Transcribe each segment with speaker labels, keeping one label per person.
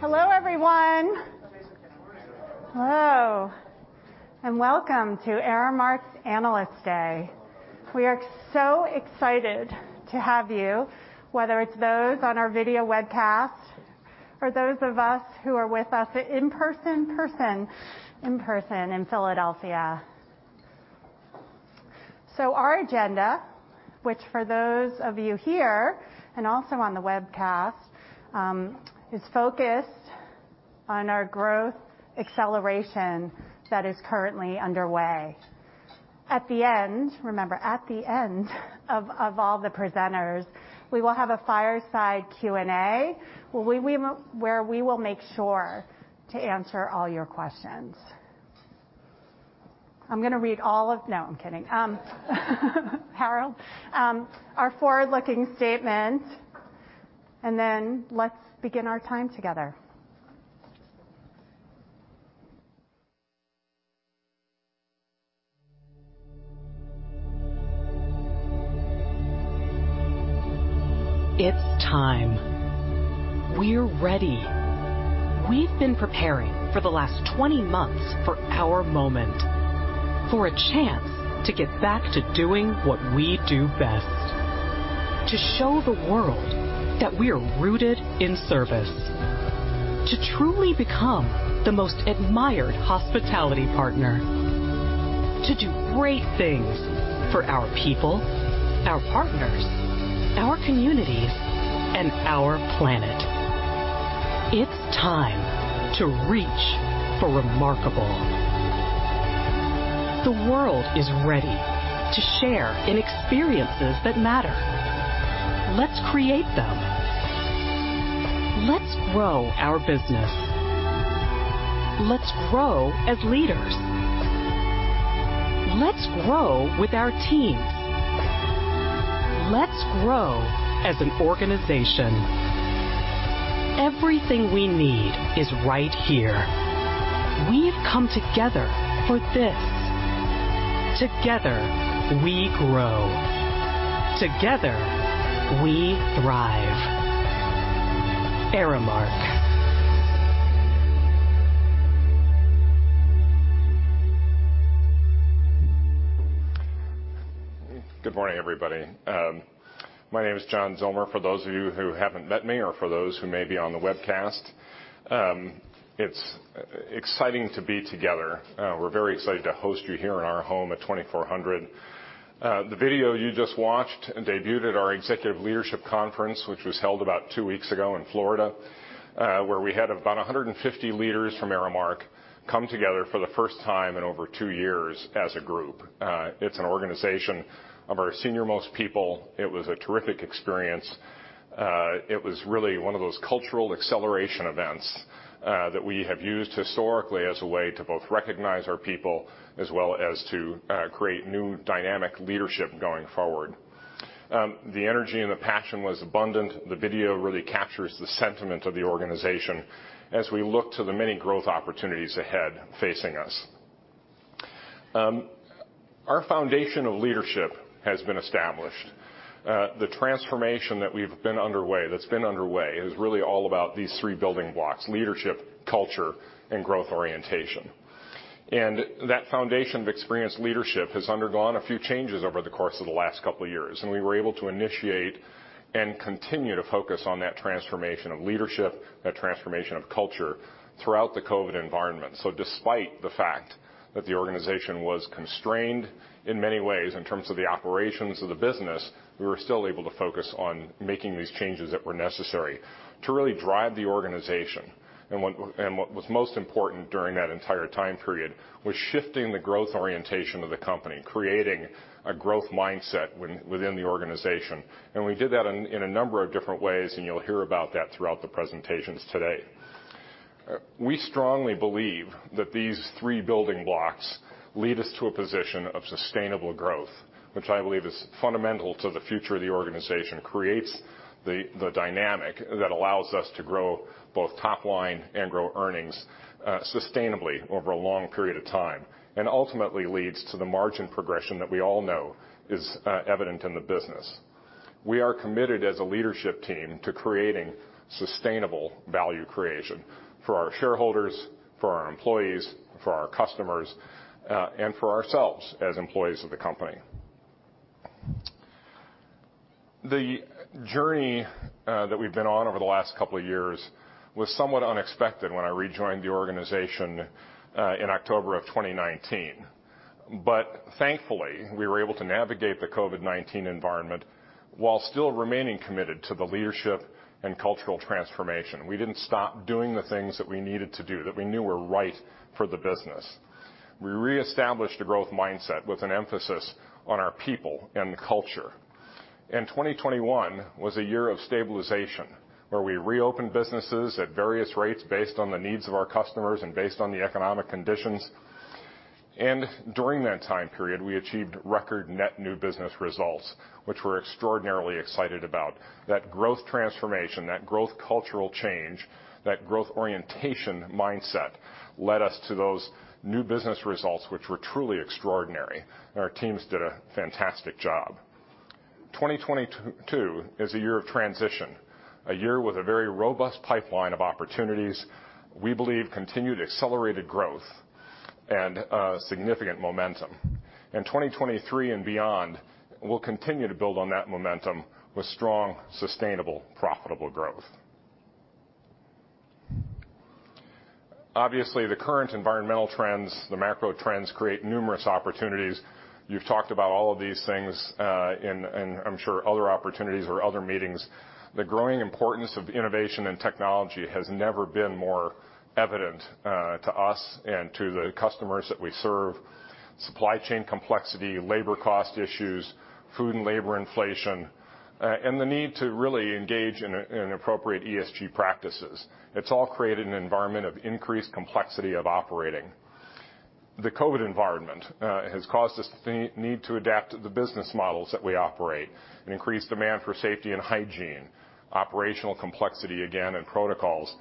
Speaker 1: Hello, everyone. Hello, and welcome to Aramark's Analyst Day. We are so excited to have you, whether it's those on our video webcast or those of us who are with us in person in Philadelphia. Our agenda, which for those of you here, and also on the webcast, is focused on our growth acceleration that is currently underway. At the end of all the presenters, we will have a fireside Q&A where we will make sure to answer all your questions. I'm gonna read all of. No, I'm kidding. Our forward-looking statement, and then let's begin our time together.
Speaker 2: It's time. We're ready. We've been preparing for the last 20 months for our moment, for a chance to get back to doing what we do best, to show the world that we're rooted in service, to truly become the most admired hospitality partner, to do great things for our people, our partners, our communities, and our planet. It's time to reach for remarkable. The world is ready to share in experiences that matter. Let's create them. Let's grow our business. Let's grow as leaders. Let's grow with our team. Let's grow as an organization. Everything we need is right here. We've come together for this. Together, we grow. Together, we thrive. Aramark.
Speaker 3: Good morning, everybody. My name is John Zillmer, for those of you who haven't met me or for those who may be on the webcast. It's exciting to be together. We're very excited to host you here in our home at 2400. The video you just watched debuted our executive leadership conference, which was held about two weeks ago in Florida, where we had about 150 leaders from Aramark come together for the first time in over two years as a group. It's an organization of our senior-most people. It was a terrific experience. It was really one of those cultural acceleration events that we have used historically as a way to both recognize our people as well as to create new dynamic leadership going forward. The energy and the passion was abundant. The video really captures the sentiment of the organization as we look to the many growth opportunities ahead facing us. Our foundation of leadership has been established. The transformation that's been underway is really all about these three building blocks, leadership, culture, and growth orientation. That foundation of experienced leadership has undergone a few changes over the course of the last couple of years, and we were able to initiate and continue to focus on that transformation of leadership, that transformation of culture throughout the COVID environment. Despite the fact that the organization was constrained in many ways in terms of the operations of the business, we were still able to focus on making these changes that were necessary to really drive the organization. What was most important during that entire time period was shifting the growth orientation of the company, creating a growth mindset within the organization. We did that in a number of different ways, and you'll hear about that throughout the presentations today. We strongly believe that these three building blocks lead us to a position of sustainable growth, which I believe is fundamental to the future of the organization, creates the dynamic that allows us to grow both top line and grow earnings sustainably over a long period of time, and ultimately leads to the margin progression that we all know is evident in the business. We are committed as a leadership team to creating sustainable value creation for our shareholders, for our employees, for our customers, and for ourselves as employees of the company. The journey that we've been on over the last couple of years was somewhat unexpected when I rejoined the organization in October of 2019. Thankfully, we were able to navigate the COVID-19 environment while still remaining committed to the leadership and cultural transformation. We didn't stop doing the things that we needed to do, that we knew were right for the business. We reestablished a growth mindset with an emphasis on our people and the culture. 2021 was a year of stabilization, where we reopened businesses at various rates based on the needs of our customers and based on the economic conditions. During that time period, we achieved record net new business results, which we're extraordinarily excited about. That growth transformation, that growth cultural change, that growth orientation mindset led us to those new business results, which were truly extraordinary. Our teams did a fantastic job. 2022 is a year of transition, a year with a very robust pipeline of opportunities. We believe continued accelerated growth and significant momentum. In 2023 and beyond, we'll continue to build on that momentum with strong, sustainable, profitable growth. Obviously, the current environmental trends, the macro trends create numerous opportunities. You've talked about all of these things in I'm sure other opportunities or other meetings. The growing importance of innovation and technology has never been more evident to us and to the customers that we serve. Supply chain complexity, labor cost issues, food and labor inflation and the need to really engage in appropriate ESG practices. It's all created an environment of increased complexity of operating. The COVID environment has caused us to need to adapt to the business models that we operate, an increased demand for safety and hygiene, operational complexity again, and protocols,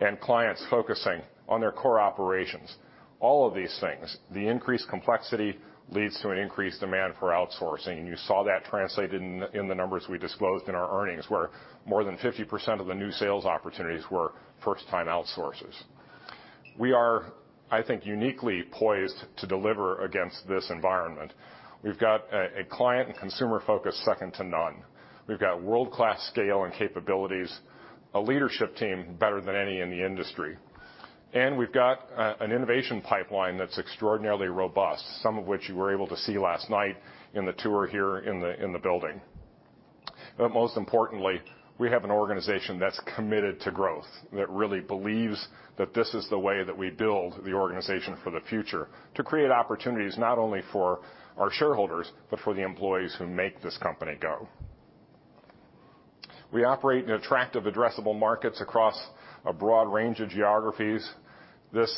Speaker 3: and clients focusing on their core operations. All of these things, the increased complexity leads to an increased demand for outsourcing. You saw that translated in the numbers we disclosed in our earnings, where more than 50% of the new sales opportunities were first-time outsourcers. We are, I think, uniquely poised to deliver against this environment. We've got a client and consumer focus second to none. We've got world-class scale and capabilities, a leadership team better than any in the industry. We've got an innovation pipeline that's extraordinarily robust, some of which you were able to see last night in the tour here in the building. Most importantly, we have an organization that's committed to growth, that really believes that this is the way that we build the organization for the future to create opportunities not only for our shareholders, but for the employees who make this company go. We operate in attractive addressable markets across a broad range of geographies. This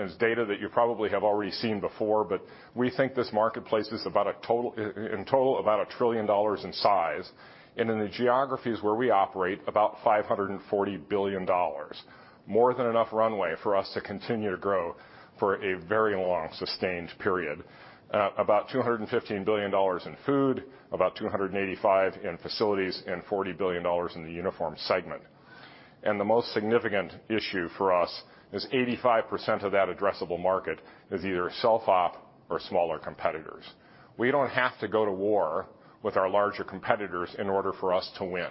Speaker 3: is data that you probably have already seen before, but we think this marketplace is about a total, in total about $1 trillion in size. In the geographies where we operate, about $540 billion, more than enough runway for us to continue to grow for a very long, sustained period. About $215 billion in food, about $285 billion in facilities, and $40 billion in the uniform segment. The most significant issue for us is 85% of that addressable market is either self-op or smaller competitors. We don't have to go to war with our larger competitors in order for us to win.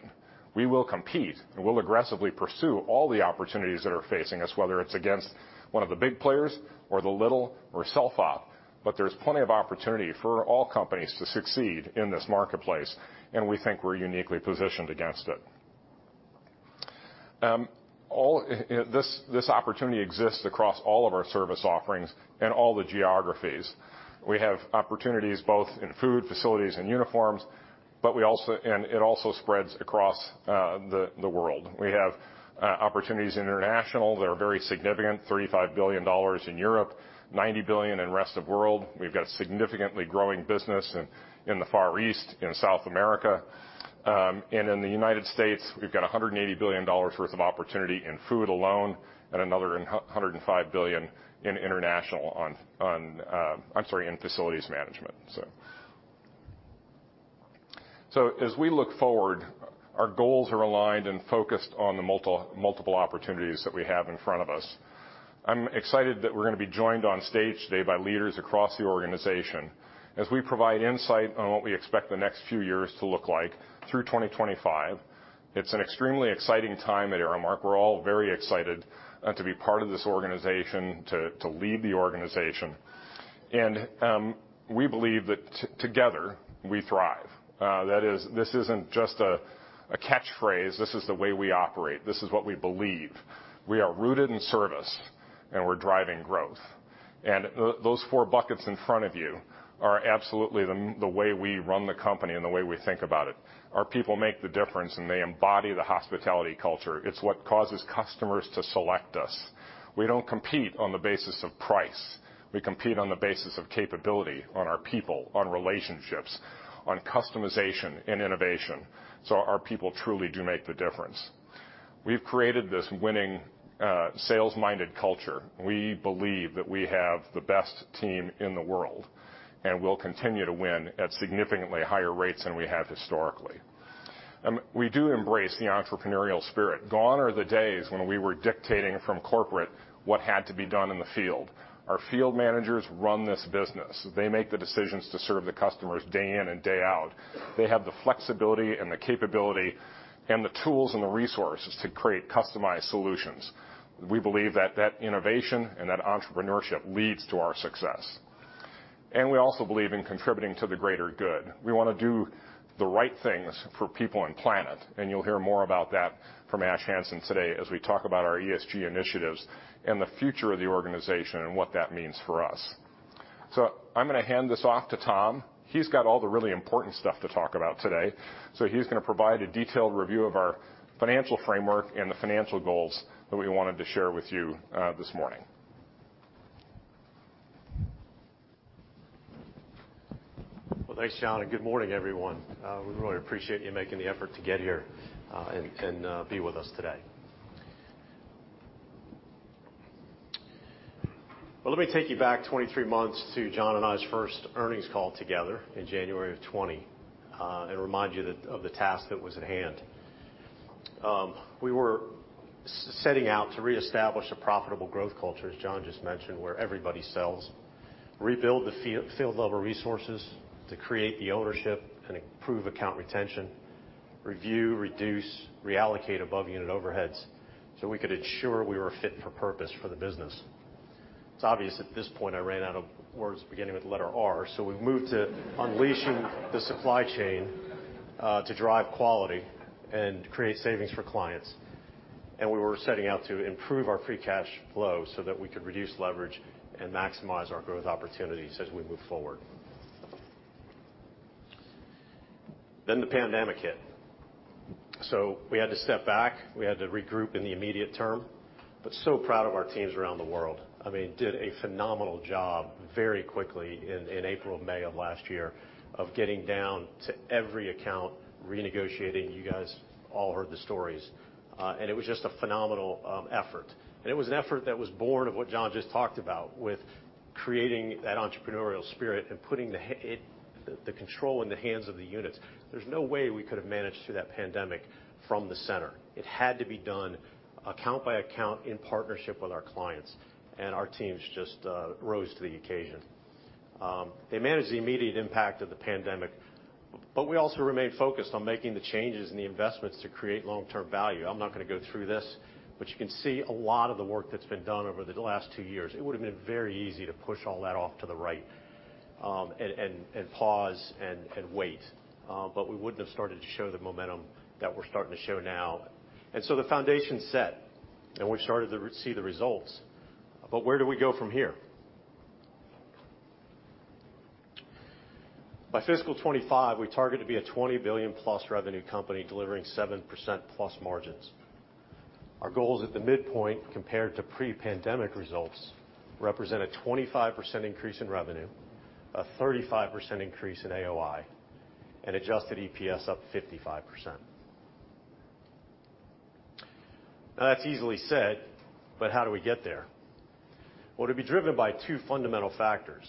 Speaker 3: We will compete, and we'll aggressively pursue all the opportunities that are facing us, whether it's against one of the big players or the little or self-op. There's plenty of opportunity for all companies to succeed in this marketplace, and we think we're uniquely positioned against it. This opportunity exists across all of our service offerings and all the geographies. We have opportunities both in food, facilities, and uniforms, and it also spreads across the world. We have opportunities international that are very significant, $35 billion in Europe, $90 billion in rest of world. We've got a significantly growing business in the Far East, in South America. In the United States, we've got $180 billion worth of opportunity in food alone and another $105 billion in facilities management. As we look forward, our goals are aligned and focused on the multiple opportunities that we have in front of us. I'm excited that we're going to be joined on stage today by leaders across the organization as we provide insight on what we expect the next few years to look like through 2025. It's an extremely exciting time at Aramark. We're all very excited to be part of this organization, to lead the organization. We believe that together we thrive. That is, this isn't just a catchphrase, this is the way we operate. This is what we believe. We are rooted in service, and we're driving growth. Those four buckets in front of you are absolutely the way we run the company and the way we think about it. Our people make the difference, and they embody the hospitality culture. It's what causes customers to select us. We don't compete on the basis of price. We compete on the basis of capability, on our people, on relationships, on customization and innovation. Our people truly do make the difference. We've created this winning sales-minded culture. We believe that we have the best team in the world, and we'll continue to win at significantly higher rates than we have historically. We do embrace the entrepreneurial spirit. Gone are the days when we were dictating from corporate what had to be done in the field. Our field managers run this business. They make the decisions to serve the customers day in and day out. They have the flexibility and the capability and the tools and the resources to create customized solutions. We believe that that innovation and that entrepreneurship leads to our success. We also believe in contributing to the greater good. We want to do the right things for people and planet, and you'll hear more about that from Ash Hanson today as we talk about our ESG initiatives and the future of the organization and what that means for us. I'm going to hand this off to Tom. He's got all the really important stuff to talk about today. He's going to provide a detailed review of our financial framework and the financial goals that we wanted to share with you, this morning.
Speaker 4: Well, thanks, John, and good morning, everyone. We really appreciate you making the effort to get here and be with us today. Well, let me take you back 23 months to John and I's first earnings call together in January of 2020 and remind you that of the task that was at hand. We were setting out to reestablish a profitable growth culture, as John just mentioned, where everybody sells, rebuild the field level resources to create the ownership and improve account retention, review, reduce, reallocate above unit overheads so we could ensure we were fit for purpose for the business. It's obvious at this point I ran out of words beginning with the letter R, so we've moved to unleashing the supply chain to drive quality and create savings for clients. We were setting out to improve our free cash flow so that we could reduce leverage and maximize our growth opportunities as we move forward. The pandemic hit, so we had to step back, we had to regroup in the immediate term, but so proud of our teams around the world. I mean, they did a phenomenal job very quickly in April and May of last year of getting down to every account, renegotiating. You guys all heard the stories. It was just a phenomenal effort. It was an effort that was born of what John just talked about with creating that entrepreneurial spirit and putting the control in the hands of the units. There's no way we could have managed through that pandemic from the center. It had to be done account by account in partnership with our clients, and our teams just rose to the occasion. They managed the immediate impact of the pandemic, but we also remained focused on making the changes and the investments to create long-term value. I'm not gonna go through this, but you can see a lot of the work that's been done over the last two years. It would've been very easy to push all that off to the right, and pause and wait. We wouldn't have started to show the momentum that we're starting to show now. The foundation's set, and we've started to see the results. Where do we go from here? By FY 2025, we target to be a $20 billion+ revenue company delivering 7%+ margins. Our goals at the midpoint compared to pre-pandemic results represent a 25% increase in revenue, a 35% increase in AOI, and adjusted EPS up 55%. Now, that's easily said, but how do we get there? Well, it'll be driven by two fundamental factors,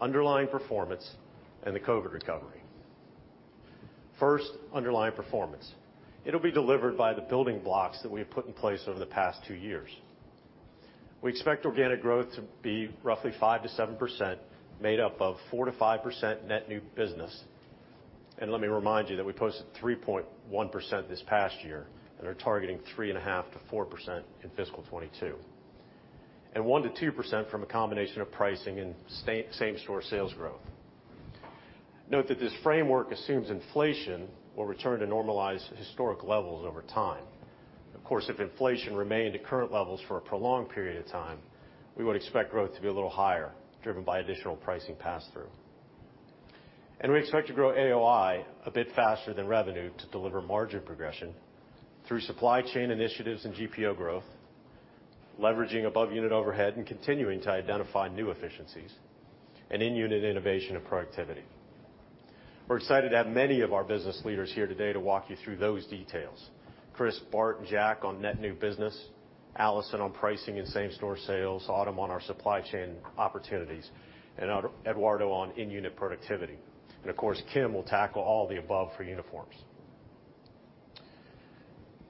Speaker 4: underlying performance and the COVID recovery. First, underlying performance. It'll be delivered by the building blocks that we have put in place over the past two years. We expect organic growth to be roughly 5%-7%, made up of 4%-5% net new business. Let me remind you that we posted 3.1% this past year and are targeting 3.5%-4% in FY 2022, and 1%-2% from a combination of pricing and same-store sales growth. Note that this framework assumes inflation will return to normalized historic levels over time. Of course, if inflation remained at current levels for a prolonged period of time, we would expect growth to be a little higher, driven by additional pricing pass-through. We expect to grow AOI a bit faster than revenue to deliver margin progression through supply chain initiatives and GPO growth, leveraging above unit overhead, and continuing to identify new efficiencies and in-unit innovation and productivity. We're excited to have many of our business leaders here today to walk you through those details. Chris, Bart, and Jack on net new business, Allison on pricing and same-store sales, Autumn on our supply chain opportunities, and Eduardo on in-unit productivity. Of course, Kim will tackle all the above for uniforms.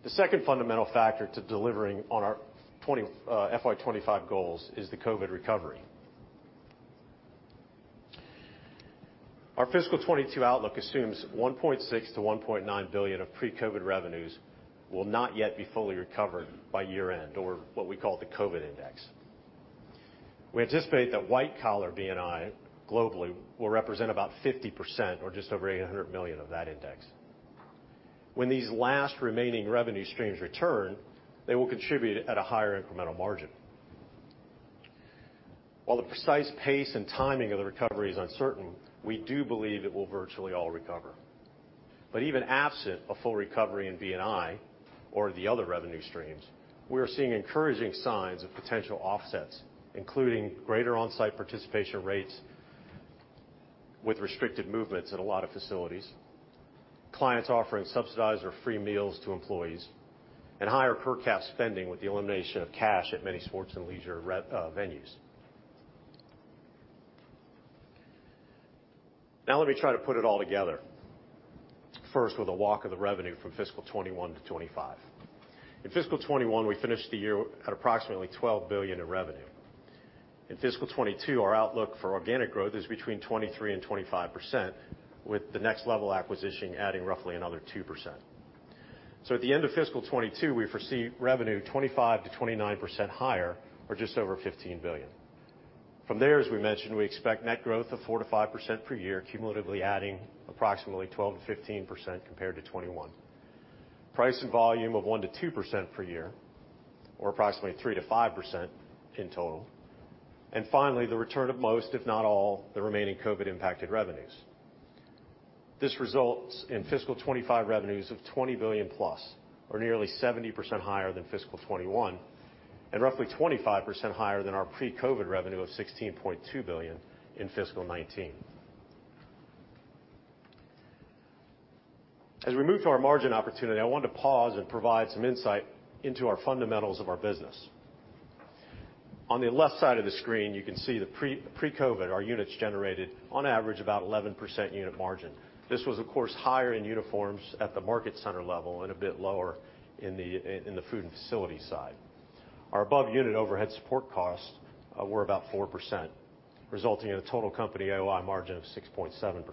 Speaker 4: The second fundamental factor to delivering on our FY 2025 goals is the COVID recovery. Our fiscal 2022 outlook assumes $1.6 billion-$1.9 billion of pre-COVID revenues will not yet be fully recovered by year-end, or what we call the COVID index. We anticipate that white collar B&I globally will represent about 50% or just over $800 million of that index. When these last remaining revenue streams return, they will contribute at a higher incremental margin. While the precise pace and timing of the recovery is uncertain, we do believe it will virtually all recover. Even absent a full recovery in B&I or the other revenue streams, we are seeing encouraging signs of potential offsets, including greater on-site participation rates with restricted movements at a lot of facilities, clients offering subsidized or free meals to employees, and higher per capita spending with the elimination of cash at many sports and leisure venues. Now, let me try to put it all together, first with a walkthrough of the revenue from fiscal 2021 to 2025. In fiscal 2021, we finished the year at approximately $12 billion in revenue. In fiscal 2022, our outlook for organic growth is between 23%-25%, with the Next Level Hospitality acquisition adding roughly another 2%. At the end of fiscal 2022, we foresee revenue 25%-29% higher or just over $15 billion. From there, as we mentioned, we expect net growth of 4%-5% per year, cumulatively adding approximately 12%-15% compared to 2021. Price and volume of 1%-2% per year or approximately 3%-5% in total. Finally, the return of most, if not all, the remaining COVID-impacted revenues. This results in FY 2025 revenues of $20 billion+ or nearly 70% higher than FY 2021 and roughly 25% higher than our pre-COVID revenue of $16.2 billion in FY 2019. As we move to our margin opportunity, I want to pause and provide some insight into our fundamentals of our business. On the left side of the screen, you can see the pre-COVID, our units generated on average about 11% unit margin. This was of course higher in uniforms at the market center level and a bit lower in the food and facility side. Our above unit overhead support costs were about 4%, resulting in a total company AOI margin of 6.7%.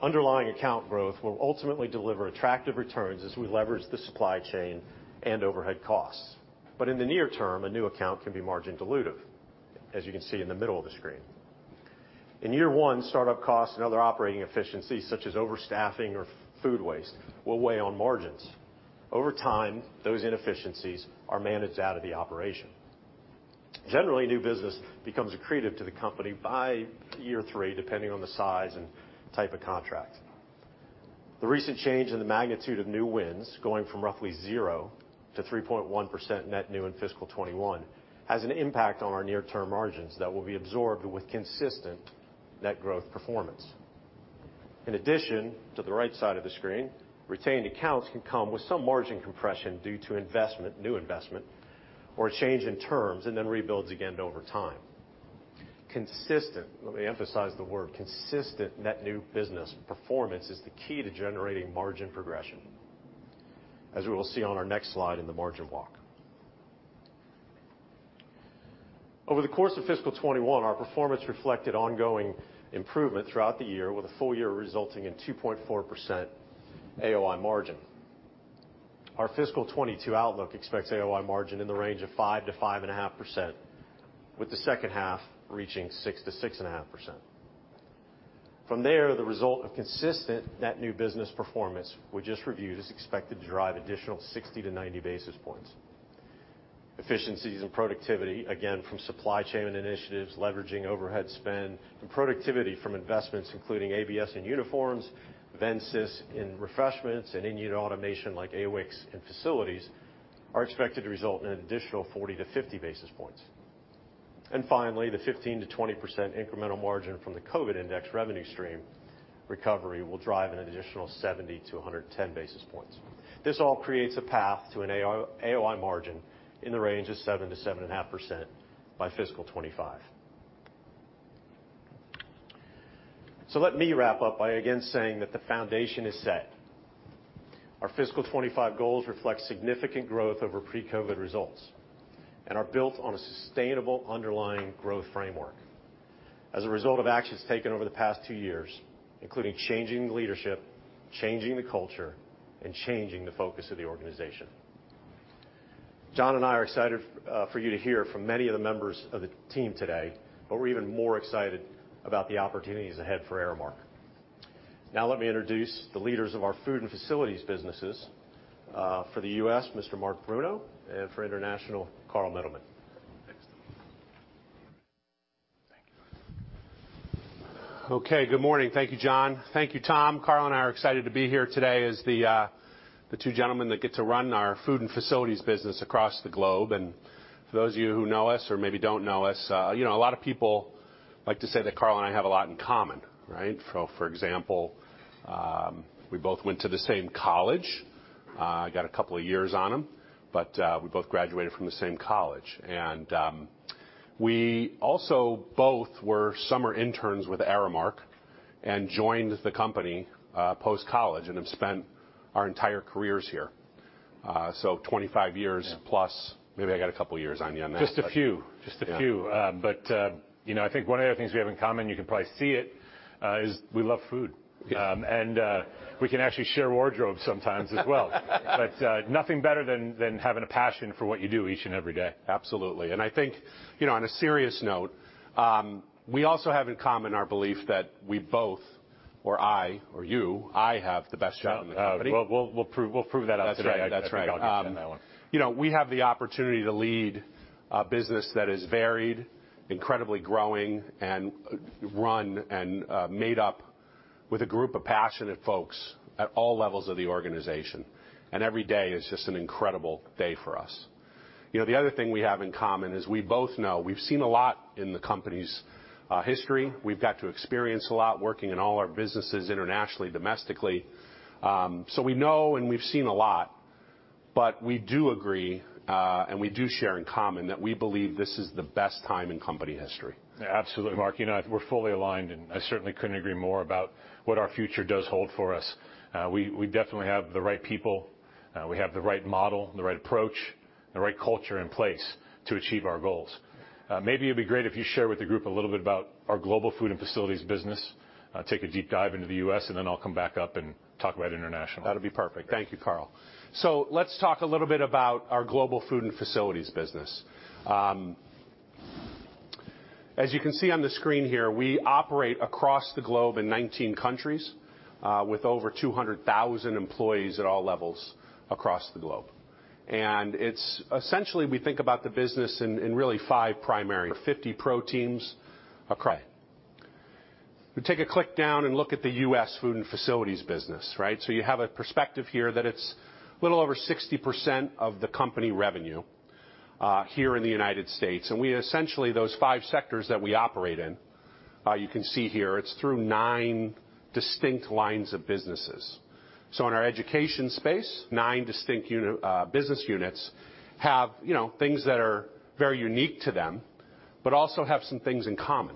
Speaker 4: Underlying account growth will ultimately deliver attractive returns as we leverage the supply chain and overhead costs. In the near term, a new account can be margin dilutive, as you can see in the middle of the screen. In year one, startup costs and other operating efficiencies, such as overstaffing or food waste, will weigh on margins. Over time, those inefficiencies are managed out of the operation. Generally, new business becomes accretive to the company by year three, depending on the size and type of contract. The recent change in the magnitude of new wins, going from roughly 0% to 3.1% net new in fiscal 2021, has an impact on our near-term margins that will be absorbed with consistent net growth performance. In addition, to the right side of the screen, retained accounts can come with some margin compression due to investment, new investment, or a change in terms, and then rebuilds again over time. Consistent, let me emphasize the word, consistent net new business performance is the key to generating margin progression, as we will see on our next slide in the margin walk. Over the course of fiscal 2021, our performance reflected ongoing improvement throughout the year with a full year resulting in 2.4% AOI margin. Our fiscal 2022 outlook expects AOI margin in the range of 5%-5.5%, with the second half reaching 6%-6.5%. From there, the result of consistent net new business performance, we just reviewed, is expected to drive additional 60-90 basis points. Efficiencies and productivity, again, from supply chain initiatives, leveraging overhead spend, and productivity from investments, including ABS in uniforms, Vendsys in refreshments, and in-unit automation like AWiCS and facilities, are expected to result in an additional 40 basis points-50 basis points. Finally, the 15%-20% incremental margin from the COVID index revenue stream recovery will drive an additional 70 basis points-110 basis points. This all creates a path to an AO-AOI margin in the range of 7%-7.5% by fiscal 2025. Let me wrap up by again saying that the foundation is set. Our fiscal 2025 goals reflect significant growth over pre-COVID results and are built on a sustainable underlying growth framework as a result of actions taken over the past two years, including changing leadership, changing the culture, and changing the focus of the organization. John and I are excited for you to hear from many of the members of the team today, but we're even more excited about the opportunities ahead for Aramark. Now let me introduce the leaders of our food and facilities businesses, for the U.S., Mr. Mark Bruno, and for International, Carl Mittleman.
Speaker 5: Okay, good morning. Thank you, John. Thank you, Tom. Carl and I are excited to be here today as the two gentlemen that get to run our food and facilities business across the globe. For those of you who know us or maybe don't know us, you know, a lot of people like to say that Carl and I have a lot in common, right? For example, we both went to the same college. I got a couple of years on him, but we both graduated from the same college. We also both were summer interns with Aramark and joined the company post-college and have spent our entire careers here. 25 years-
Speaker 6: Yeah.
Speaker 4: Plus. Maybe I got a couple years on you on that.
Speaker 6: Just a few.
Speaker 4: Yeah.
Speaker 6: You know, I think one of the things we have in common, you can probably see it, is we love food.
Speaker 4: Yes.
Speaker 6: We can actually share wardrobes sometimes as well. Nothing better than having a passion for what you do each and every day.
Speaker 4: Absolutely. I think, you know, on a serious note, we also have in common our belief that I have the best job in the company.
Speaker 6: We'll prove that out today.
Speaker 4: That's right. That's right.
Speaker 6: I think I'll get you on that one.
Speaker 4: You know, we have the opportunity to lead a business that is varied, incredibly growing, and run and made up with a group of passionate folks at all levels of the organization. Every day is just an incredible day for us. You know, the other thing we have in common is we both know we've seen a lot in the company's history. We've got to experience a lot working in all our businesses internationally, domestically. We know and we've seen a lot, but we do agree and we do share in common that we believe this is the best time in company history.
Speaker 6: Absolutely, Mark. You know, we're fully aligned, and I certainly couldn't agree more about what our future does hold for us. We definitely have the right people, we have the right model, the right approach, the right culture in place to achieve our goals. Maybe it'd be great if you share with the group a little bit about our global food and facilities business, take a deep dive into the U.S., and then I'll come back up and talk about international.
Speaker 4: That'll be perfect. Thank you, Carl. Let's talk a little bit about our global food and facilities business. As you can see on the screen here, we operate across the globe in 19 countries with over 200,000 employees at all levels across the globe. It's essentially we think about the business in really five primary 50 pro teams across. We take a drill down and look at the U.S. food and facilities business, right? You have a perspective here that it's a little over 60% of the company revenue.
Speaker 5: Here in the United States. We essentially, those five sectors that we operate in, you can see here, it's through nine distinct lines of businesses. In our education space, nine distinct business units have, you know, things that are very unique to them, but also have some things in common.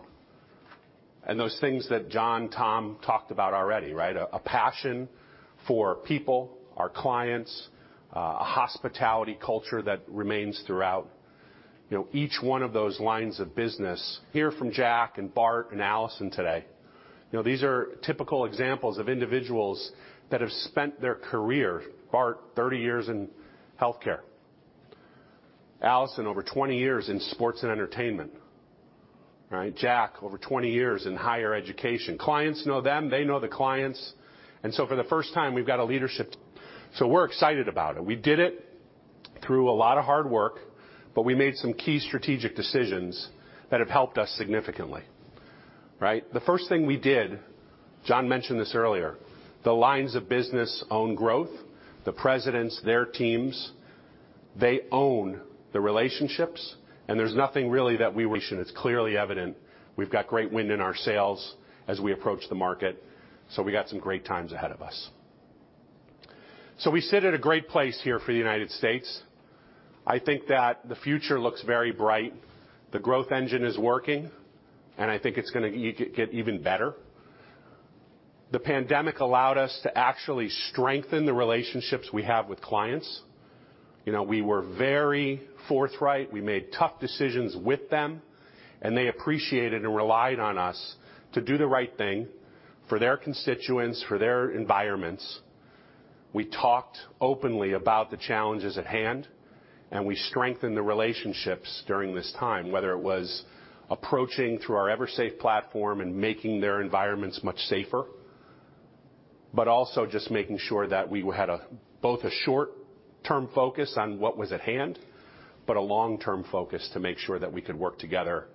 Speaker 5: Those things that John Zillmer, Tom talked about already, right? A passion for people, our clients, a hospitality culture that remains throughout, you know, each one of those lines of business. Hear from Jack Donovan and Bart and Allison Birdwell today. You know, these are typical examples of individuals that have spent their career, Bart 30 years in healthcare. Allison Birdwell over 20 years in sports and entertainment, right? Jack Donovan, over 20 years in higher education. Clients know them, they know the clients. For the first time, we've got a leadership... We're excited about it. We did it through a lot of hard work, but we made some key strategic decisions that have helped us significantly. Right? The first thing we did, John mentioned this earlier, the lines of business own growth, the presidents, their teams, they own the relationships, and it's clearly evident. We've got great wind in our sails as we approach the market, so we've got some great times ahead of us. We sit at a great place here for the United States. I think that the future l ooks very bright. The growth engine is working, and I think it's gonna get even better. The pandemic allowed us to actually strengthen the relationships we have with clients. You know, we were very forthright. We made tough decisions with them, and they appreciated and relied on us to do the right thing for their constituents, for their environments. We talked openly about the challenges at hand, and we strengthened the relationships during this time, whether it was approaching through our EverSafe platform and making their environments much safer, but also just making sure that we had a, both a short-term focus on what was at hand, but a long-term focus to make sure that we could work together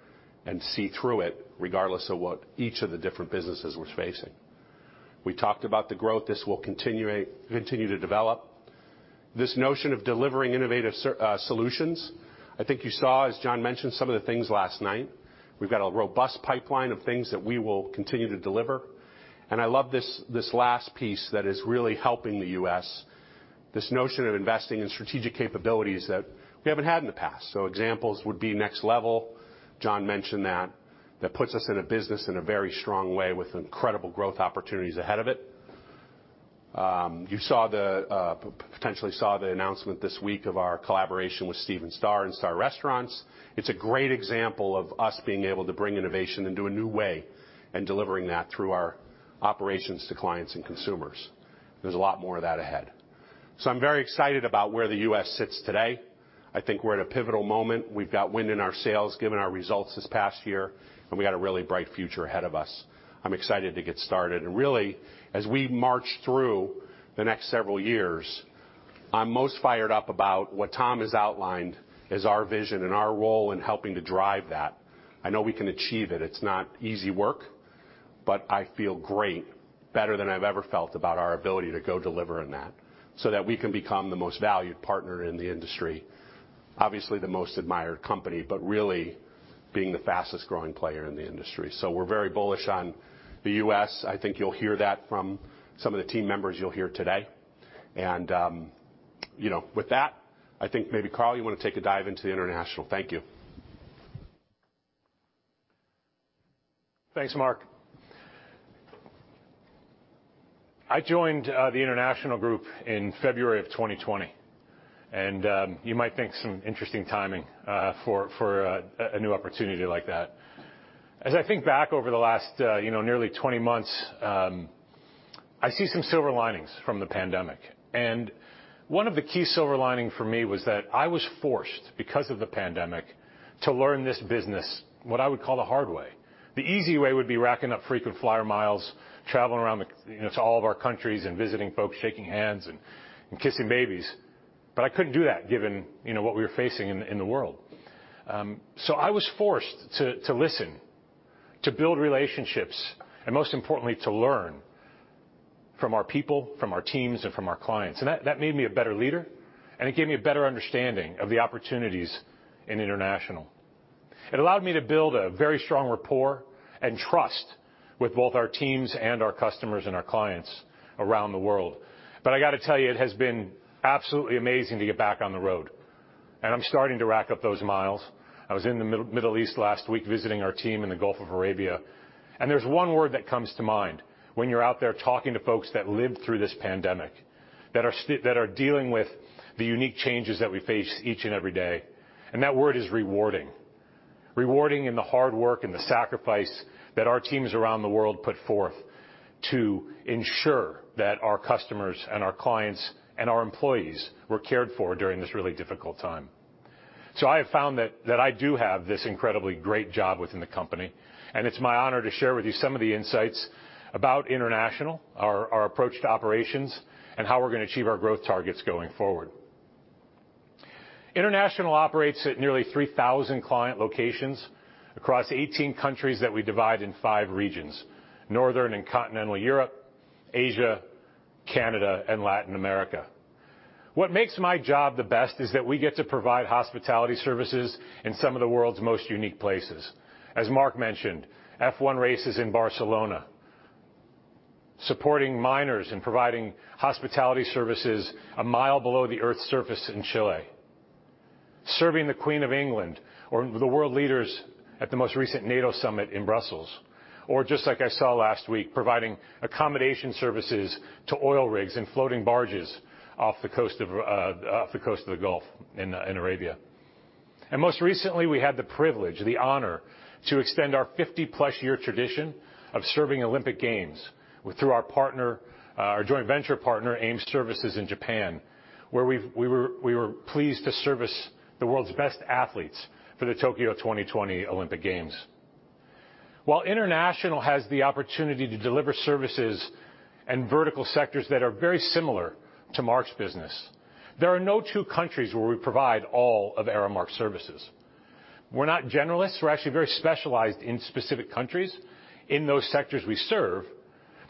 Speaker 5: and see through it regardless of what each of the different businesses was facing. We talked about the growth. This will continue to develop. This notion of delivering innovative solutions, I think you saw, as John mentioned, some of the things last night. We've got a robust pipeline of things that we will continue to deliver. I love this last piece that is really helping the U.S., this notion of investing in strategic capabilities that we haven't had in the past. Examples would be Next Level. John mentioned that. That puts us in a business in a very strong way with incredible growth opportunities ahead of it. You potentially saw the announcement this week of our collaboration with Stephen Starr and STARR Restaurants. It's a great example of us being able to bring innovation into a new way and delivering that through our operations to clients and consumers. There's a lot more of that ahead. I'm very excited about where the U.S. sits today. I think we're at a pivotal moment. We've got wind in our sails, given our results this past year, and we got a really bright future ahead of us. I'm excited to get started. Really, as we march through the next several years, I'm most fired up about what Tom has outlined as our vision and our role in helping to drive that. I know we can achieve it. It's not easy work, but I feel great, better than I've ever felt about our ability to go deliver on that, so that we can become the most valued partner in the industry. Obviously, the most admired company, but really being the fastest-growing player in the industry. We're very bullish on the U.S. I think you'll hear that from some of the team members you'll hear today. You know, with that, I think maybe, Carl, you wanna take a dive into the international. Thank you.
Speaker 6: Thanks, Mark. I joined the international group in February of 2020. You might think some interesting timing for a new opportunity like that. As I think back over the last nearly 20 months, I see some silver linings from the pandemic. One of the key silver lining for me was that I was forced, because of the pandemic, to learn this business what I would call the hard way. The easy way would be racking up frequent flyer miles, traveling around to all of our countries and visiting folks, shaking hands and kissing babies. But I couldn't do that given what we were facing in the world. I was forced to listen, to build relationships, and most importantly, to learn from our people, from our teams, and from our clients. That made me a better leader, and it gave me a better understanding of the opportunities in international. It allowed me to build a very strong rapport and trust with both our teams and our customers and our clients around the world. I gotta tell you, it has been absolutely amazing to get back on the road. I'm starting to rack up those miles. I was in the Middle East last week visiting our team in the Arabian Gulf. There's one word that comes to mind when you're out there talking to folks that lived through this pandemic, that are dealing with the unique changes that we face each and every day, and that word is rewarding. Rewarding in the hard work and the sacrifice that our teams around the world put forth to ensure that our customers and our clients and our employees were cared for during this really difficult time. I have found that I do have this incredibly great job within the company, and it's my honor to share with you some of the insights about International, our approach to operations, and how we're gonna achieve our growth targets going forward. International operates at nearly 3,000 client locations across 18 countries that we divide in five regions: Northern and Continental Europe, Asia, Canada, and Latin America. What makes my job the best is that we get to provide hospitality services in some of the world's most unique places. As Mark mentioned, F1 races in Barcelona, supporting miners and providing hospitality services a mile below the Earth's surface in Chile, serving the Queen of England or the world leaders at the most recent NATO summit in Brussels, or just like I saw last week, providing accommodation services to oil rigs and floating barges off the coast of the Arabian Gulf. Most recently, we had the privilege, the honor, to extend our 50-plus year tradition of serving Olympic Games through our partner, our joint venture partner, AIM Services in Japan, where we were pleased to service the world's best athletes for the Tokyo 2020 Olympic Games. While international has the opportunity to deliver services and vertical sectors that are very similar to Mark's business, there are no two countries where we provide all of Aramark services. We're not generalists. We're actually very specialized in specific countries in those sectors we serve.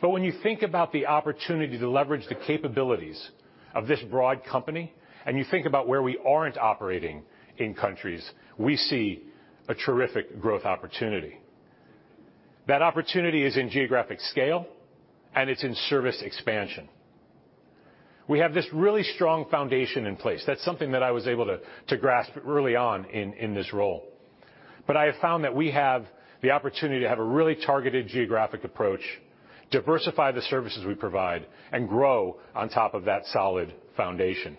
Speaker 6: But when you think about the opportunity to leverage the capabilities of this broad company, and you think about where we aren't operating in countries, we see a terrific growth opportunity. That opportunity is in geographic scale, and it's in service expansion. We have this really strong foundation in place. That's something that I was able to grasp early on in this role. But I have found that we have the opportunity to have a really targeted geographic approach, diversify the services we provide, and grow on top of that solid foundation.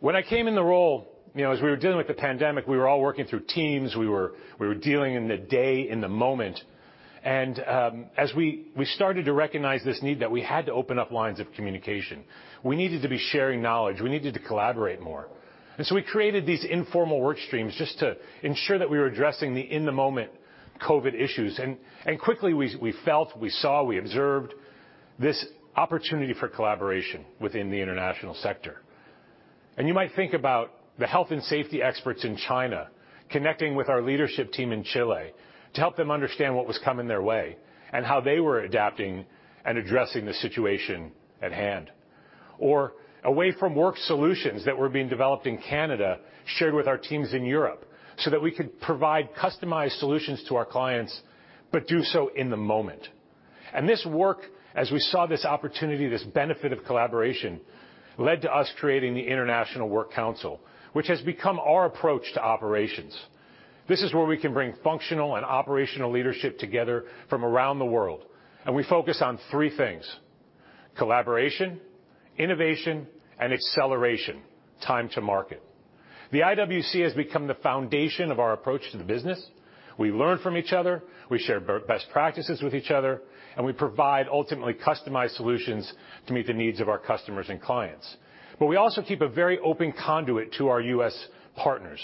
Speaker 6: When I came in the role, you know, as we were dealing with the pandemic, we were all working through Teams. We were dealing in the day, in the moment. As we started to recognize this need that we had to open up lines of communication. We needed to be sharing knowledge. We needed to collaborate more. We created these informal work streams just to ensure that we were addressing the in-the-moment COVID issues. Quickly we felt, we saw, we observed this opportunity for collaboration within the international sector. You might think about the health and safety experts in China connecting with our leadership team in Chile to help them understand what was coming their way and how they were adapting and addressing the situation at hand. Away from work solutions that were being developed in Canada, shared with our teams in Europe, so that we could provide customized solutions to our clients, but do so in the moment. This work, as we saw this opportunity, this benefit of collaboration, led to us creating the International Works Council, which has become our approach to operations. This is where we can bring functional and operational leadership together from around the world, and we focus on three things, collaboration, innovation, and acceleration, time to market. The IWC has become the foundation of our approach to the business. We learn from each other, we share best practices with each other, and we provide ultimately customized solutions to meet the needs of our customers and clients. We also keep a very open conduit to our U.S. partners.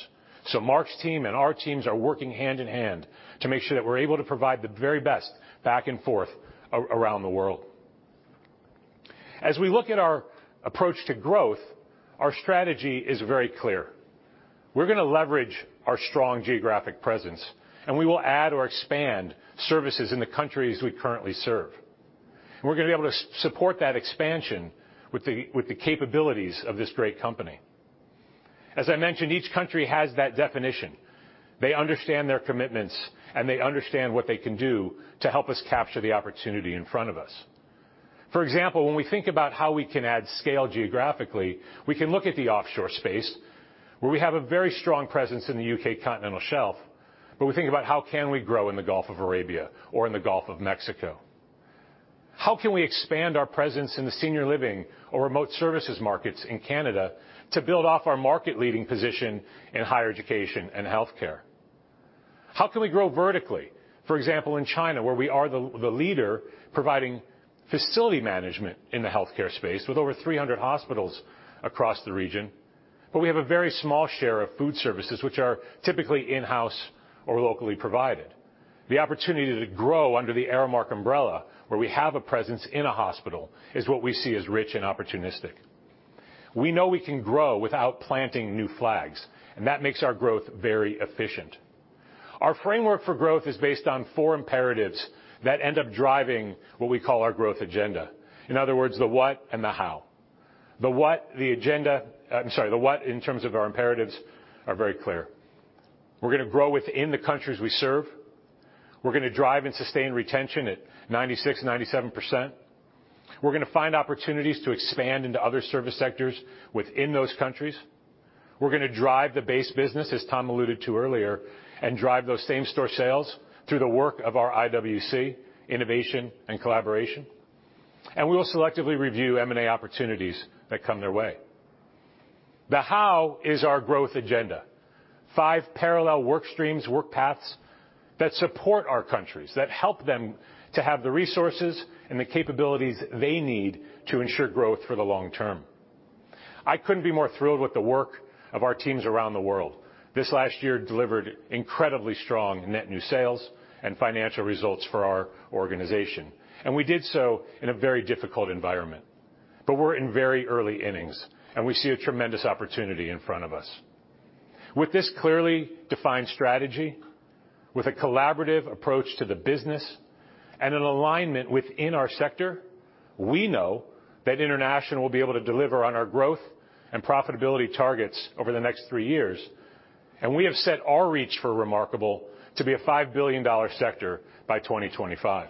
Speaker 6: Mark's team and our teams are working hand in hand to make sure that we're able to provide the very best back and forth around the world. As we look at our approach to growth, our strategy is very clear. We're gonna leverage our strong geographic presence, and we will add or expand services in the countries we currently serve. We're gonna be able to support that expansion with the capabilities of this great company. As I mentioned, each country has that definition. They understand their commitments, and they understand what they can do to help us capture the opportunity in front of us. For example, when we think about how we can add scale geographically, we can look at the offshore space, where we have a very strong presence in the U.K. Continental Shelf, but we think about how can we grow in the Arabian Gulf or in the Gulf of Mexico. How can we expand our presence in the senior living or remote services markets in Canada to build off our market-leading position in higher education and healthcare? How can we grow vertically, for example, in China, where we are the leader providing facility management in the healthcare space with over 300 hospitals across the region. But we have a very small share of food services, which are typically in-house or locally provided. The opportunity to grow under the Aramark umbrella, where we have a presence in a hospital, is what we see as rich and opportunistic. We know we can grow without planting new flags, and that makes our growth very efficient. Our framework for growth is based on four imperatives that end up driving what we call our growth agenda. In other words, the what and the how. The what in terms of our imperatives are very clear. We're gonna grow within the countries we serve. We're gonna drive and sustain retention at 96%-97%. We're gonna find opportunities to expand into other service sectors within those countries. We're gonna drive the base business, as Tom alluded to earlier, and drive those same store sales through the work of our IWC, innovation and collaboration. We will selectively review M&A opportunities that come their way. The how is our growth agenda. Five parallel work streams, work paths that support our countries, that help them to have the resources and the capabilities they need to ensure growth for the long term. I couldn't be more thrilled with the work of our teams around the world. This last year delivered incredibly strong net new sales and financial results for our organization, and we did so in a very difficult environment. We're in very early innings, and we see a tremendous opportunity in front of us. With this clearly defined strategy, with a collaborative approach to the business, and an alignment within our sector, we know that international will be able to deliver on our growth and profitability targets over the next three years. We have set our reach for remarkable to be a $5 billion sector by 2025.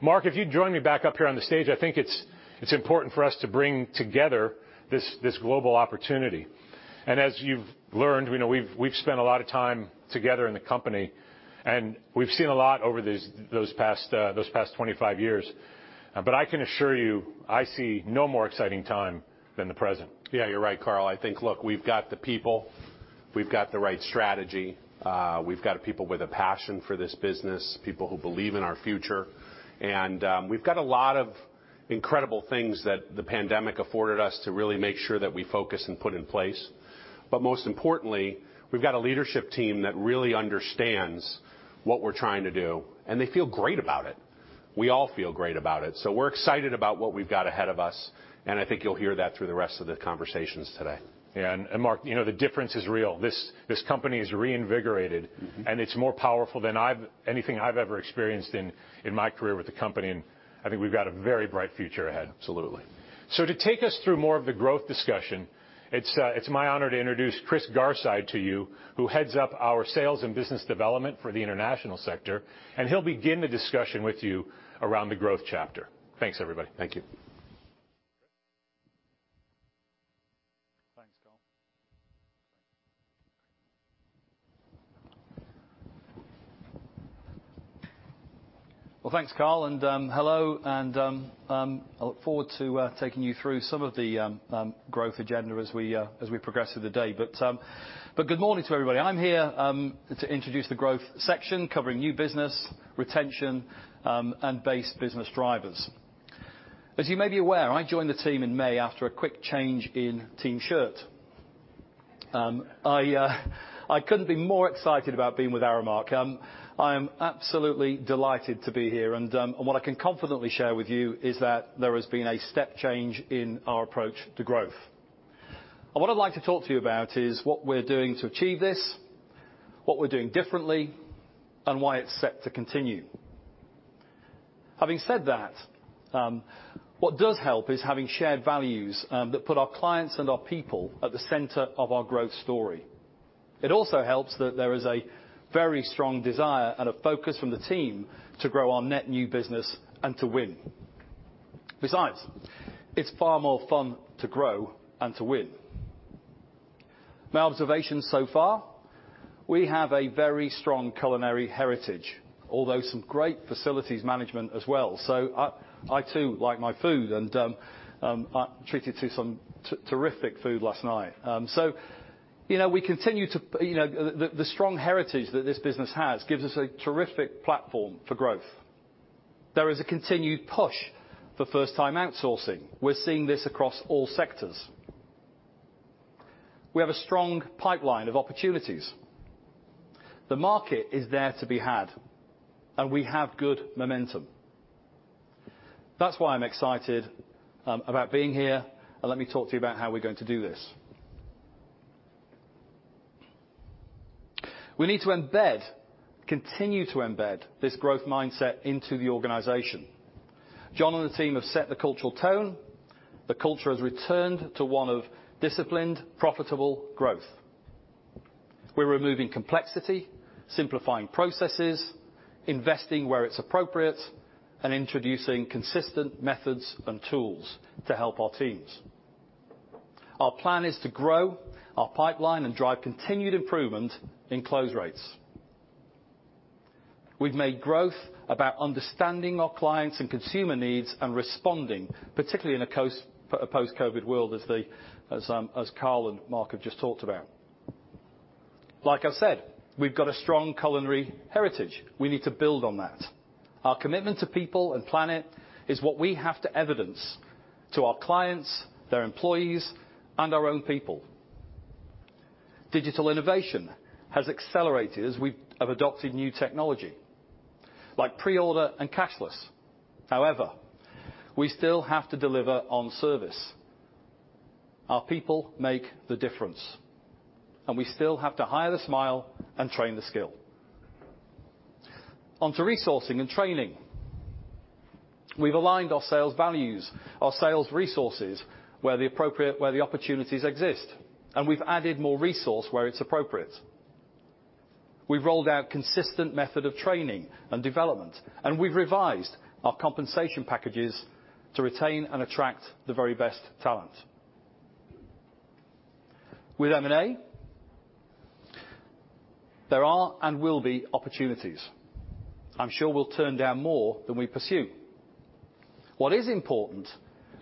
Speaker 6: Mark, if you'd join me back up here on the stage, I think it's important for us to bring together this global opportunity. As you've learned, you know, we've spent a lot of time together in the company, and we've seen a lot over those past 25 years. But I can assure you, I see no more exciting time than the present.
Speaker 5: Yeah, you're right, Carl. I think, look, we've got the people, we've got the right strategy, we've got people with a passion for this business, people who believe in our future. We've got a lot of incredible things that the pandemic afforded us to really make sure that we focus and put in place. Most importantly, we've got a leadership team that really understands what we're trying to do, and they feel great about it. We all feel great about it. We're excited about what we've got ahead of us, and I think you'll hear that through the rest of the conversations today.
Speaker 6: Yeah. Mark, you know, the difference is real. This company is reinvigorated.
Speaker 5: Mm-hmm.
Speaker 6: It's more powerful than anything I've ever experienced in my career with the company. I think we've got a very bright future ahead.
Speaker 5: Absolutely.
Speaker 6: To take us through more of the growth discussion, it's my honor to introduce Chris Garside to you, who heads up our sales and business development for the International sector, and he'll begin the discussion with you around the growth chapter. Thanks, everybody.
Speaker 5: Thank you.
Speaker 7: Thanks, Carl. Hello, I look forward to taking you through some of the growth agenda as we progress through the day. Good morning to everybody. I'm here to introduce the growth section covering new business, retention, and base business drivers. As you may be aware, I joined the team in May after a quick change in team structure. I couldn't be more excited about being with Aramark. I am absolutely delighted to be here, and what I can confidently share with you is that there has been a step change in our approach to growth. What I'd like to talk to you about is what we're doing to achieve this, what we're doing differently, and why it's set to continue. Having said that, what does help is having shared values that put our clients and our people at the center of our growth story. It also helps that there is a very strong desire and a focus from the team to grow our net new business and to win. Besides, it's far more fun to grow and to win. My observations so far, we have a very strong culinary heritage, although some great facilities management as well. I too like my food, and I was treated to some terrific food last night. You know, we continue to, you know, the strong heritage that this business has gives us a terrific platform for growth. There is a continued push for first-time outsourcing. We're seeing this across all sectors. We have a strong pipeline of opportunities. The market is there to be had, and we have good momentum. That's why I'm excited about being here, and let me talk to you about how we're going to do this. We need to continue to embed this growth mindset into the organization. John and the team have set the cultural tone. The culture has returned to one of disciplined, profitable growth. We're removing complexity, simplifying processes, investing where it's appropriate, and introducing consistent methods and tools to help our teams. Our plan is to grow our pipeline and drive continued improvement in close rates. We've made growth about understanding our clients' and consumer needs and responding, particularly in a post-COVID world as Carl and Mark have just talked about. Like I said, we've got a strong culinary heritage. We need to build on that. Our commitment to people and planet is what we have to evince to our clients, their employees, and our own people. Digital innovation has accelerated as we have adopted new technology, like pre-order and cashless. However, we still have to deliver on service. Our people make the difference, and we still have to hire the smile and train the skill. On to resourcing and training. We've aligned our sales force, our sales resources where the opportunities exist, and we've added more resource where it's appropriate. We've rolled out consistent method of training and development, and we've revised our compensation packages to retain and attract the very best talent. With M&A, there are and will be opportunities. I'm sure we'll turn down more than we pursue. What is important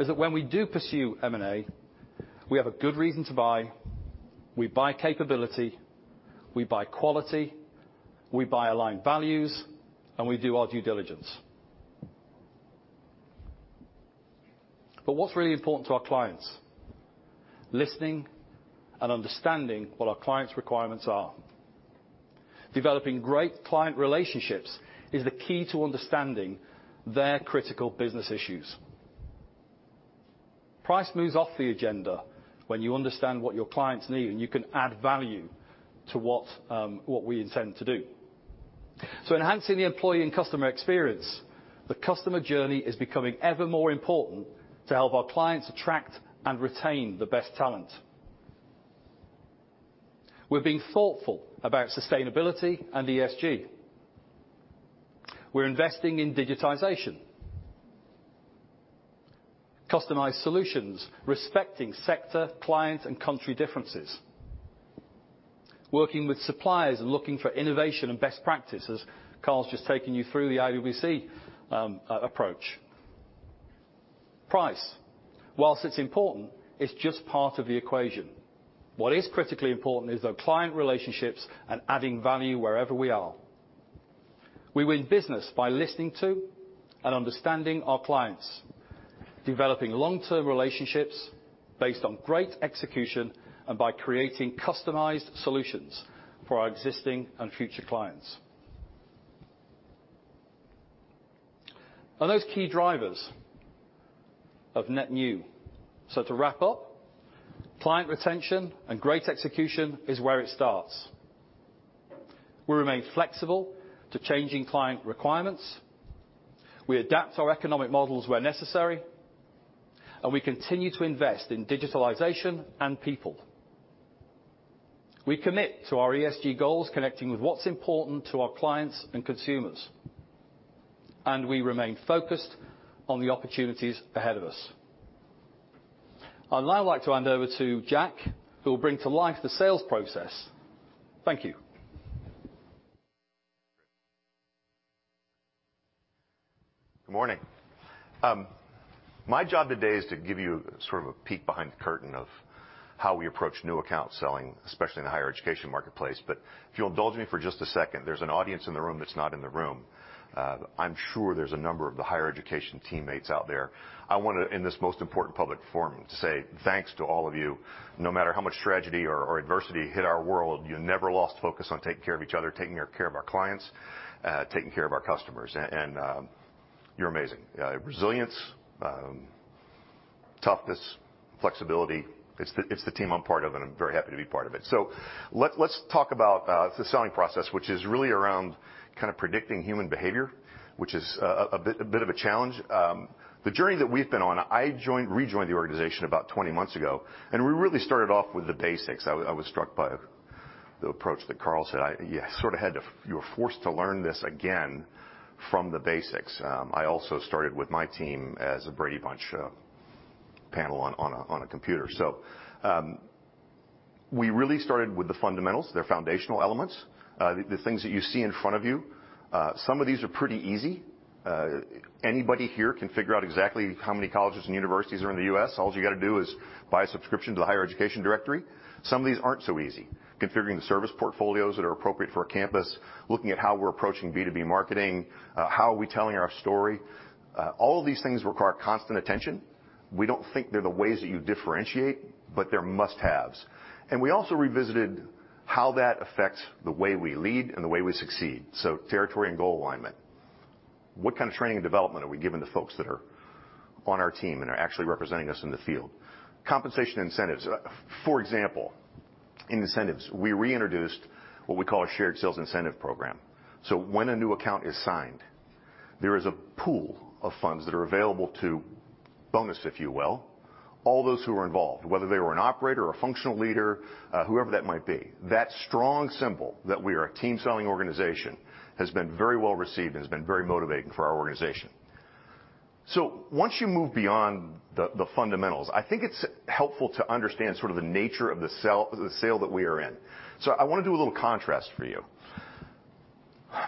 Speaker 7: is that when we do pursue M&A, we have a good reason to buy. We buy capability, we buy quality, we buy aligned values, and we do our due diligence. What's really important to our clients? Listening and understanding what our clients' requirements are. Developing great client relationships is the key to understanding their critical business issues. Price moves off the agenda when you understand what your clients need, and you can add value to what we intend to do. Enhancing the employee and customer experience, the customer journey is becoming ever more important to help our clients attract and retain the best talent. We're being thoughtful about sustainability and ESG. We're investing in digitization. Customized solutions, respecting sector, client, and country differences. Working with suppliers and looking for innovation and best practices. Carl's just taken you through the IWBC approach. Price, while it's important, it's just part of the equation. What is critically important is the client relationships and adding value wherever we are. We win business by listening to and understanding our clients, developing long-term relationships based on great execution, and by creating customized solutions for our existing and future clients. Are those key drivers of net new? To wrap up, client retention and great execution is where it starts. We remain flexible to changing client requirements. We adapt our economic models where necessary, and we continue to invest in digitalization and people. We commit to our ESG goals, connecting with what's important to our clients and consumers, and we remain focused on the opportunities ahead of us. I'd now like to hand over to Jack, who will bring to life the sales process. Thank you.
Speaker 8: Good morning. My job today is to give you sort of a peek behind the curtain of how we approach new account selling, especially in the higher education marketplace. If you'll indulge me for just a second, there's an audience in the room that's not in the room. I'm sure there's a number of the higher education teammates out there. I wanna, in this most important public forum, to say thanks to all of you. No matter how much tragedy or adversity hit our world, you never lost focus on taking care of each other, taking care of our clients, taking care of our customers. You're amazing. Resilience, toughness, flexibility. It's the team I'm part of, and I'm very happy to be part of it. Let's talk about the selling process, which is really around kind of predicting human behavior, which is a bit of a challenge. The journey that we've been on, I rejoined the organization about 20 months ago, and we really started off with the basics. I was struck by the approach that Carl said. I sort of had to. You were forced to learn this again from the basics. I also started with my team as a Brady Bunch panel on a computer. We really started with the fundamentals, there foundational elements, the things that you see in front of you. Some of these are pretty easy. Anybody here can figure out exactly how many colleges and universities are in the U.S. All you gotta do is buy a subscription to the higher education directory. Some of these aren't so easy. Configuring the service portfolios that are appropriate for a campus, looking at how we're approaching B2B marketing, how are we telling our story? All of these things require constant attention. We don't think they're the ways that you differentiate, but they're must-haves. We also revisited how that affects the way we lead and the way we succeed. Territory and goal alignment. What kind of training and development are we giving to folks that are on our team and are actually representing us in the field? Compensation incentives. For example, in incentives, we reintroduced what we call a shared sales incentive program. When a new account is signed, there is a pool of funds that are available to bonus, if you will. All those who are involved, whether they were an operator or a functional leader, whoever that might be. That strong symbol that we are a team-selling organization has been very well-received and has been very motivating for our organization. Once you move beyond the fundamentals, I think it's helpful to understand sort of the nature of the sale that we are in. I wanna do a little contrast for you.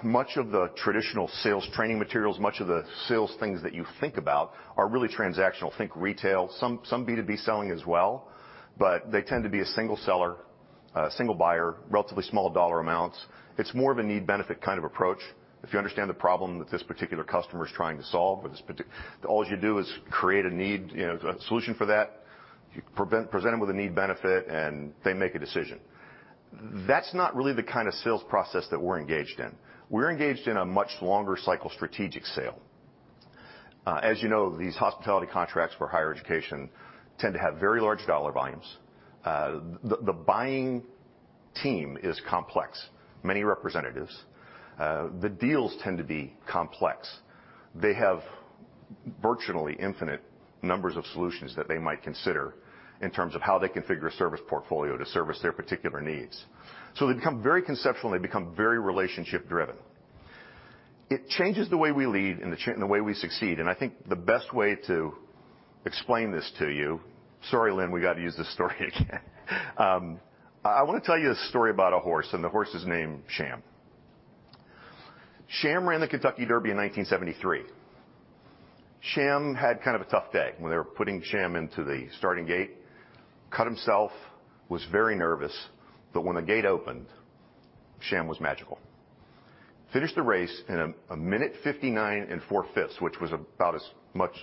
Speaker 8: Much of the traditional sales training materials, much of the sales things that you think about are really transactional. Think retail, some B2B selling as well, but they tend to be a single seller, a single buyer, relatively small dollar amounts. It's more of a need/benefit kind of approach. If you understand the problem that this particular customer is trying to solve. All you do is create a need, you know, a solution for that. You present them with a need benefit, and they make a decision. That's not really the kind of sales process that we're engaged in. We're engaged in a much longer cycle strategic sale. As you know, these hospitality contracts for higher education tend to have very large dollar volumes. The buying team is complex, many representatives. The deals tend to be complex. They have virtually infinite numbers of solutions that they might consider in terms of how they configure a service portfolio to service their particular needs. They become very conceptual, and they become very relationship-driven. It changes the way we lead and the way we succeed, and I think the best way to explain this to you. Sorry, Lynn, we gotta use this story again. I wanna tell you a story about a horse, and the horse is named Sham. Sham ran the Kentucky Derby in 1973. Sham had kind of a tough day when they were putting Sham into the starting gate. Cut himself, was very nervous, but when the gate opened, Sham was magical. Finished the race in 1 minute 59 and 4/5, which was about as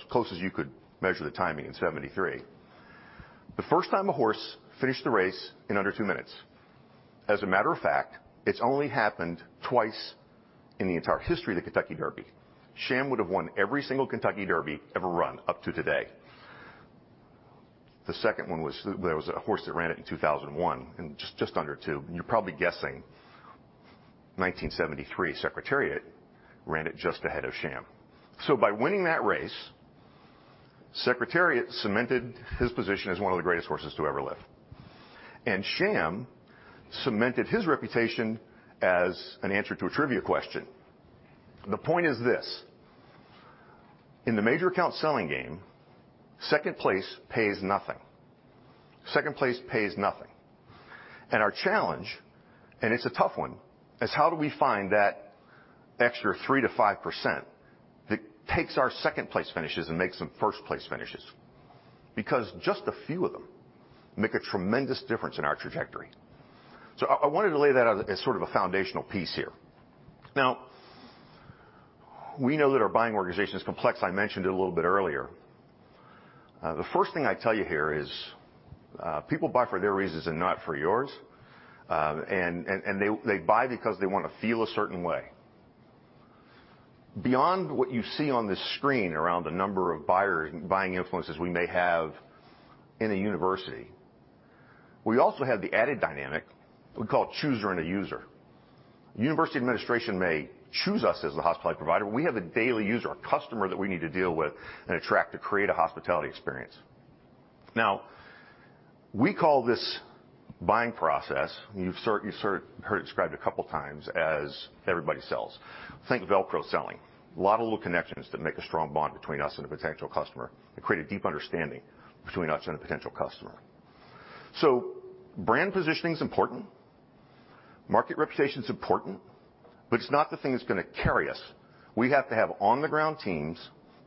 Speaker 8: close as you could measure the timing in 1973. The first time a horse finished the race in under two minutes. As a matter of fact, it's only happened twice in the entire history of the Kentucky Derby. Sham would have won every single Kentucky Derby ever run up to today. The second one was there was a horse that ran it in 2001 in just under two, and you're probably guessing 1973, Secretariat ran it just ahead of Sham. By winning that race, Secretariat cemented his position as one of the greatest horses to ever live, and Sham cemented his reputation as an answer to a trivia question. The point is this: in the major account selling game, second place pays nothing. Second place pays nothing. Our challenge, and it's a tough one, is how do we find that extra 3%-5% that takes our second-place finishes and makes them first-place finishes? Because just a few of them make a tremendous difference in our trajectory. I wanted to lay that out as sort of a foundational piece here. We know that our buying organization is complex. I mentioned it a little bit earlier. The first thing I tell you here is, people buy for their reasons and not for yours. They buy because they wanna feel a certain way. Beyond what you see on this screen around the number of buying influences we may have in a university, we also have the added dynamic we call chooser and a user. University administration may choose us as the hospitality provider. We have a daily user, a customer that we need to deal with and attract to create a hospitality experience. We call this buying process, you sort of heard it described a couple of times as everybody sells. Think of Velcro selling. A lot of little connections that make a strong bond between us and a potential customer and create a deep understanding between us and a potential customer. Brand positioning is important, market reputation's important, but it's not the thing that's gonna carry us. We have to have on-the-ground teams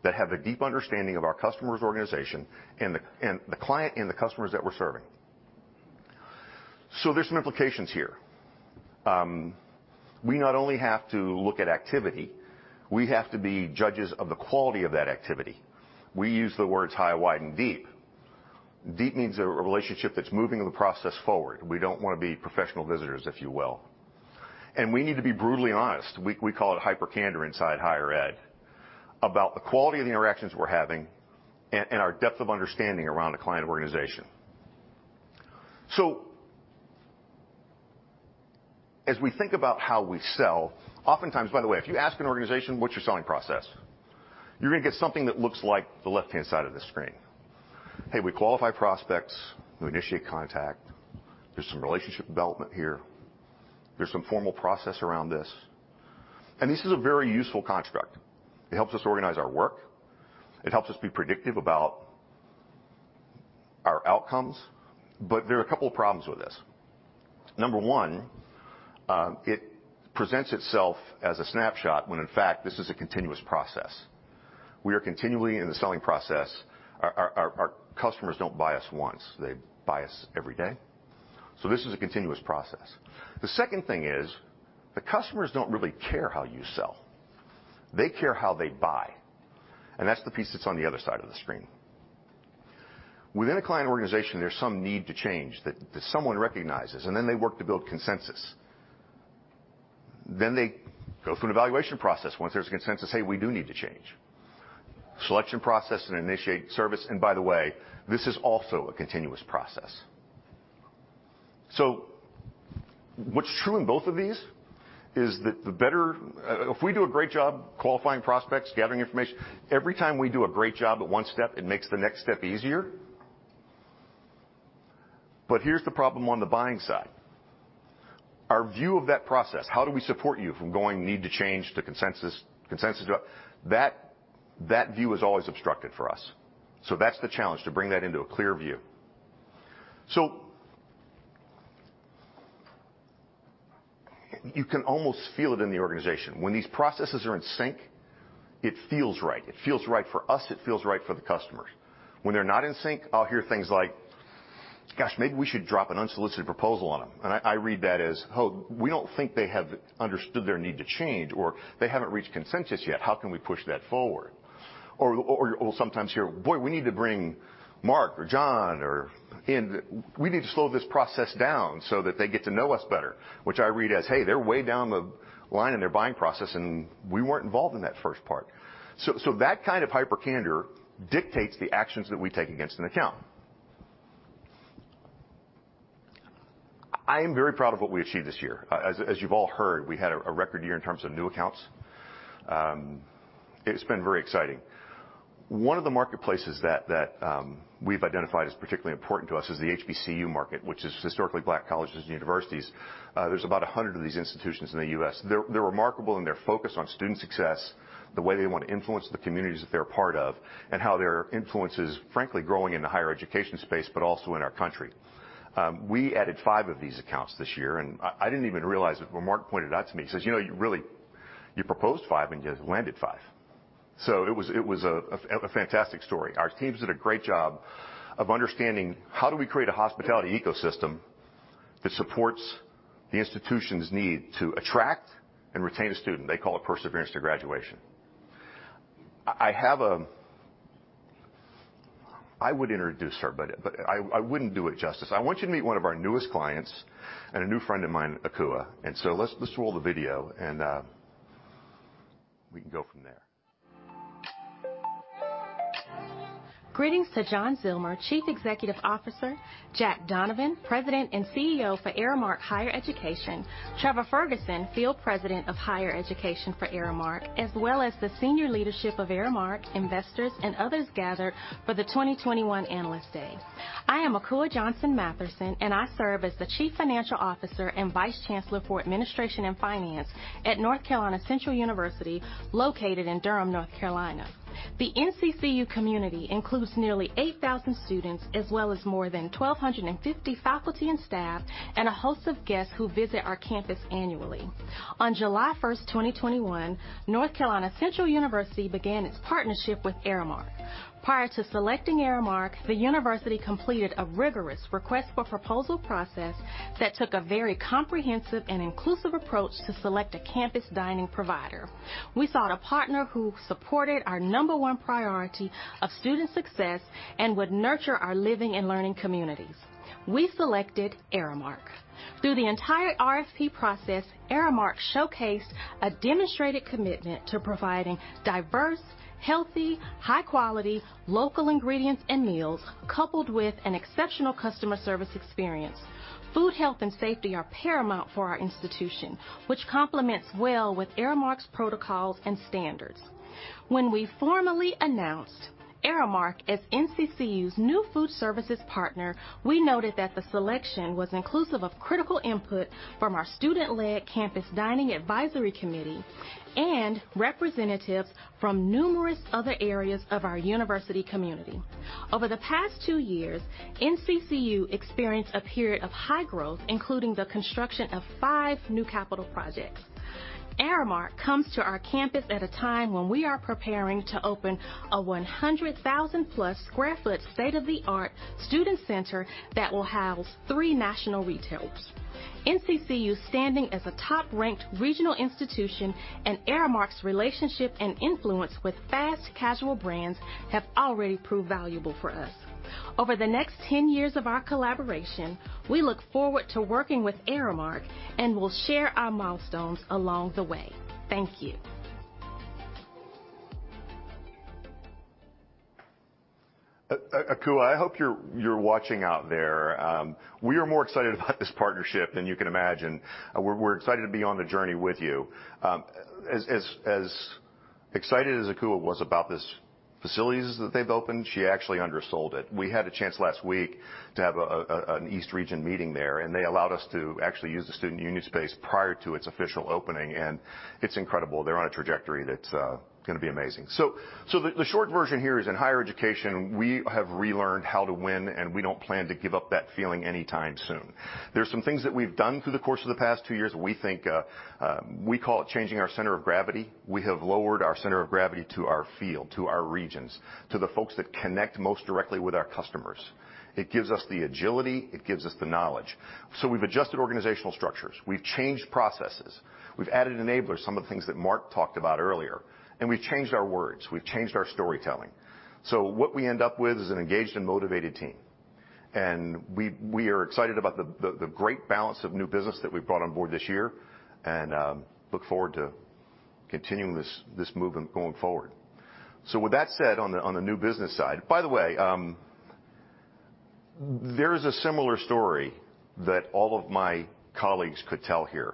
Speaker 8: that have a deep understanding of our customer's organization and the client and the customers that we're serving. There's some implications here. We not only have to look at activity, we have to be judges of the quality of that activity. We use the words high, wide, and deep. Deep means a relationship that's moving the process forward. We don't wanna be professional visitors, if you will. We need to be brutally honest, we call it hyper-candor inside higher ed, about the quality of the interactions we're having and our depth of understanding around a client organization. We think about how we sell, oftentimes. By the way, if you ask an organization, "What's your selling process?" You're gonna get something that looks like the left-hand side of this screen. "Hey, we qualify prospects. We initiate contact. There's some relationship development here. There's some formal process around this." This is a very useful construct. It helps us organize our work. It helps us be predictive about our outcomes. There are a couple of problems with this. Number one, it presents itself as a snapshot, when in fact this is a continuous process. We are continually in the selling process. Our customers don't buy us once. They buy us every day. This is a continuous process. The second thing is, the customers don't really care how you sell. They care how they buy, and that's the piece that's on the other side of the screen. Within a client organization, there's some need to change that someone recognizes, and then they work to build consensus. They go through an evaluation process once there's a consensus, "Hey, we do need to change." Selection process and initiate service, and by the way, this is also a continuous process. What's true in both of these is that the better if we do a great job qualifying prospects, gathering information, every time we do a great job at one step, it makes the next step easier. Here's the problem on the buying side. Our view of that process, how do we support you from going need to change to consensus. That view is always obstructed for us. That's the challenge, to bring that into a clear view. You can almost feel it in the organization. When these processes are in sync, it feels right. It feels right for us, it feels right for the customers. When they're not in sync, I'll hear things like, "Gosh, maybe we should drop an unsolicited proposal on them." I read that as, "Oh, we don't think they have understood their need to change," or, "They haven't reached consensus yet. How can we push that forward?" We'll sometimes hear, "Boy, we need to bring Mark or John or. We need to slow this process down so that they get to know us better," which I read as, "Hey, they're way down the line in their buying process and we weren't involved in that first part." So that kind of hyper-candor dictates the actions that we take against an account. I am very proud of what we achieved this year. As you've all heard, we had a record year in terms of new accounts. It's been very exciting. One of the marketplaces that we've identified as particularly important to us is the HBCU market, which is Historically Black Colleges and Universities. There's about 100 of these institutions in the U.S. They're remarkable in their focus on student success, the way they want to influence the communities that they're a part of, and how their influence is frankly growing in the higher education space, but also in our country. We added five of these accounts this year, and I didn't even realize it when Mark pointed it out to me. He says, "You know, you really proposed five and you landed five." It was a fantastic story. Our teams did a great job of understanding how do we create a hospitality ecosystem that supports the institution's need to attract and retain a student? They call it perseverance to graduation. I would introduce her, but I wouldn't do it justice. I want you to meet one of our newest clients and a new friend of mine, Akua. Let's roll the video and we can go from there.
Speaker 2: Greetings to John Zillmer, Chief Executive Officer, Jack Donovan, President and CEO for Aramark Higher Education, Trevor Ferguson, Field President of Higher Education for Aramark, as well as the senior leadership of Aramark, investors and others gathered for the 2021 Analyst Day. I am Akua Johnson Matherson, and I serve as the Chief Financial Officer and Vice Chancellor for Administration and Finance at North Carolina Central University, located in Durham, North Carolina. The NCCU community includes nearly 8,000 students as well as more than 1,250 faculty and staff and a host of guests who visit our campus annually. On July 1st, 2021, North Carolina Central University began its partnership with Aramark. Prior to selecting Aramark, the university completed a rigorous request for proposal process that took a very comprehensive and inclusive approach to select a campus dining provider. We sought a partner who supported our number one priority of student success and would nurture our living and learning communities. We selected Aramark. Through the entire RFP process, Aramark showcased a demonstrated commitment to providing diverse, healthy, high quality, local ingredients and meals, coupled with an exceptional customer service experience. Food, health, and safety are paramount for our institution, which complements well with Aramark's protocols and standards. When we formally announced Aramark as NCCU's new food services partner, we noted that the selection was inclusive of critical input from our student-led campus dining advisory committee and representatives from numerous other areas of our university community. Over the past two years, NCCU experienced a period of high growth, including the construction of five new capital projects. Aramark comes to our campus at a time when we are preparing to open a 100,000+ sq ft state-of-the-art student center that will house three national retailers. NCCU's standing as a top-ranked regional institution and Aramark's relationship and influence with fast casual brands have already proved valuable for us. Over the next 10 years of our collaboration, we look forward to working with Aramark and will share our milestones along the way. Thank you.
Speaker 8: Akua, I hope you're watching out there. We are more excited about this partnership than you can imagine. We're excited to be on the journey with you. As excited as Akua was about this facilities that they've opened, she actually undersold it. We had a chance last week to have an east region meeting there, and they allowed us to actually use the student union space prior to its official opening, and it's incredible. They're on a trajectory that's gonna be amazing. The short version here is in higher education, we have relearned how to win, and we don't plan to give up that feeling anytime soon. There are some things that we've done through the course of the past two years that we think. We call it changing our center of gravity. We have lowered our center of gravity to our field, to our regions, to the folks that connect most directly with our customers. It gives us the agility, it gives us the knowledge. We've adjusted organizational structures. We've changed processes. We've added enablers, some of the things that Mark talked about earlier. We've changed our words, we've changed our storytelling. What we end up with is an engaged and motivated team. We are excited about the great balance of new business that we've brought on board this year and look forward to continuing this movement going forward. With that said, on the new business side. By the way, there is a similar story that all of my colleagues could tell here.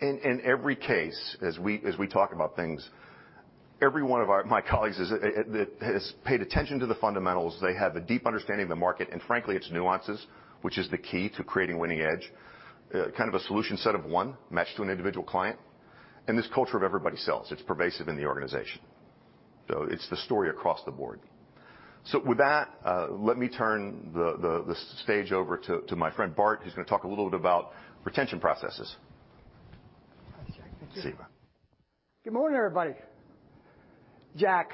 Speaker 8: In every case, as we talk about things, every one of my colleagues is that has paid attention to the fundamentals, they have a deep understanding of the market and frankly, its nuances, which is the key to creating winning edge. Kind of a solution set of one matched to an individual client. This culture of everybody sells. It's pervasive in the organization. It's the story across the board. With that, let me turn the stage over to my friend Bart, who's gonna talk a little bit about retention processes.
Speaker 4: Thanks, Jack. Thank you.
Speaker 8: See ya.
Speaker 9: Good morning, everybody. Jack,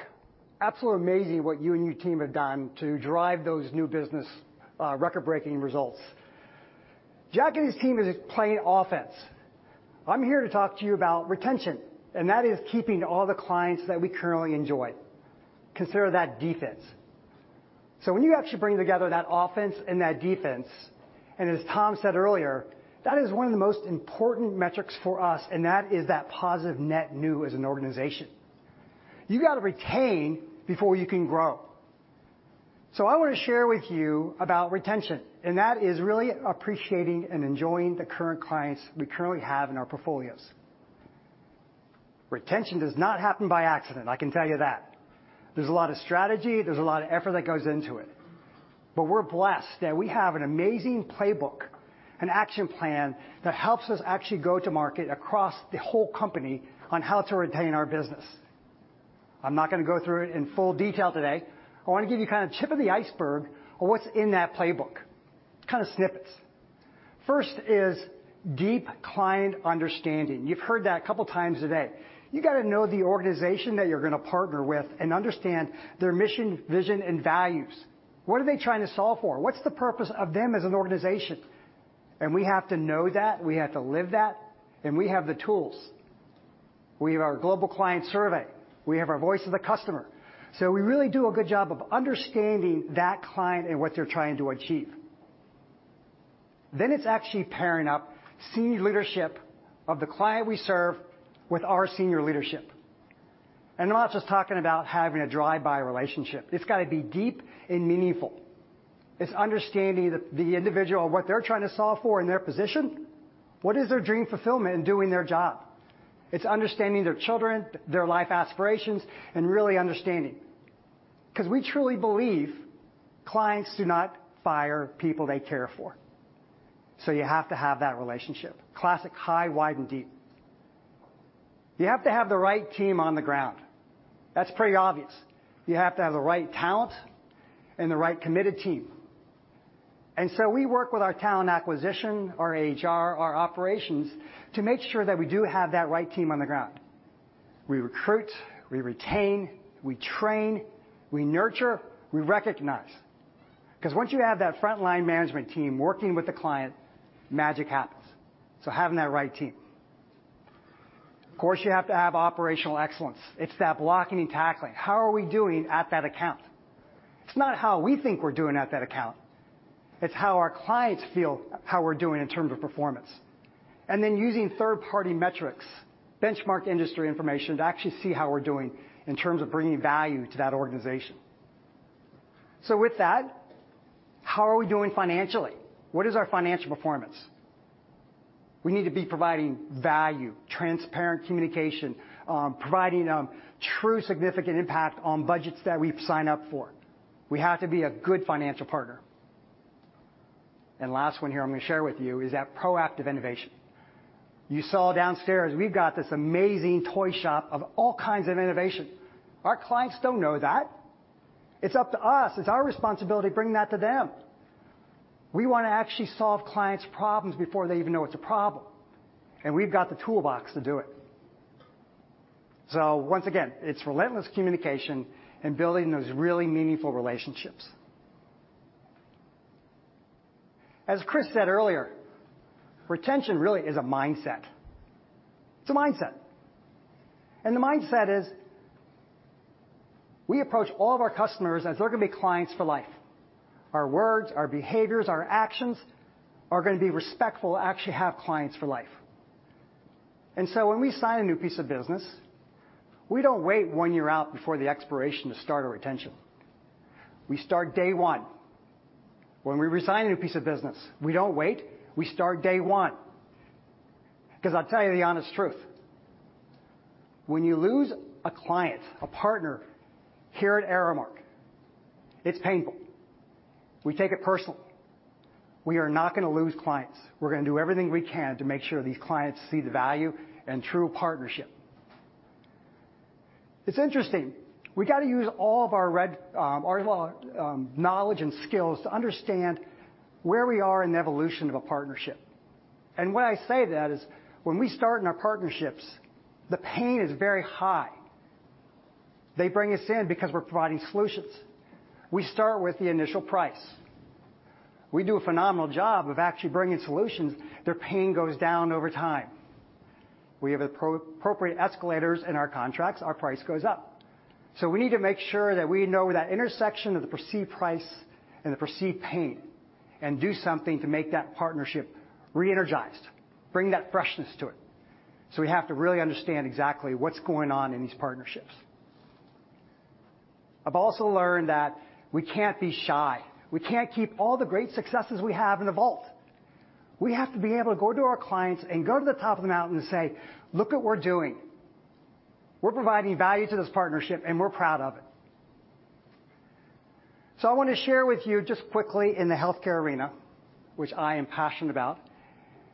Speaker 9: absolutely amazing what you and your team have done to drive those new business record-breaking results. Jack and his team is playing offense. I'm here to talk to you about retention, and that is keeping all the clients that we currently enjoy. Consider that defense. When you actually bring together that offense and that defense, and as Tom said earlier, that is one of the most important metrics for us, and that is that positive net new as an organization. You got to retain before you can grow. I want to share with you about retention, and that is really appreciating and enjoying the current clients we currently have in our portfolios. Retention does not happen by accident, I can tell you that. There's a lot of strategy, there's a lot of effort that goes into it. We're blessed that we have an amazing playbook, an action plan that helps us actually go to market across the whole company on how to retain our business. I'm not gonna go through it in full detail today. I wanna give you kind of tip of the iceberg of what's in that playbook, kind of snippets. First is deep client understanding. You've heard that a couple times today. You gotta know the organization that you're gonna partner with and understand their mission, vision, and values. What are they trying to solve for? What's the purpose of them as an organization? We have to know that, we have to live that, and we have the tools. We have our global client survey, we have our voice of the customer. So we really do a good job of understanding that client and what they're trying to achieve. It's actually pairing up senior leadership of the client we serve with our senior leadership. I'm not just talking about having a drive-by relationship. It's gotta be deep and meaningful. It's understanding the individual and what they're trying to solve for in their position. What is their dream fulfillment in doing their job? It's understanding their children, their life aspirations, and really understanding. 'Cause we truly believe clients do not fire people they care for. You have to have that relationship. Classic high, wide, and deep. You have to have the right team on the ground. That's pretty obvious. You have to have the right talent and the right committed team. We work with our talent acquisition, our HR, our operations, to make sure that we do have that right team on the ground. We recruit, we retain, we train, we nurture, we recognize. Once you have that frontline management team working with the client, magic happens. Having that right team. Of course, you have to have operational excellence. It's that blocking and tackling. How are we doing at that account? It's not how we think we're doing at that account. It's how our clients feel how we're doing in terms of performance. Using third-party metrics, benchmark industry information, to actually see how we're doing in terms of bringing value to that organization. With that, how are we doing financially? What is our financial performance? We need to be providing value, transparent communication, providing a true significant impact on budgets that we've signed up for. We have to be a good financial partner. Last one here I'm gonna share with you is that proactive innovation. You saw downstairs, we've got this amazing toy shop of all kinds of innovation. Our clients don't know that. It's up to us, it's our responsibility to bring that to them. We wanna actually solve clients' problems before they even know it's a problem, and we've got the toolbox to do it. Once again, it's relentless communication and building those really meaningful relationships. As Chris said earlier, retention really is a mindset. It's a mindset. The mindset is we approach all of our customers as they're gonna be clients for life. Our words, our behaviors, our actions are gonna be respectful to actually have clients for life. When we sign a new piece of business, we don't wait one year out before the expiration to start our retention. We start day one. When we resign a new piece of business, we don't wait. We start day one. 'Cause I'll tell you the honest truth, when you lose a client, a partner here at Aramark, it's painful. We take it personally. We are not gonna lose clients. We're gonna do everything we can to make sure these clients see the value and true partnership. It's interesting, we gotta use all of our breadth of knowledge and skills to understand where we are in the evolution of a partnership. When I say that, it's when we start in our partnerships, the pain is very high. They bring us in because we're providing solutions. We start with the initial price. We do a phenomenal job of actually bringing solutions, their pain goes down over time. We have appropriate escalators in our contracts, our price goes up. We need to make sure that we know that intersection of the perceived price and the perceived pain and do something to make that partnership re-energized, bring that freshness to it. We have to really understand exactly what's going on in these partnerships. I've also learned that we can't be shy. We can't keep all the great successes we have in a vault. We have to be able to go to our clients and go to the top of the mountain and say, "Look what we're doing. We're providing value to this partnership, and we're proud of it." I wanna share with you just quickly in the healthcare arena, which I am passionate about,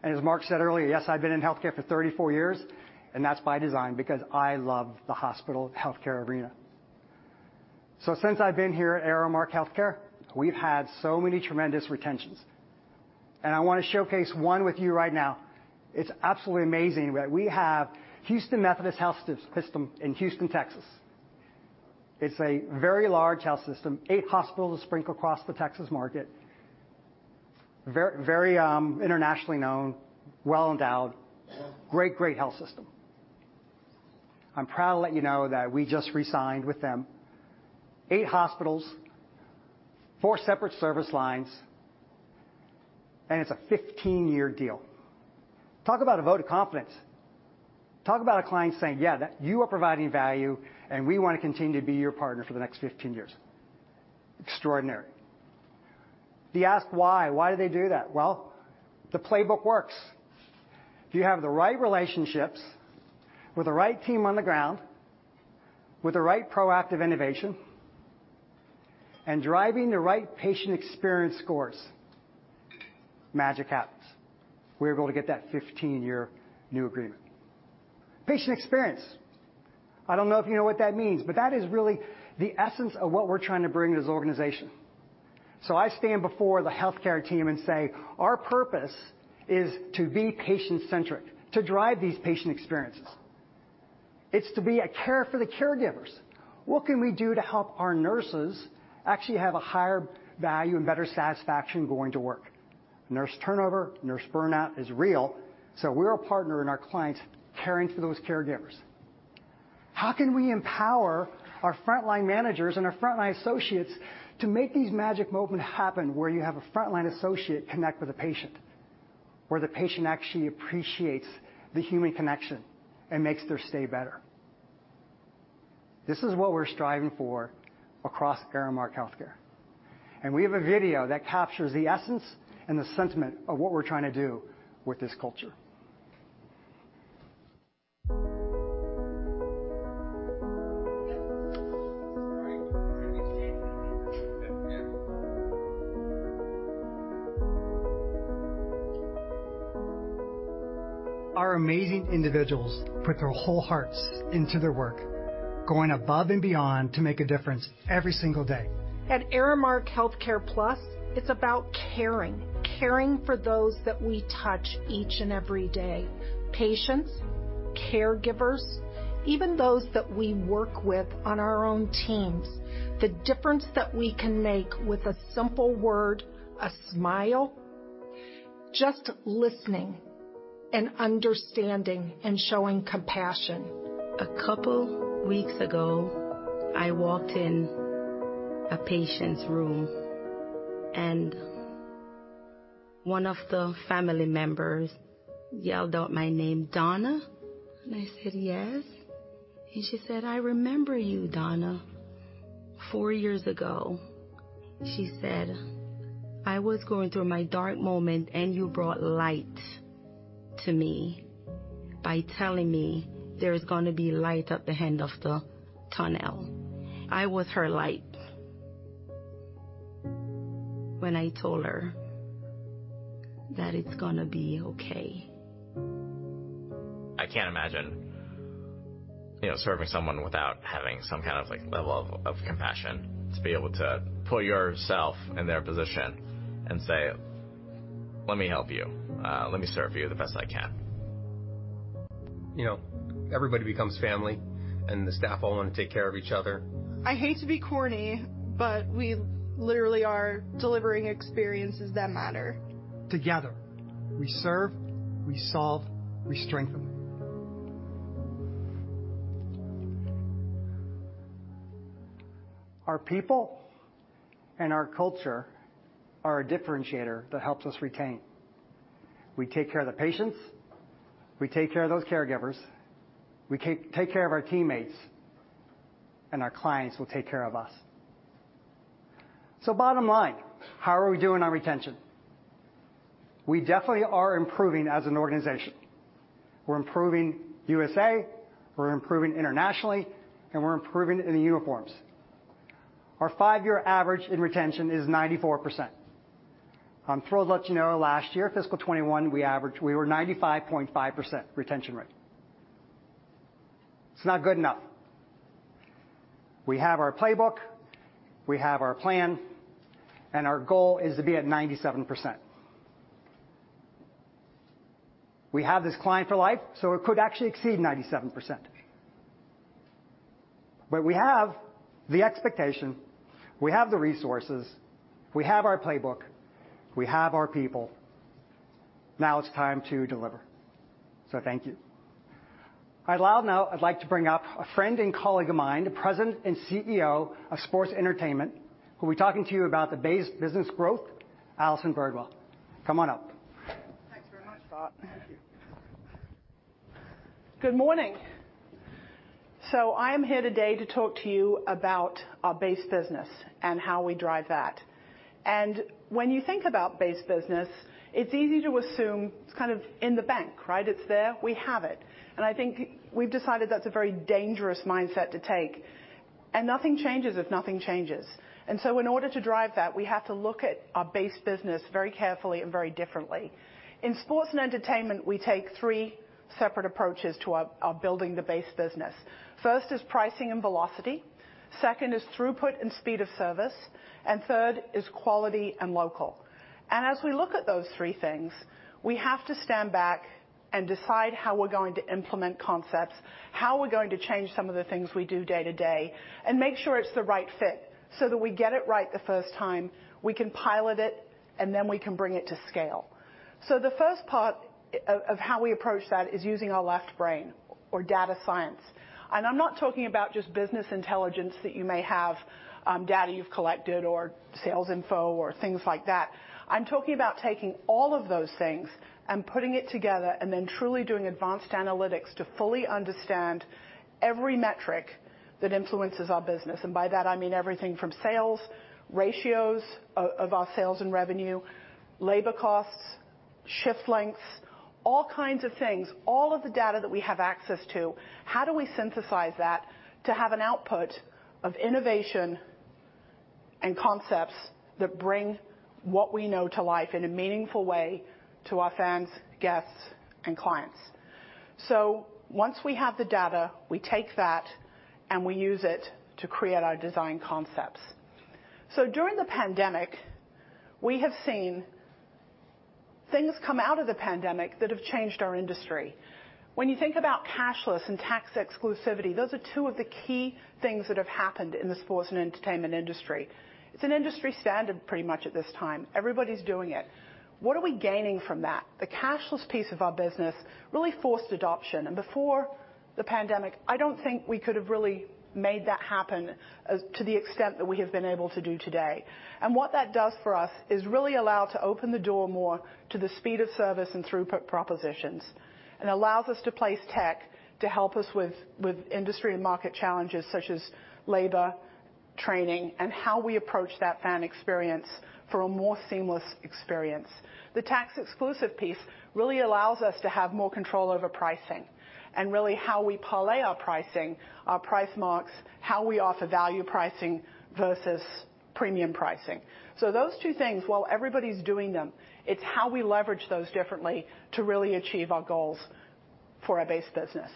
Speaker 9: and as Mark said earlier, yes, I've been in healthcare for 34 years, and that's by design because I love the hospital healthcare arena. Since I've been here at Aramark Healthcare, we've had so many tremendous retentions, and I wanna showcase one with you right now. It's absolutely amazing that we have Houston Methodist in Houston, Texas. It's a very large health system, eight hospitals sprinkled across the Texas market, very internationally known, well-endowed, great health system. I'm proud to let you know that we just resigned with them. Eight hospitals, four separate service lines, and it's a 15-year deal. Talk about a vote of confidence. Talk about a client saying, "Yeah, that you are providing value, and we wanna continue to be your partner for the next 15 years." Extraordinary. If you ask why do they do that? Well, the playbook works. If you have the right relationships with the right team on the ground, with the right proactive innovation and driving the right patient experience scores, magic happens. We're able to get that 15-year new agreement. Patient experience. I don't know if you know what that means, but that is really the essence of what we're trying to bring to this organization. I stand before the healthcare team and say, "Our purpose is to be patient-centric, to drive these patient experiences." It's to care for the caregivers. What can we do to help our nurses actually have a higher value and better satisfaction going to work? Nurse turnover, nurse burnout is real, so we're a partner in our clients caring for those caregivers. How can we empower our frontline managers and our frontline associates to make these magic moments happen where you have a frontline associate connect with a patient, where the patient actually appreciates the human connection and makes their stay better? This is what we're striving for across Aramark Healthcare, and we have a video that captures the essence and the sentiment of what we're trying to do with this culture. Our amazing individuals put their whole hearts into their work, going above and beyond to make a difference every single day.
Speaker 2: At Aramark Healthcare+, it's about caring. Caring for those that we touch each and every day. Patients, caregivers, even those that we work with on our own teams. The difference that we can make with a simple word, a smile, just listening and understanding and showing compassion. A couple weeks ago, I walked in a patient's room, and one of the family members yelled out my name, "Donna?" I said, "Yes." She said, "I remember you, Donna. Four years ago," she said, "I was going through my dark moment, and you brought light to me by telling me there's gonna be light at the end of the tunnel." I was her light when I told her that it's gonna be okay. I can't imagine, you know, serving someone without having some kind of, like, level of compassion to be able to put yourself in their position and say, "Let me help you. Let me serve you the best I can. You know, everybody becomes family, and the staff all want to take care of each other. I hate to be corny, but we literally are delivering experiences that matter.
Speaker 9: Together, we serve, we solve, we strengthen. Our people and our culture are a differentiator that helps us retain. We take care of the patients, we take care of those caregivers, we take care of our teammates, and our clients will take care of us. Bottom line, how are we doing on retention? We definitely are improving as an organization. We're improving U.S., we're improving internationally, and we're improving in the uniforms. Our five-year average in retention is 94%. I'm thrilled to let you know last year, fiscal 2021, we were 95.5% retention rate. It's not good enough. We have our playbook, we have our plan, and our goal is to be at 97%. We have this client for life, so it could actually exceed 97%. We have the expectation, we have the resources, we have our playbook, we have our people. Now it's time to deliver. Thank you. I'd like to bring up a friend and colleague of mine, President and CEO of Sports and Entertainment, who'll be talking to you about the business growth, Allison Birdwell. Come on up.
Speaker 10: Good morning. I am here today to talk to you about our base business and how we drive that. When you think about base business, it's easy to assume it's kind of in the bank, right? It's there, we have it, and I think we've decided that's a very dangerous mindset to take. Nothing changes if nothing changes. In order to drive that, we have to look at our base business very carefully and very differently. In Sports and Entertainment, we take three separate approaches to our building the base business. First is pricing and velocity, second is throughput and speed of service, and third is quality and local. As we look at those three things, we have to stand back and decide how we're going to implement concepts, how we're going to change some of the things we do day-to-day, and make sure it's the right fit so that we get it right the first time, we can pilot it, and then we can bring it to scale. The first part of how we approach that is using our left brain or data science. I'm not talking about just business intelligence that you may have, data you've collected or sales info or things like that. I'm talking about taking all of those things and putting it together and then truly doing advanced analytics to fully understand every metric that influences our business. By that, I mean everything from sales, ratios of our sales and revenue, labor costs, shift lengths, all kinds of things. All of the data that we have access to, how do we synthesize that to have an output of innovation and concepts that bring what we know to life in a meaningful way to our fans, guests, and clients? Once we have the data, we take that, and we use it to create our design concepts. During the pandemic, we have seen things come out of the pandemic that have changed our industry. When you think about cashless and tap exclusivity, those are two of the key things that have happened in the sports and entertainment industry. It's an industry standard, pretty much, at this time. Everybody's doing it. What are we gaining from that? The cashless piece of our business really forced adoption. Before the pandemic, I don't think we could have really made that happen to the extent that we have been able to do today. What that does for us is really allow to open the door more to the speed of service and throughput propositions and allows us to place tech to help us with industry and market challenges such as labor, training, and how we approach that fan experience for a more seamless experience. The tax exclusive piece really allows us to have more control over pricing and really how we parlay our pricing, our price marks, how we offer value pricing versus premium pricing. Those two things, while everybody's doing them, it's how we leverage those differently to really achieve our goals for our base business.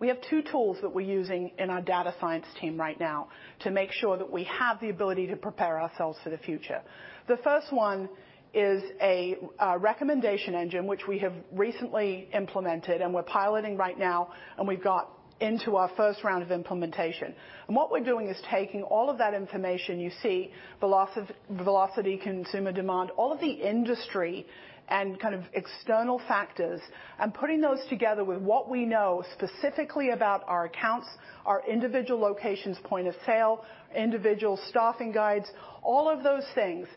Speaker 10: We have two tools that we're using in our data science team right now to make sure that we have the ability to prepare ourselves for the future. The first one is a recommendation engine which we have recently implemented, and we're piloting right now, and we've got into our first round of implementation. What we're doing is taking all of that information you see, velocity, consumer demand, all of the industry and kind of external factors, and putting those together with what we know specifically about our accounts, our individual locations' point of sale, individual staffing guides, all of those things,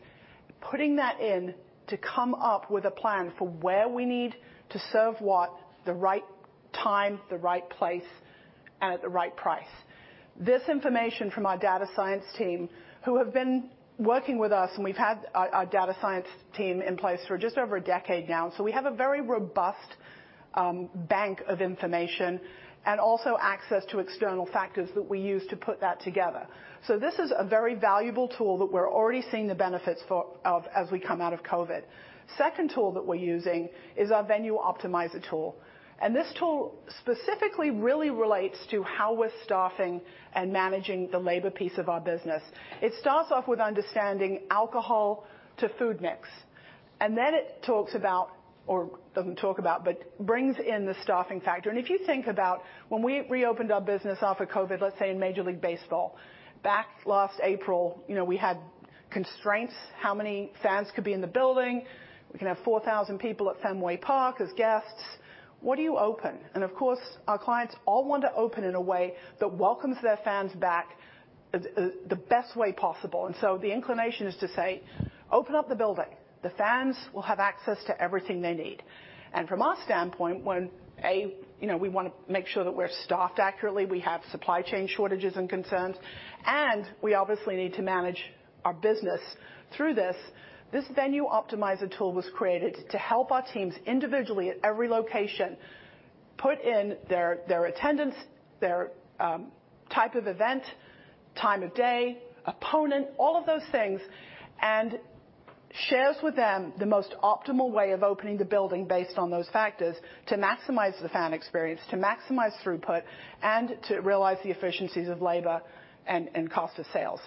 Speaker 10: putting that in to come up with a plan for where we need to serve what at the right time, the right place, and at the right price. This information from our data science team, who have been working with us, and we've had our data science team in place for just over a decade now, so we have a very robust bank of information and also access to external factors that we use to put that together. This is a very valuable tool that we're already seeing the benefits of as we come out of COVID. Second tool that we're using is our Venue Optimizer tool, and this tool specifically really relates to how we're staffing and managing the labor piece of our business. It starts off with understanding alcohol to food mix, and then it talks about, or doesn't talk about, but brings in the staffing factor. If you think about when we reopened our business after COVID, let's say in Major League Baseball, back last April, you know, we had constraints, how many fans could be in the building. We can have 4,000 people at Fenway Park as guests. What do you open? Of course, our clients all want to open in a way that welcomes their fans back the best way possible. The inclination is to say, "Open up the building. The fans will have access to everything they need." From our standpoint, when you know, we wanna make sure that we're staffed accurately, we have supply chain shortages and concerns, and we obviously need to manage our business through this. This Venue Optimizer tool was created to help our teams individually at every location put in their attendance, their type of event, time of day, opponent, all of those things, and shares with them the most optimal way of opening the building based on those factors to maximize the fan experience, to maximize throughput, and to realize the efficiencies of labor and cost of sales.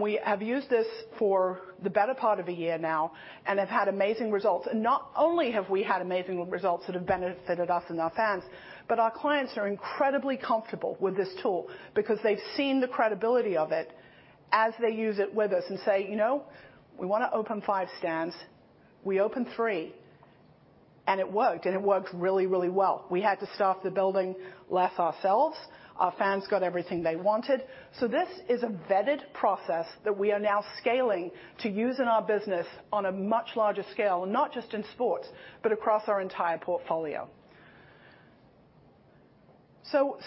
Speaker 10: We have used this for the better part of a year now and have had amazing results. Not only have we had amazing results that have benefited us and our fans, but our clients are incredibly comfortable with this tool because they've seen the credibility of it as they use it with us and say, "You know, we wanna open five stands. We opened three, and it worked, and it worked really, really well. We had to staff the building less ourselves. Our fans got everything they wanted. This is a vetted process that we are now scaling to use in our business on a much larger scale, and not just in sports, but across our entire portfolio.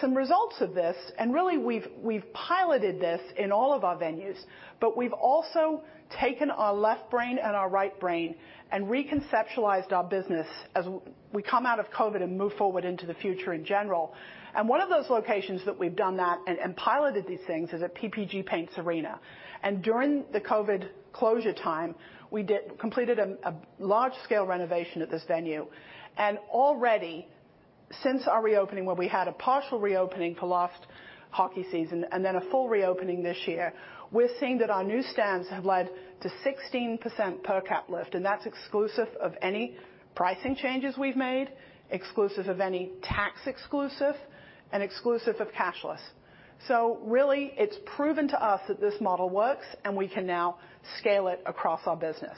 Speaker 10: Some results of this, and really we've piloted this in all of our venues, but we've also taken our left brain and our right brain and reconceptualized our business as we come out of COVID and move forward into the future in general. One of those locations that we've done that and piloted these things is at PPG Paints Arena. During the COVID closure time, we completed a large-scale renovation at this venue. Already since our reopening, where we had a partial reopening for last hockey season and then a full reopening this year, we're seeing that our new stands have led to 16% per cap lift, and that's exclusive of any pricing changes we've made, exclusive of any tax exclusive, and exclusive of cashless. Really, it's proven to us that this model works, and we can now scale it across our business.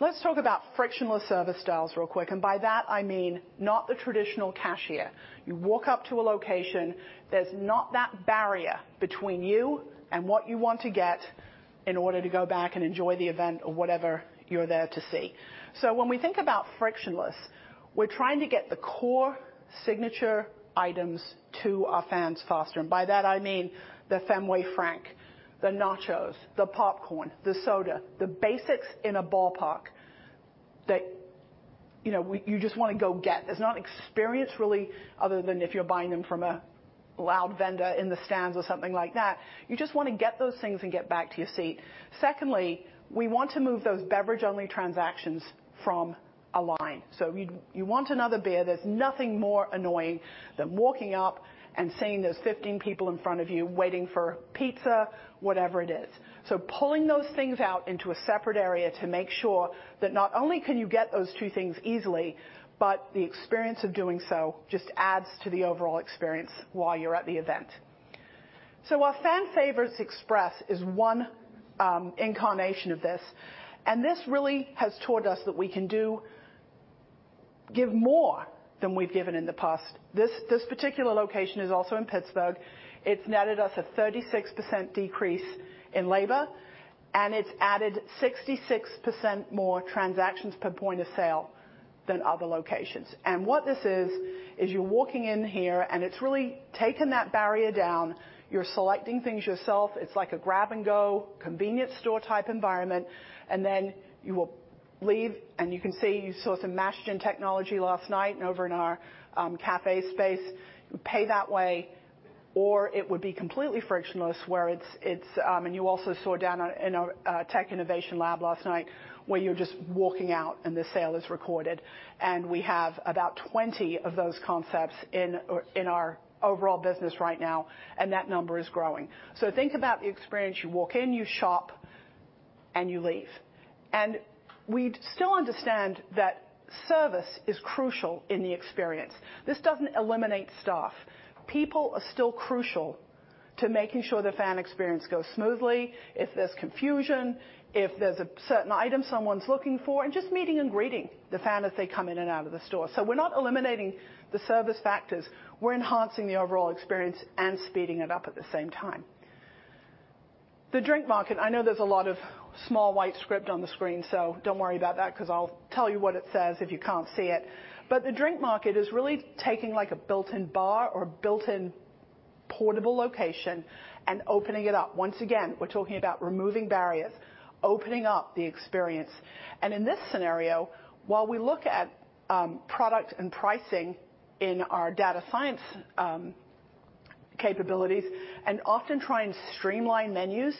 Speaker 10: Let's talk about frictionless service styles real quick, and by that I mean not the traditional cashier. You walk up to a location, there's not that barrier between you and what you want to get in order to go back and enjoy the event or whatever you're there to see. When we think about frictionless, we're trying to get the core signature items to our fans faster, and by that I mean the Fenway Frank, the nachos, the popcorn, the soda, the basics in a ballpark that, you know, you just wanna go get. There's not an experience really other than if you're buying them from a loud vendor in the stands or something like that. You just wanna get those things and get back to your seat. Secondly, we want to move those beverage-only transactions from a line. You want another beer, there's nothing more annoying than walking up and seeing there's 15 people in front of you waiting for pizza, whatever it is. Pulling those things out into a separate area to make sure that not only can you get those two things easily, but the experience of doing so just adds to the overall experience while you're at the event. Our Fan Favorites Express is one incarnation of this, and this really has taught us that we can do give more than we've given in the past. This particular location is also in Pittsburgh. It's netted us a 36% decrease in labor, and it's added 66% more transactions per point of sale than other locations. What this is you're walking in here, and it's really taken that barrier down. You're selecting things yourself. It's like a grab-and-go convenience store type environment. You will leave, and you can see. You saw some Mashgin technology last night and over in our cafe space, pay that way, or it would be completely frictionless, where it's. You also saw down in our tech innovation lab last night where you're just walking out and the sale is recorded. We have about 20 of those concepts in or in our overall business right now, and that number is growing. Think about the experience. You walk in, you shop, and you leave. We still understand that service is crucial in the experience. This doesn't eliminate staff. People are still crucial to making sure the fan experience goes smoothly, if there's confusion, if there's a certain item someone's looking for, and just meeting and greeting the fan as they come in and out of the store. We're not eliminating the service factors. We're enhancing the overall experience and speeding it up at the same time. The drink market, I know there's a lot of small white script on the screen, so don't worry about that 'cause I'll tell you what it says if you can't see it. The drink market is really taking like a built-in bar or built-in portable location and opening it up. Once again, we're talking about removing barriers, opening up the experience. In this scenario, while we look at, product and pricing in our data science, capabilities and often try and streamline menus,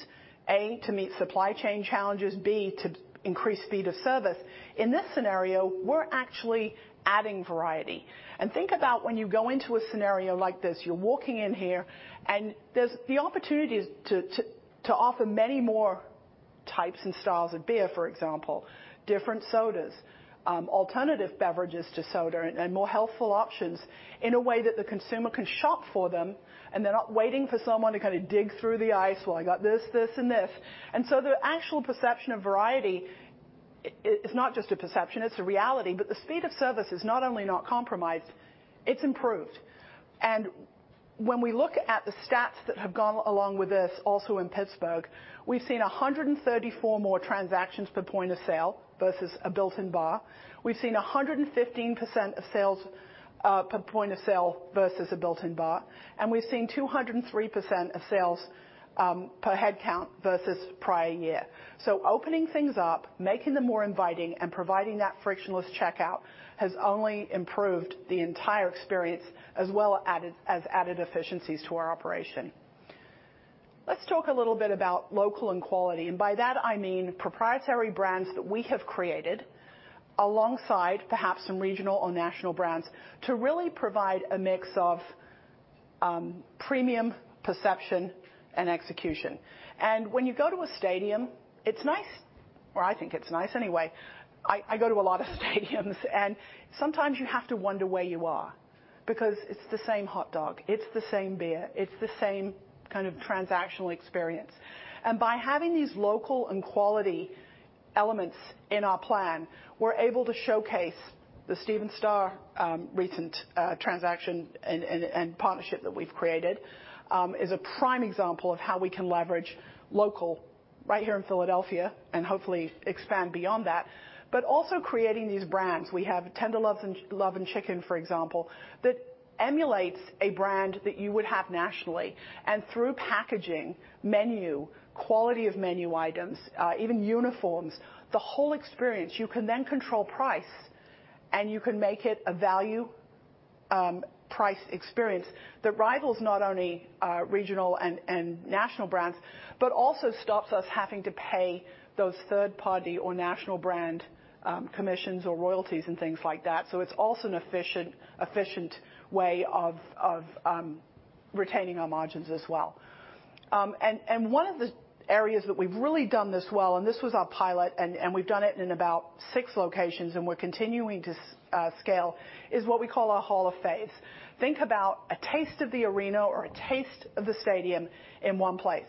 Speaker 10: A, to meet supply chain challenges, B, to increase speed of service. In this scenario, we're actually adding variety. Think about when you go into a scenario like this, you're walking in here and there's the opportunities to offer many more types and styles of beer, for example, different sodas, alternative beverages to soda and more healthful options in a way that the consumer can shop for them, and they're not waiting for someone to kinda dig through the ice. "Well, I got this, and this." The actual perception of variety is not just a perception, it's a reality. The speed of service is not only not compromised, it's improved. When we look at the stats that have gone along with this also in Pittsburgh, we've seen 134 more transactions per point of sale versus a built-in bar. We've seen 115% of sales per point of sale versus a built-in bar. We've seen 203% of sales per head count versus prior year. Opening things up, making them more inviting, and providing that frictionless checkout has only improved the entire experience as well as added efficiencies to our operation. Let's talk a little bit about local and quality. By that, I mean proprietary brands that we have created alongside perhaps some regional or national brands to really provide a mix of premium perception and execution. When you go to a stadium, it's nice, or I think it's nice anyway, I go to a lot of stadiums, and sometimes you have to wonder where you are because it's the same hot dog, it's the same beer, it's the same kind of transactional experience. By having these local and quality elements in our plan, we're able to showcase the Stephen Starr recent transaction and partnership that we've created is a prime example of how we can leverage local right here in Philadelphia and hopefully expand beyond that, also creating these brands. We have Tender Love and Chicken, for example, that emulates a brand that you would have nationally. Through packaging, menu, quality of menu items, even uniforms, the whole experience, you can then control price, and you can make it a value price experience that rivals not only regional and national brands, but also stops us having to pay those third-party or national brand commissions or royalties and things like that. It's also an efficient way of retaining our margins as well. One of the areas that we've really done this well, and this was our pilot, and we've done it in about six locations, and we're continuing to scale, is what we call our Hall of Fame. Think about a taste of the arena or a taste of the stadium in one place.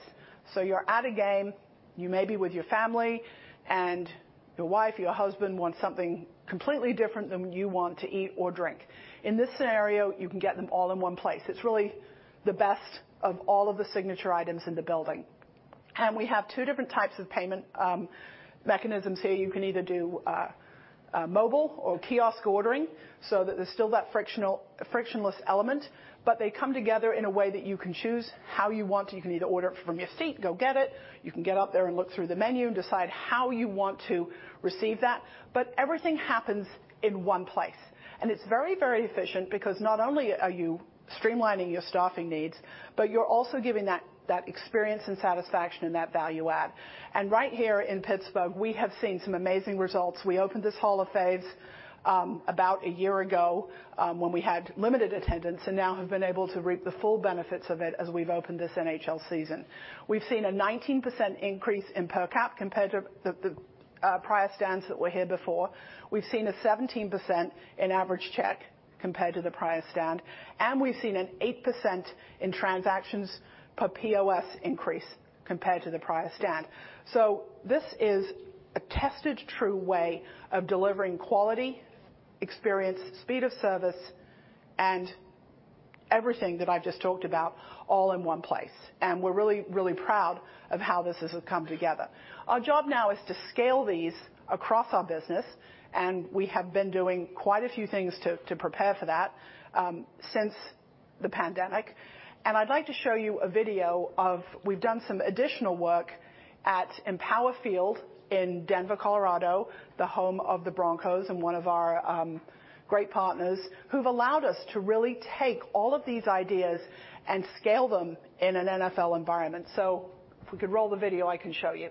Speaker 10: You're at a game, you may be with your family, and your wife, your husband wants something completely different than you want to eat or drink. In this scenario, you can get them all in one place. It's really the best of all of the signature items in the building. We have two different types of payment mechanisms here. You can either do mobile or kiosk ordering, so that there's still that frictionless element, but they come together in a way that you can choose how you want to. You can either order it from your seat, go get it. You can get up there and look through the menu and decide how you want to receive that. Everything happens in one place. It's very, very efficient because not only are you streamlining your staffing needs, but you're also giving that experience and satisfaction and that value add. Right here in Pittsburgh, we have seen some amazing results. We opened this Hall of Faves about a year ago when we had limited attendance, and now have been able to reap the full benefits of it as we've opened this NHL season. We've seen a 19% increase in per cap compared to the prior stands that were here before. We've seen a 17% in average check compared to the prior stand. We've seen an 8% in transactions per POS increase compared to the prior stand. This is a tested, true way of delivering quality, experience, speed of service, and everything that I've just talked about all in one place. We're really, really proud of how this has come together. Our job now is to scale these across our business, and we have been doing quite a few things to prepare for that since the pandemic. I'd like to show you a video of... We've done some additional work at Empower Field in Denver, Colorado, the home of the Broncos and one of our great partners who've allowed us to really take all of these ideas and scale them in an NFL environment. If we could roll the video, I can show you.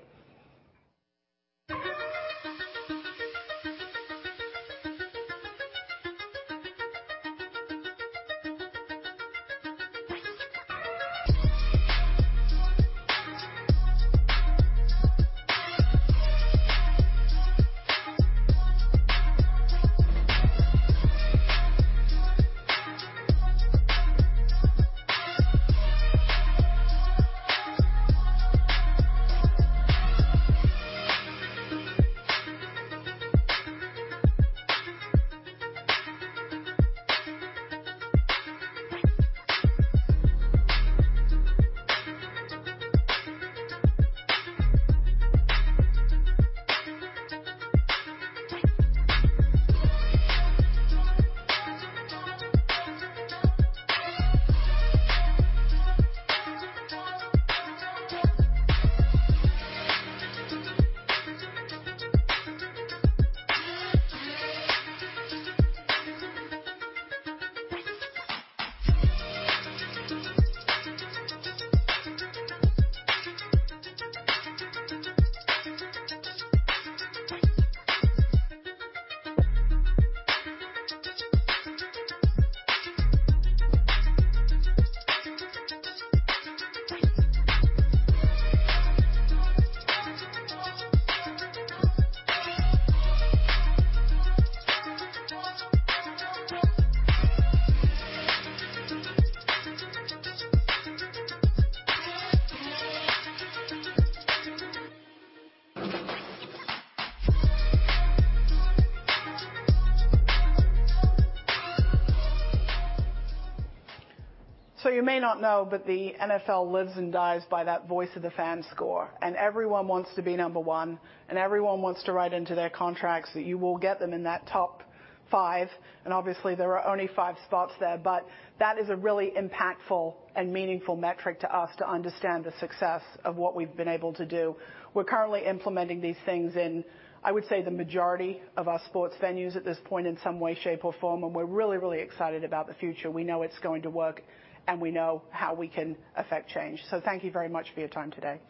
Speaker 10: You may not know, but the NFL lives and dies by that Voice of the Fan score, and everyone wants to be number one, and everyone wants to write into their contracts that you will get them in that top five. Obviously, there are only five spots there, but that is a really impactful and meaningful metric to us to understand the success of what we've been able to do. We're currently implementing these things in, I would say, the majority of our sports venues at this point in some way, shape, or form, and we're really, really excited about the future. We know it's going to work, and we know how we can affect change. Thank you very much for your time today.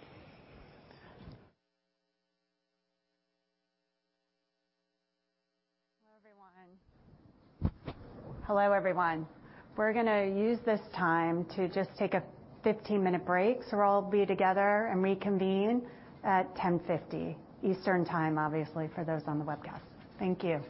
Speaker 1: Hello, everyone. We're gonna use this time to just take a 15-minute break. We'll all be together and reconvene at 10:50 Eastern Time, obviously, for those on the webcast. Thank you.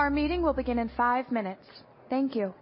Speaker 11: Our meeting will begin in five minutes. Thank you.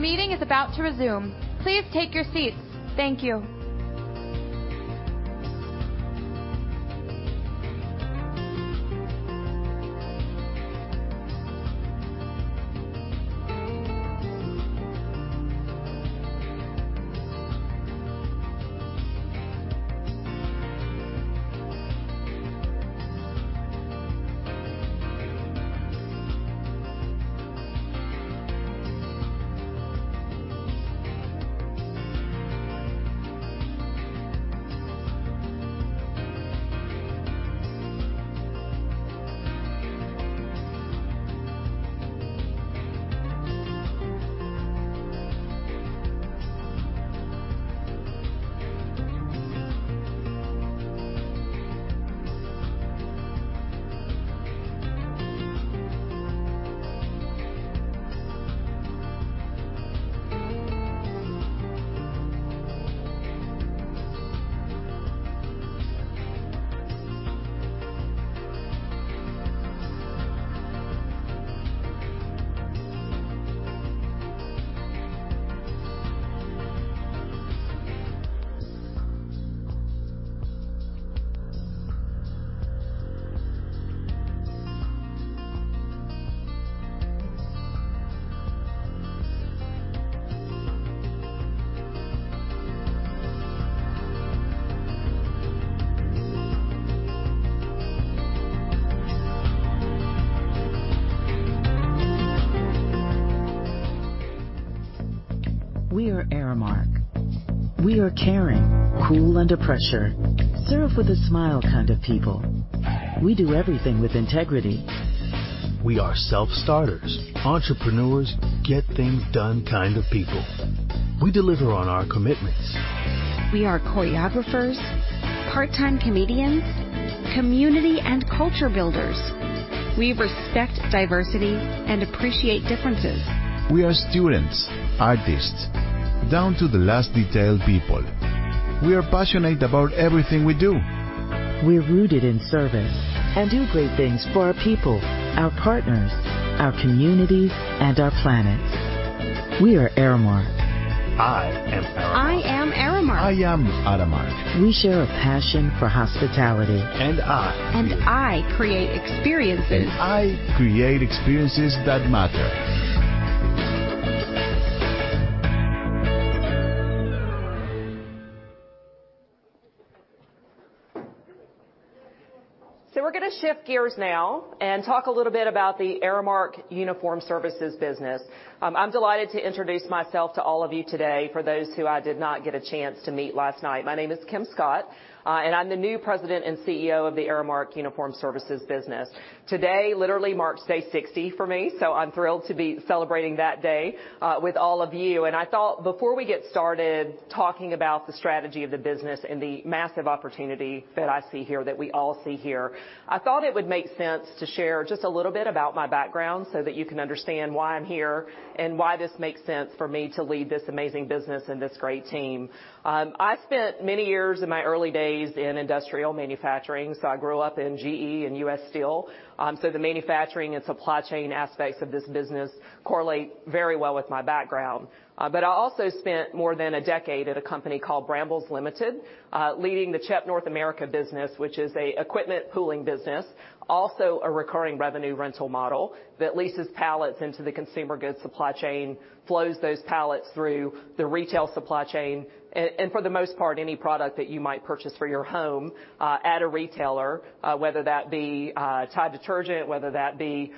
Speaker 11: Our meeting is about to resume. Please take your seats. Thank you.
Speaker 2: We are Aramark. We are caring, cool under pressure, serve with a smile kind of people. We do everything with integrity. We are self-starters, entrepreneurs, get things done kind of people. We deliver on our commitments. We are choreographers, part-time comedians, community and culture builders. We respect diversity and appreciate differences. We are students, artists, down to the last detail people. We are passionate about everything we do. We're rooted in service and do great things for our people, our partners, our communities, and our planet. We are Aramark. I am Aramark. I am Aramark. I am Aramark. We share a passion for hospitality. I create experiences. I create experiences that matter.
Speaker 12: We're gonna shift gears now and talk a little bit about the Aramark Uniform Services business. I'm delighted to introduce myself to all of you today, for those who I did not get a chance to meet last night. My name is Kim Scott, and I'm the new President and CEO of the Aramark Uniform Services business. Today literally marks day 60 for me, so I'm thrilled to be celebrating that day with all of you. I thought before we get started talking about the strategy of the business and the massive opportunity that I see here, that we all see here, I thought it would make sense to share just a little bit about my background so that you can understand why I'm here and why this makes sense for me to lead this amazing business and this great team. I spent many years in my early days in industrial manufacturing, so I grew up in GE and U.S. Steel, so the manufacturing and supply chain aspects of this business correlate very well with my background. I also spent more than a decade at a company called Brambles Limited, leading the CHEP North America business, which is a equipment pooling business, also a recurring revenue rental model that leases pallets into the consumer goods supply chain, flows those pallets through the retail supply chain. For the most part, any product that you might purchase for your home, at a retailer, whether that be Tide detergent, whether that be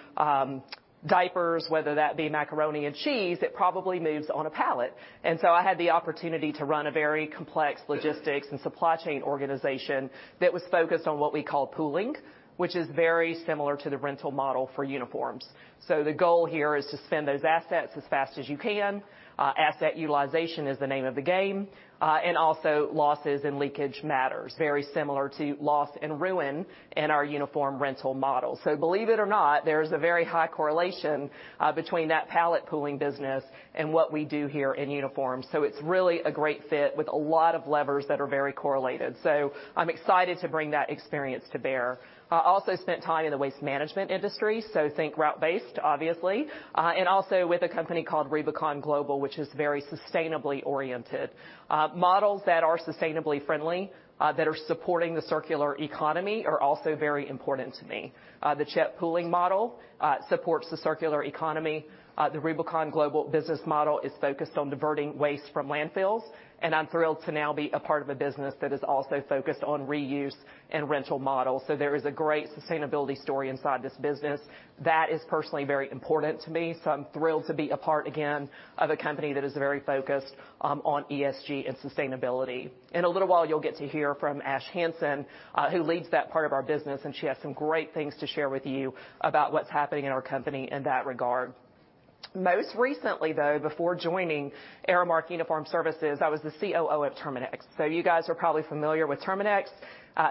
Speaker 12: diapers, whether that be macaroni and cheese, it probably moves on a pallet. I had the opportunity to run a very complex logistics and supply chain organization that was focused on what we call pooling, which is very similar to the rental model for uniforms. The goal here is to spin those assets as fast as you can. Asset utilization is the name of the game, and also losses and leakage matters, very similar to loss and ruin in our uniform rental model. Believe it or not, there's a very high correlation between that pallet pooling business and what we do here in uniforms. It's really a great fit with a lot of levers that are very correlated. I'm excited to bring that experience to bear. I also spent time in the waste management industry, so think route-based, obviously, and also with a company called Rubicon Global, which is very sustainably oriented. Models that are sustainably friendly, that are supporting the circular economy are also very important to me. The CHEP pooling model supports the circular economy. The Rubicon Global business model is focused on diverting waste from landfills, and I'm thrilled to now be a part of a business that is also focused on reuse and rental models. There is a great sustainability story inside this business. That is personally very important to me, so I'm thrilled to be a part again of a company that is very focused on ESG and sustainability. In a little while, you'll get to hear from Ashwani Hanson, who leads that part of our business, and she has some great things to share with you about what's happening in our company in that regard. Most recently, though, before joining Aramark Uniform Services, I was the COO of Terminix. You guys are probably familiar with Terminix,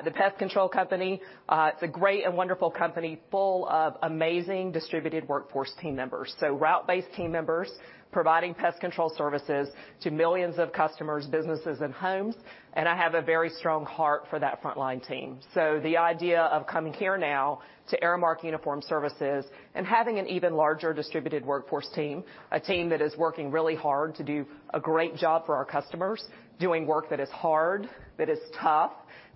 Speaker 12: the pest control company. It's a great and wonderful company full of amazing distributed workforce team members, route based team members providing pest control services to millions of customers, businesses and homes, and I have a very strong heart for that frontline team. The idea of coming here now to Aramark Uniform Services and having an even larger distributed workforce team, a team that is working really hard to do a great job for our customers, doing work that is hard, that is tough,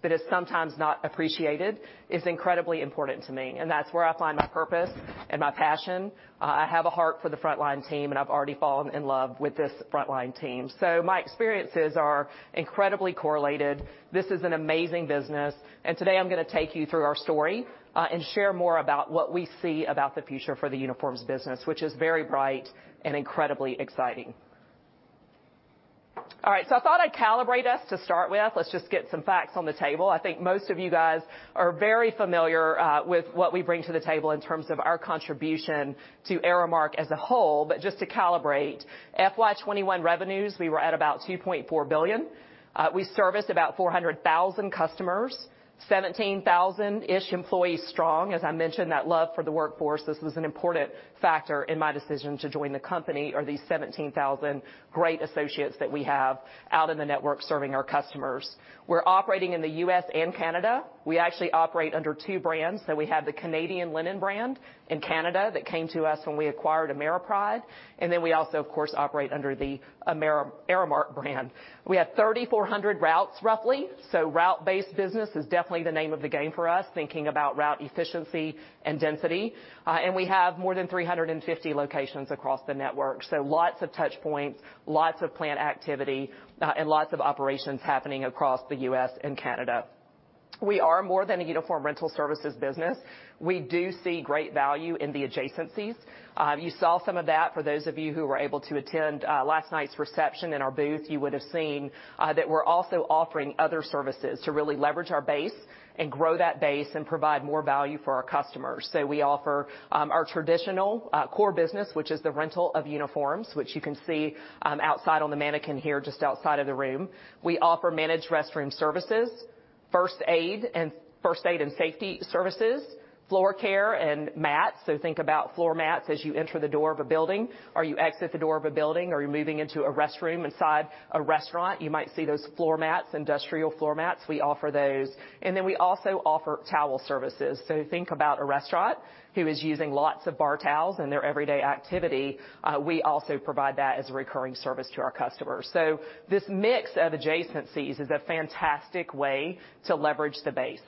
Speaker 12: that is sometimes not appreciated, is incredibly important to me, and that's where I find my purpose and my passion. I have a heart for the frontline team, and I've already fallen in love with this frontline team. My experiences are incredibly correlated. This is an amazing business, and today I'm gonna take you through our story, and share more about what we see about the future for the uniforms business, which is very bright and incredibly exciting. All right, I thought I'd calibrate us to start with. Let's just get some facts on the table. I think most of you guys are very familiar with what we bring to the table in terms of our contribution to Aramark as a whole. Just to calibrate, FY 2021 revenues, we were at about $2.4 billion. We serviced about 400,000 customers, 17,000-ish employees strong. As I mentioned, that love for the workforce, this was an important factor in my decision to join the company, our 17,000 great associates that we have out in the network serving our customers. We're operating in the U.S. and Canada. We actually operate under two brands. We have the Canadian Linen brand in Canada that came to us when we acquired AmeriPride, and then we also, of course, operate under the AmeriPride brand. We have 3,400 routes, roughly. Route based business is definitely the name of the game for us, thinking about route efficiency and density. We have more than 350 locations across the network. Lots of touch points, lots of plant activity, and lots of operations happening across the U.S. and Canada. We are more than a uniform rental services business. We do see great value in the adjacencies. You saw some of that for those of you who were able to attend last night's reception in our booth. You would have seen that we're also offering other services to really leverage our base and grow that base and provide more value for our customers. We offer our traditional core business, which is the rental of uniforms, which you can see outside on the mannequin here, just outside of the room. We offer managed restroom services, first aid and safety services, floor care and mats. Think about floor mats as you enter the door of a building or you exit the door of a building, or you're moving into a restroom inside a restaurant. You might see those floor mats, industrial floor mats. We offer those. We also offer towel services. Think about a restaurant who is using lots of bar towels in their everyday activity. We also provide that as a recurring service to our customers. This mix of adjacencies is a fantastic way to leverage the base.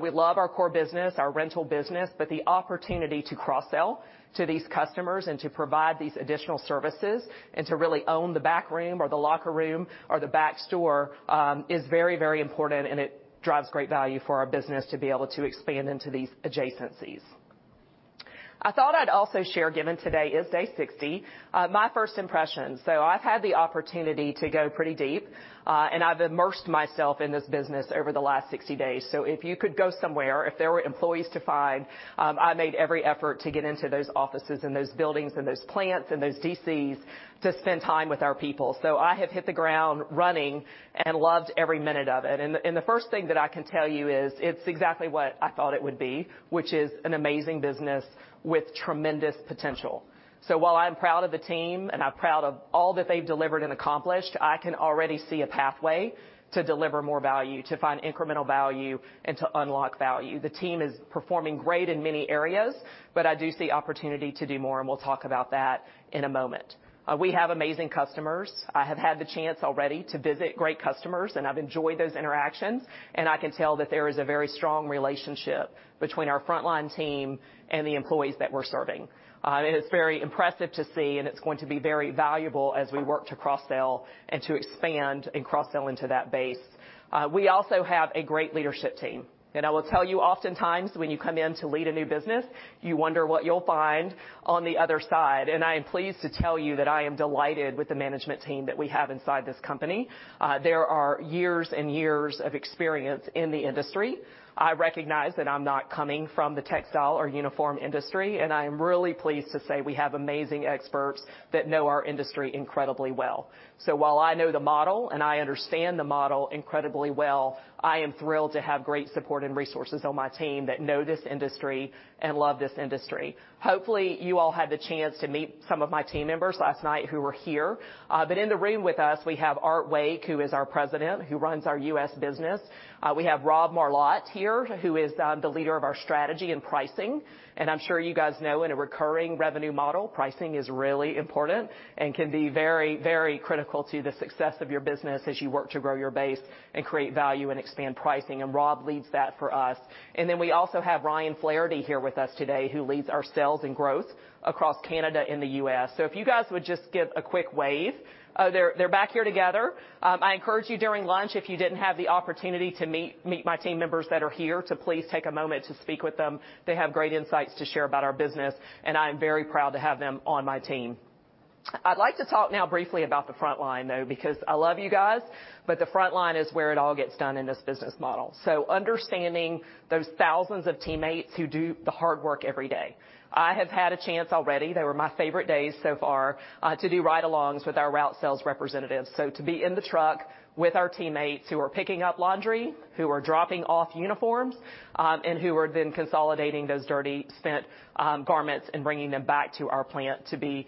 Speaker 12: We love our core business, our rental business, but the opportunity to cross-sell to these customers and to provide these additional services and to really own the backroom or the locker room or the back store, is very, very important and it drives great value for our business to be able to expand into these adjacencies. I thought I'd also share, given today is day 60, my first impressions. I've had the opportunity to go pretty deep, and I've immersed myself in this business over the last 60 days. If you could go somewhere, if there were employees to find, I made every effort to get into those offices and those buildings and those plants and those DCs to spend time with our people. I have hit the ground running and loved every minute of it. And the first thing that I can tell you is it's exactly what I thought it would be, which is an amazing business with tremendous potential. While I'm proud of the team and I'm proud of all that they've delivered and accomplished, I can already see a pathway to deliver more value, to find incremental value, and to unlock value. The team is performing great in many areas, but I do see opportunity to do more, and we'll talk about that in a moment. We have amazing customers. I have had the chance already to visit great customers, and I've enjoyed those interactions. I can tell that there is a very strong relationship between our frontline team and the employees that we're serving. It's very impressive to see, and it's going to be very valuable as we work to cross-sell and to expand and cross-sell into that base. We also have a great leadership team. I will tell you, oftentimes when you come in to lead a new business, you wonder what you'll find on the other side. I am pleased to tell you that I am delighted with the management team that we have inside this company. There are years and years of experience in the industry. I recognize that I'm not coming from the textile or uniform industry, and I am really pleased to say we have amazing experts that know our industry incredibly well. While I know the model and I understand the model incredibly well, I am thrilled to have great support and resources on my team that know this industry and love this industry. Hopefully, you all had the chance to meet some of my team members last night who were here. In the room with us, we have Art Wake, who is our President, who runs our U.S. business. We have Rob Marlotte here, who is the leader of our strategy and pricing. I'm sure you guys know in a recurring revenue model, pricing is really important and can be very, very critical to the success of your business as you work to grow your base and create value and expand pricing. Rob leads that for us. Then we also have Ryan Flaherty here with us today, who leads our sales and growth across Canada and the US. If you guys would just give a quick wave. They're back here together. I encourage you during lunch, if you didn't have the opportunity to meet my team members that are here, to please take a moment to speak with them. They have great insights to share about our business, and I am very proud to have them on my team. I'd like to talk now briefly about the front line, though, because I love you guys, but the front line is where it all gets done in this business model. Understanding those thousands of teammates who do the hard work every day. I have had a chance already, they were my favorite days so far, to do ride-alongs with our route sales representatives. To be in the truck with our teammates who are picking up laundry, who are dropping off uniforms, and who are then consolidating those dirty, spent, garments and bringing them back to our plant to be,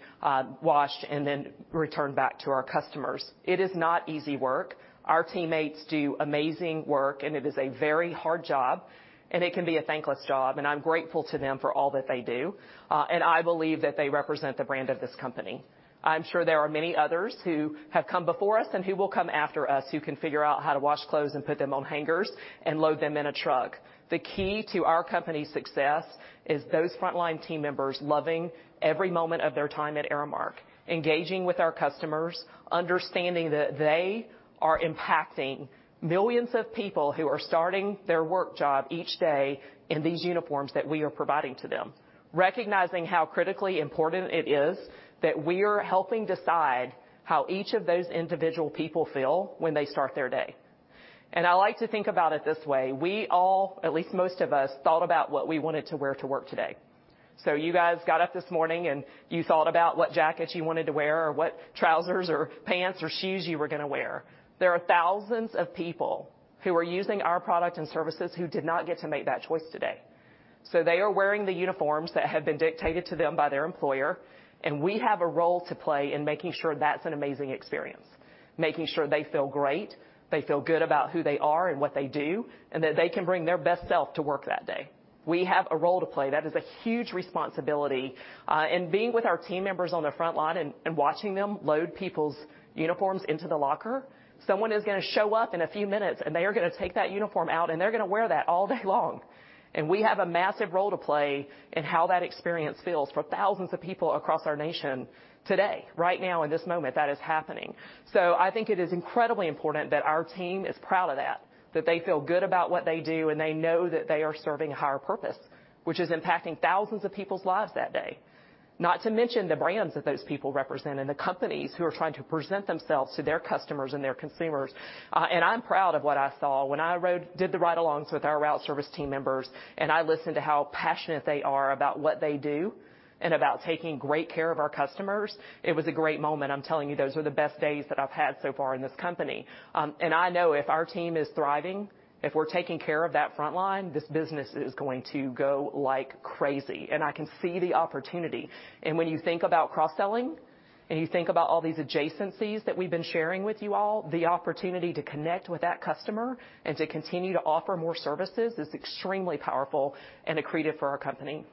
Speaker 12: washed and then returned back to our customers. It is not easy work. Our teammates do amazing work, and it is a very hard job, and it can be a thankless job, and I'm grateful to them for all that they do. I believe that they represent the brand of this company. I'm sure there are many others who have come before us and who will come after us, who can figure out how to wash clothes and put them on hangers and load them in a truck. The key to our company's success is those frontline team members loving every moment of their time at Aramark, engaging with our customers, understanding that they are impacting millions of people who are starting their work job each day in these uniforms that we are providing to them. Recognizing how critically important it is that we're helping decide how each of those individual people feel when they start their day. I like to think about it this way, we all, at least most of us, thought about what we wanted to wear to work today. You guys got up this morning, and you thought about what jacket you wanted to wear or what trousers or pants or shoes you were gonna wear. There are thousands of people who are using our product and services who did not get to make that choice today. They are wearing the uniforms that have been dictated to them by their employer, and we have a role to play in making sure that's an amazing experience, making sure they feel great, they feel good about who they are and what they do, and that they can bring their best self to work that day. We have a role to play. That is a huge responsibility. Being with our team members on the front line and watching them load people's uniforms into the locker, someone is gonna show up in a few minutes, and they are gonna take that uniform out, and they're gonna wear that all day long. We have a massive role to play in how that experience feels for thousands of people across our nation today. Right now, in this moment, that is happening. I think it is incredibly important that our team is proud of that they feel good about what they do, and they know that they are serving a higher purpose, which is impacting thousands of people's lives that day. Not to mention the brands that those people represent and the companies who are trying to present themselves to their customers and their consumers. I'm proud of what I saw when I did the ride-alongs with our route service team members, and I listened to how passionate they are about what they do and about taking great care of our customers. It was a great moment. I'm telling you, those were the best days that I've had so far in this company. I know if our team is thriving, if we're taking care of that front line, this business is going to go like crazy, and I can see the opportunity. When you think about cross-selling and you think about all these adjacencies that we've been sharing with you all, the opportunity to connect with that customer and to continue to offer more services is extremely powerful and accretive for our company.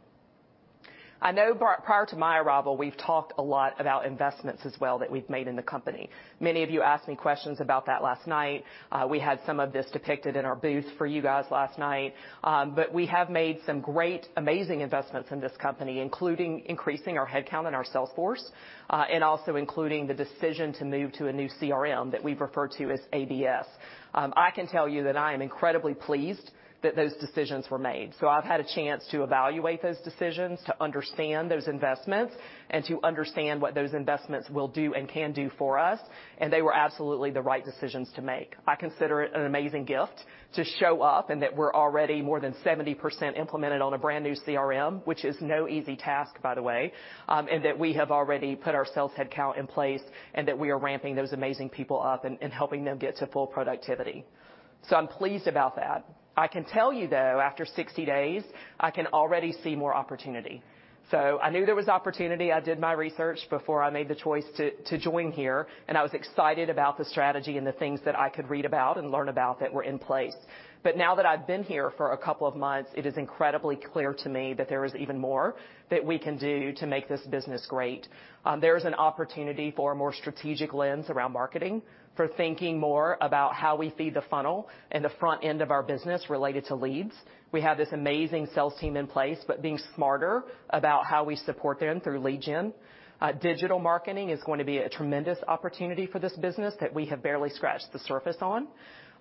Speaker 12: I know prior to my arrival, we've talked a lot about investments as well that we've made in the company. Many of you asked me questions about that last night. We had some of this depicted in our booth for you guys last night. We have made some great, amazing investments in this company, including increasing our headcount and our sales force, and also including the decision to move to a new CRM that we refer to as ABS. I can tell you that I am incredibly pleased that those decisions were made. I've had a chance to evaluate those decisions, to understand those investments, and to understand what those investments will do and can do for us, and they were absolutely the right decisions to make. I consider it an amazing gift to show up and that we're already more than 70% implemented on a brand-new CRM, which is no easy task, by the way, and that we have already put our sales headcount in place and that we are ramping those amazing people up and helping them get to full productivity. I'm pleased about that. I can tell you, though, after 60 days, I can already see more opportunity. I knew there was opportunity. I did my research before I made the choice to join here, and I was excited about the strategy and the things that I could read about and learn about that were in place. Now that I've been here for a couple of months, it is incredibly clear to me that there is even more that we can do to make this business great. There's an opportunity for a more strategic lens around marketing, for thinking more about how we feed the funnel and the front end of our business related to leads. We have this amazing sales team in place, but being smarter about how we support them through lead gen. Digital marketing is going to be a tremendous opportunity for this business that we have barely scratched the surface on.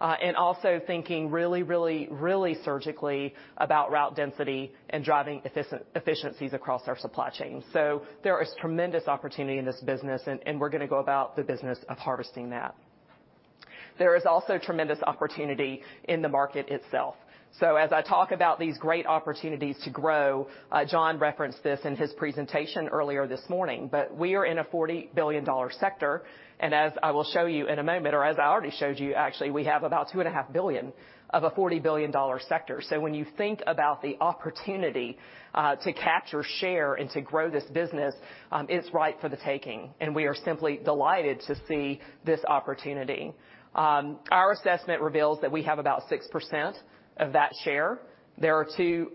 Speaker 12: And also thinking really surgically about route density and driving efficiencies across our supply chain. There is tremendous opportunity in this business, and we're gonna go about the business of harvesting that. There is also tremendous opportunity in the market itself. As I talk about these great opportunities to grow, John referenced this in his presentation earlier this morning, but we are in a $40 billion sector, and as I will show you in a moment, or as I already showed you, actually, we have about $2.5 billion of a $40 billion sector. When you think about the opportunity to capture share and to grow this business, it's ripe for the taking, and we are simply delighted to see this opportunity. Our assessment reveals that we have about 6% of that share. There are two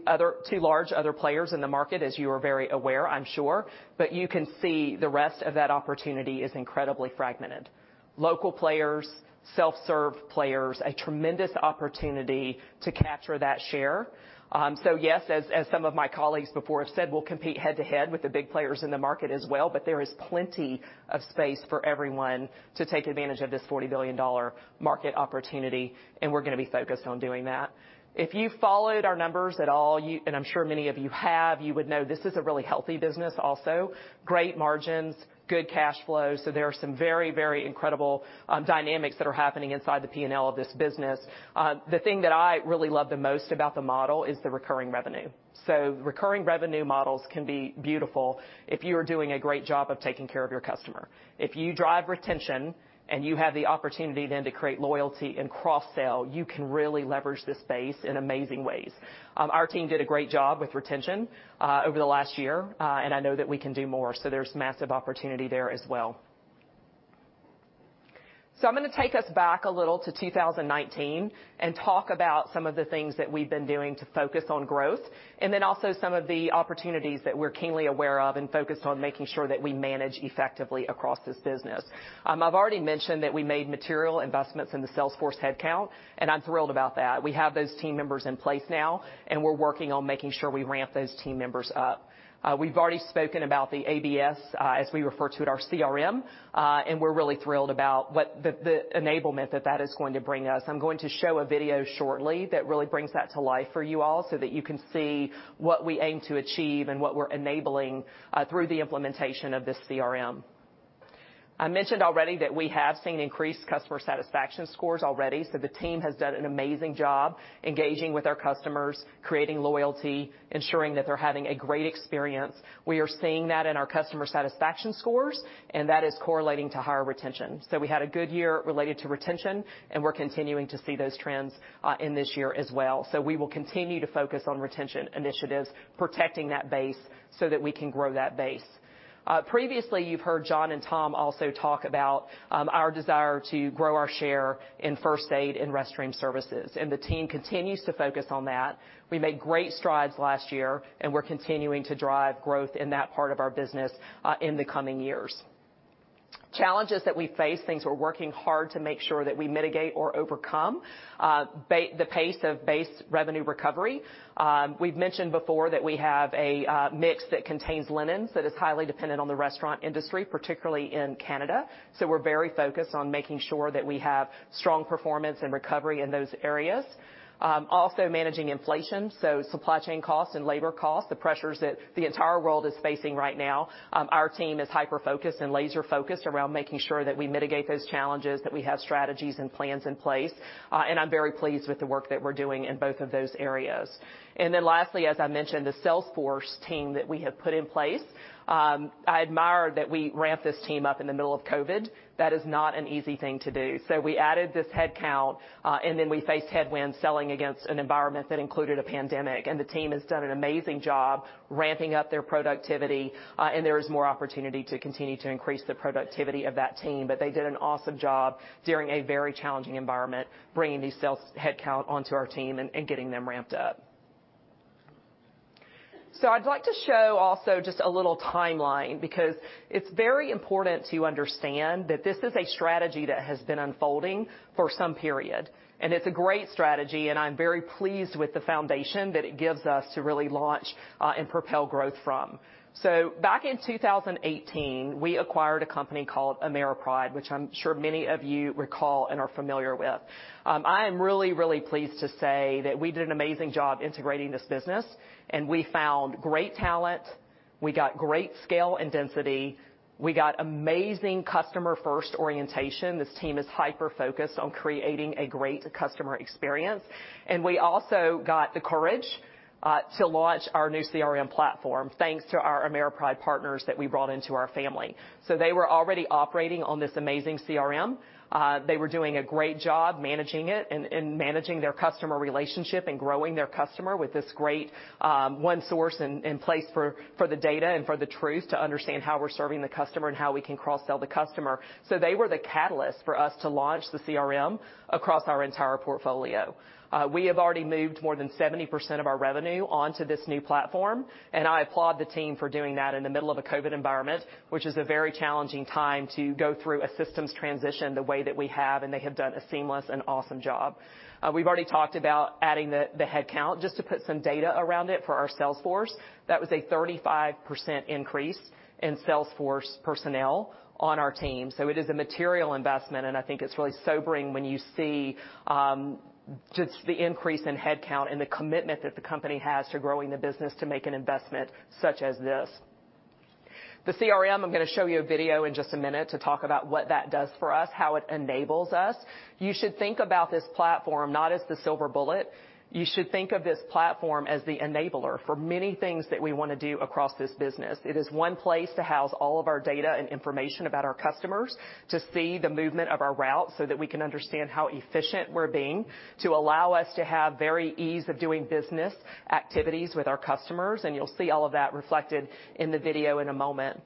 Speaker 12: large other players in the market, as you are very aware, I'm sure, but you can see the rest of that opportunity is incredibly fragmented. Local players, self-serve players, a tremendous opportunity to capture that share. Yes, as some of my colleagues before have said, we'll compete head-to-head with the big players in the market as well, but there is plenty of space for everyone to take advantage of this $40 billion market opportunity, and we're gonna be focused on doing that. If you followed our numbers at all, you, and I'm sure many of you have, you would know this is a really healthy business also. Great margins, good cash flow. There are some very, very incredible dynamics that are happening inside the P&L of this business. The thing that I really love the most about the model is the recurring revenue. Recurring revenue models can be beautiful if you are doing a great job of taking care of your customer. If you drive retention and you have the opportunity then to create loyalty and cross-sell, you can really leverage this base in amazing ways. Our team did a great job with retention over the last year, and I know that we can do more. There's massive opportunity there as well. I'm gonna take us back a little to 2019 and talk about some of the things that we've been doing to focus on growth and then also some of the opportunities that we're keenly aware of and focused on making sure that we manage effectively across this business. I've already mentioned that we made material investments in the sales force headcount, and I'm thrilled about that. We have those team members in place now, and we're working on making sure we ramp those team members up. We've already spoken about the ABS, as we refer to it, our CRM, and we're really thrilled about what the enablement that is going to bring us. I'm going to show a video shortly that really brings that to life for you all so that you can see what we aim to achieve and what we're enabling through the implementation of this CRM. I mentioned already that we have seen increased customer satisfaction scores already. The team has done an amazing job engaging with our customers, creating loyalty, ensuring that they're having a great experience. We are seeing that in our customer satisfaction scores, and that is correlating to higher retention. We had a good year related to retention, and we're continuing to see those trends in this year as well. We will continue to focus on retention initiatives, protecting that base so that we can grow that base. Previously, you've heard John and Tom also talk about our desire to grow our share in first aid and restroom services, and the team continues to focus on that. We made great strides last year, and we're continuing to drive growth in that part of our business in the coming years. Challenges that we face, things we're working hard to make sure that we mitigate or overcome, the pace of base revenue recovery. We've mentioned before that we have a mix that contains linens that is highly dependent on the restaurant industry, particularly in Canada. We're very focused on making sure that we have strong performance and recovery in those areas. We are also managing inflation, so supply chain costs and labor costs, the pressures that the entire world is facing right now. Our team is hyper-focused and laser-focused around making sure that we mitigate those challenges, that we have strategies and plans in place. I'm very pleased with the work that we're doing in both of those areas. Lastly, as I mentioned, the sales force team that we have put in place. I admire that we ramped this team up in the middle of COVID. That is not an easy thing to do. We added this headcount, and then we faced headwinds selling against an environment that included a pandemic. The team has done an amazing job ramping up their productivity. There is more opportunity to continue to increase the productivity of that team. They did an awesome job during a very challenging environment, bringing these sales headcount onto our team and getting them ramped up. I'd like to show also just a little timeline because it's very important to understand that this is a strategy that has been unfolding for some period. It's a great strategy, and I'm very pleased with the foundation that it gives us to really launch and propel growth from. Back in 2018, we acquired a company called AmeriPride, which I'm sure many of you recall and are familiar with. I am really, really pleased to say that we did an amazing job integrating this business and we found great talent, we got great scale and density, we got amazing customer-first orientation. This team is hyper-focused on creating a great customer experience. We also got the courage to launch our new CRM platform, thanks to our AmeriPride partners that we brought into our family. They were already operating on this amazing CRM. They were doing a great job managing it and managing their customer relationship and growing their customer with this great one source and place for the data and for the truth to understand how we're serving the customer and how we can cross-sell the customer. They were the catalyst for us to launch the CRM across our entire portfolio. We have already moved more than 70% of our revenue onto this new platform, and I applaud the team for doing that in the middle of a COVID environment, which is a very challenging time to go through a systems transition the way that we have, and they have done a seamless and awesome job. We've already talked about adding the headcount. Just to put some data around it for our sales force, that was a 35% increase in sales force personnel on our team. It is a material investment, and I think it's really sobering when you see just the increase in headcount and the commitment that the company has to growing the business to make an investment such as this. The CRM. I'm gonna show you a video in just a minute to talk about what that does for us, how it enables us. You should think about this platform not as the silver bullet. You should think of this platform as the enabler for many things that we wanna do across this business. It is one place to house all of our data and information about our customers, to see the movement of our route so that we can understand how efficient we're being, to allow us to have very ease of doing business activities with our customers. You'll see all of that reflected in the video in a moment.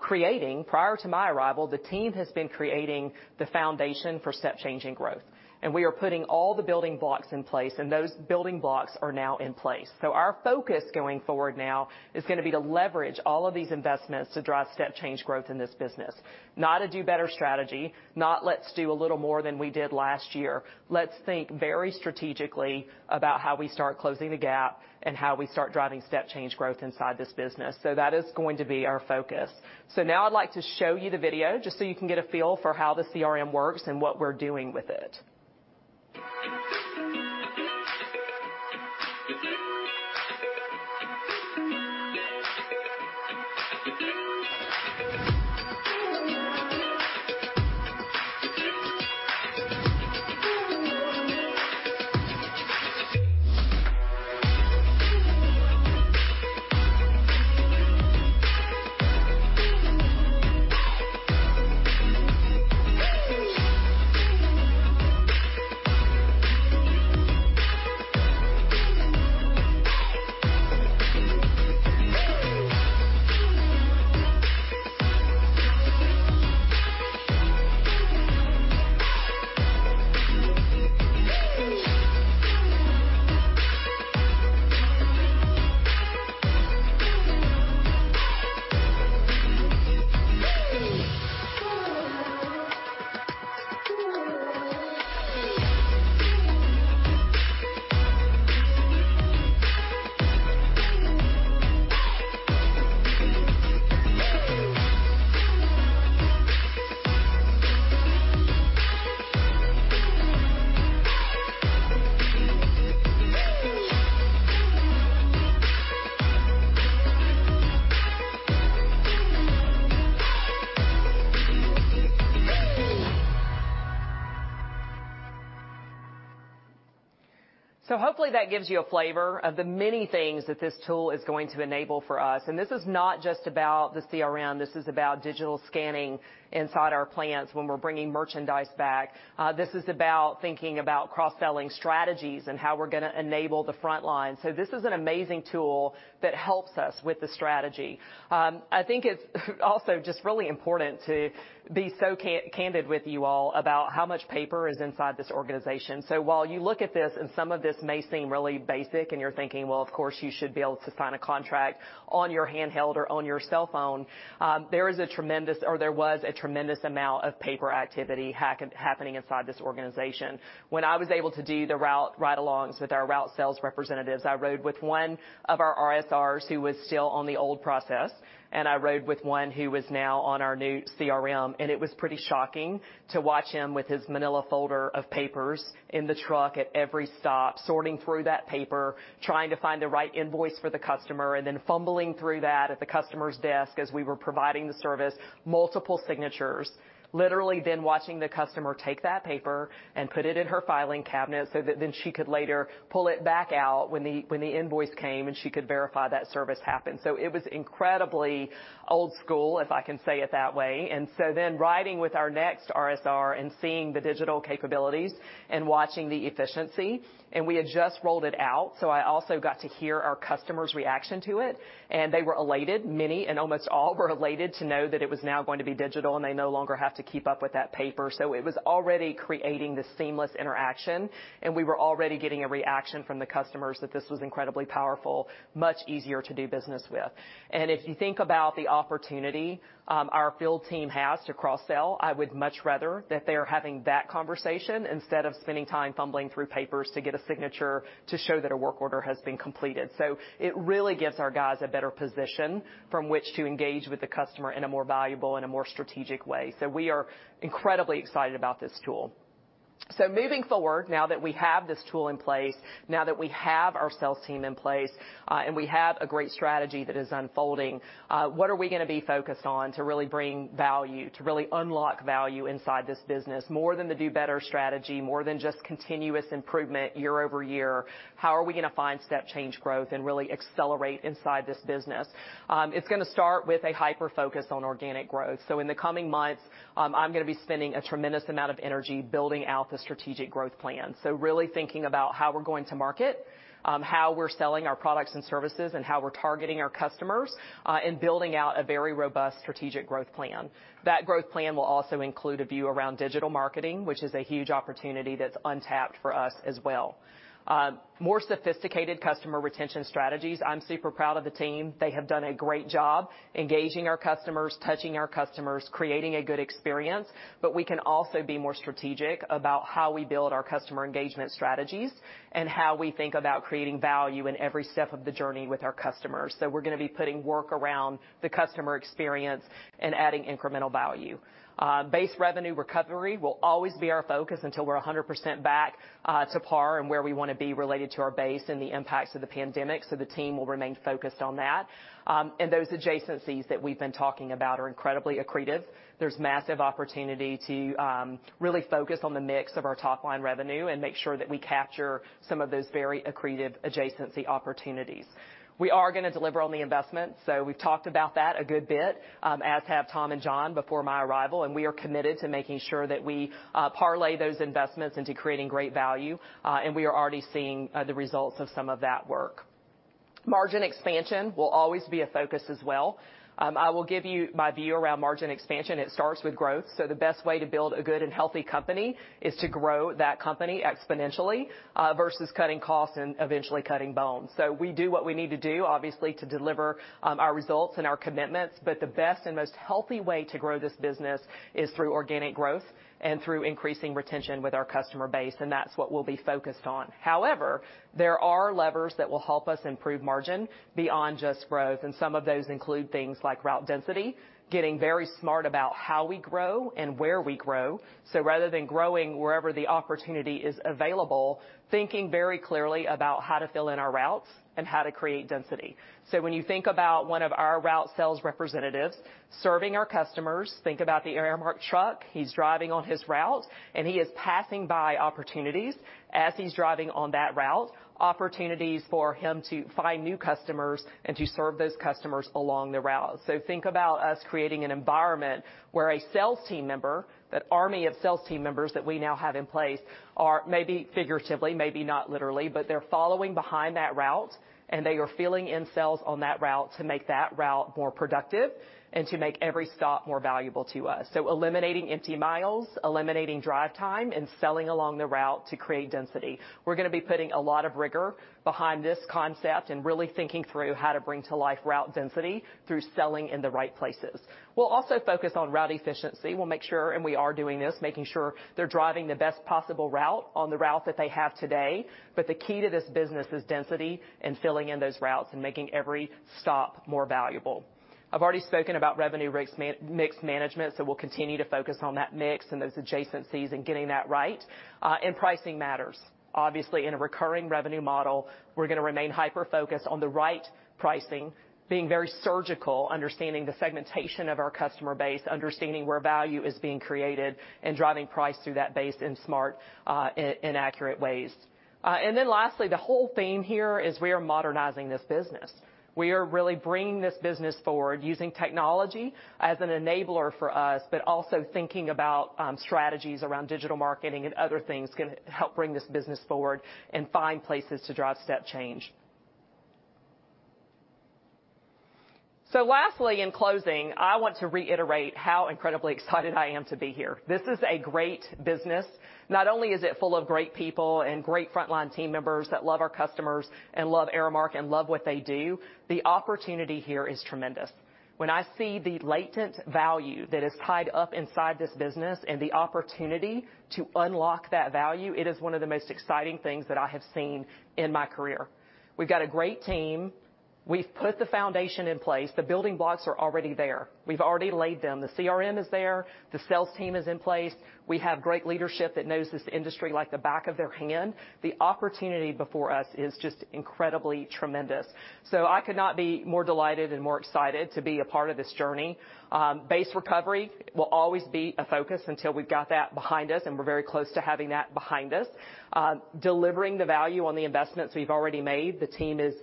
Speaker 12: Prior to my arrival, the team has been creating the foundation for step change in growth. We are putting all the building blocks in place, and those building blocks are now in place. Our focus going forward now is gonna be to leverage all of these investments to drive step change growth in this business. Not a do better strategy, not let's do a little more than we did last year. Let's think very strategically about how we start closing the gap and how we start driving step change growth inside this business. That is going to be our focus. Now I'd like to show you the video just so you can get a feel for how the CRM works and what we're doing with it. Hopefully that gives you a flavor of the many things that this tool is going to enable for us. This is not just about the CRM. This is about digital scanning inside our plants when we're bringing merchandise back. This is about thinking about cross-selling strategies and how we're gonna enable the front line. This is an amazing tool that helps us with the strategy. I think it's also just really important to be so candid with you all about how much paper is inside this organization. While you look at this, and some of this may seem really basic, and you're thinking, "Well, of course you should be able to sign a contract on your handheld or on your cell phone," there was a tremendous amount of paper activity happening inside this organization. When I was able to do the route ride-alongs with our route sales representatives, I rode with one of our RSRs who was still on the old process, and I rode with one who was now on our new CRM, and it was pretty shocking to watch him with his manila folder of papers in the truck at every stop, sorting through that paper, trying to find the right invoice for the customer, and then fumbling through that at the customer's desk as we were providing the service, multiple signatures, literally then watching the customer take that paper and put it in her filing cabinet so that then she could later pull it back out when the invoice came, and she could verify that service happened. It was incredibly old school, if I can say it that way. Riding with our next RSR and seeing the digital capabilities and watching the efficiency, we had just rolled it out. I also got to hear our customers' reaction to it, and they were elated. Many and almost all were elated to know that it was now going to be digital, and they no longer have to keep up with that paper. It was already creating this seamless interaction, and we were already getting a reaction from the customers that this was incredibly powerful, much easier to do business with. If you think about the opportunity, our field team has to cross-sell. I would much rather that they are having that conversation instead of spending time fumbling through papers to get a signature to show that a work order has been completed. It really gives our guys a better position from which to engage with the customer in a more valuable and a more strategic way. We are incredibly excited about this tool. Moving forward, now that we have this tool in place, now that we have our sales team in place, and we have a great strategy that is unfolding, what are we gonna be focused on to really bring value, to really unlock value inside this business more than the do better strategy, more than just continuous improvement year over year? How are we gonna find step change growth and really accelerate inside this business? It's gonna start with a hyper-focus on organic growth. In the coming months, I'm gonna be spending a tremendous amount of energy building out the strategic growth plan. Really thinking about how we're going to market, how we're selling our products and services, and how we're targeting our customers, and building out a very robust strategic growth plan. That growth plan will also include a view around digital marketing, which is a huge opportunity that's untapped for us as well. More sophisticated customer retention strategies. I'm super proud of the team. They have done a great job engaging our customers, touching our customers, creating a good experience, but we can also be more strategic about how we build our customer engagement strategies and how we think about creating value in every step of the journey with our customers. We're gonna be putting work around the customer experience and adding incremental value. Base revenue recovery will always be our focus until we're 100% back to par and where we wanna be related to our base and the impacts of the pandemic, so the team will remain focused on that. Those adjacencies that we've been talking about are incredibly accretive. There's massive opportunity to really focus on the mix of our top-line revenue and make sure that we capture some of those very accretive adjacency opportunities. We are gonna deliver on the investment. We've talked about that a good bit, as have Tom and John before my arrival, and we are committed to making sure that we parlay those investments into creating great value, and we are already seeing the results of some of that work. Margin expansion will always be a focus as well. I will give you my view around margin expansion. It starts with growth. The best way to build a good and healthy company is to grow that company exponentially versus cutting costs and eventually cutting bone. We do what we need to do, obviously, to deliver our results and our commitments, but the best and most healthy way to grow this business is through organic growth and through increasing retention with our customer base, and that's what we'll be focused on. However, there are levers that will help us improve margin beyond just growth, and some of those include things like route density, getting very smart about how we grow and where we grow. Rather than growing wherever the opportunity is available, thinking very clearly about how to fill in our routes and how to create density. When you think about one of our route sales representatives serving our customers, think about the Aramark truck. He's driving on his route, and he is passing by opportunities as he's driving on that route, opportunities for him to find new customers and to serve those customers along the route. Think about us creating an environment where a sales team member, that army of sales team members that we now have in place are maybe figuratively, maybe not literally, but they're following behind that route, and they are filling in sales on that route to make that route more productive and to make every stop more valuable to us. Eliminating empty miles, eliminating drive time, and selling along the route to create density. We're gonna be putting a lot of rigor behind this concept and really thinking through how to bring to life route density through selling in the right places. We'll also focus on route efficiency. We'll make sure, and we are doing this, making sure they're driving the best possible route on the route that they have today, but the key to this business is density and filling in those routes and making every stop more valuable. I've already spoken about revenue mix management, so we'll continue to focus on that mix and those adjacencies and getting that right. Pricing matters. Obviously, in a recurring revenue model, we're gonna remain hyper-focused on the right pricing, being very surgical, understanding the segmentation of our customer base, understanding where value is being created, and driving price through that base in smart and accurate ways. Lastly, the whole theme here is we are modernizing this business. We are really bringing this business forward using technology as an enabler for us, but also thinking about strategies around digital marketing and other things gonna help bring this business forward and find places to drive step change. Lastly, in closing, I want to reiterate how incredibly excited I am to be here. This is a great business. Not only is it full of great people and great frontline team members that love our customers and love Aramark and love what they do, the opportunity here is tremendous. When I see the latent value that is tied up inside this business and the opportunity to unlock that value, it is one of the most exciting things that I have seen in my career. We've got a great team. We've put the foundation in place. The building blocks are already there. We've already laid them. The CRM is there, the sales team is in place. We have great leadership that knows this industry like the back of their hand. The opportunity before us is just incredibly tremendous. I could not be more delighted and more excited to be a part of this journey. Base recovery will always be a focus until we've got that behind us, and we're very close to having that behind us. Delivering the value on the investments we've already made, the team is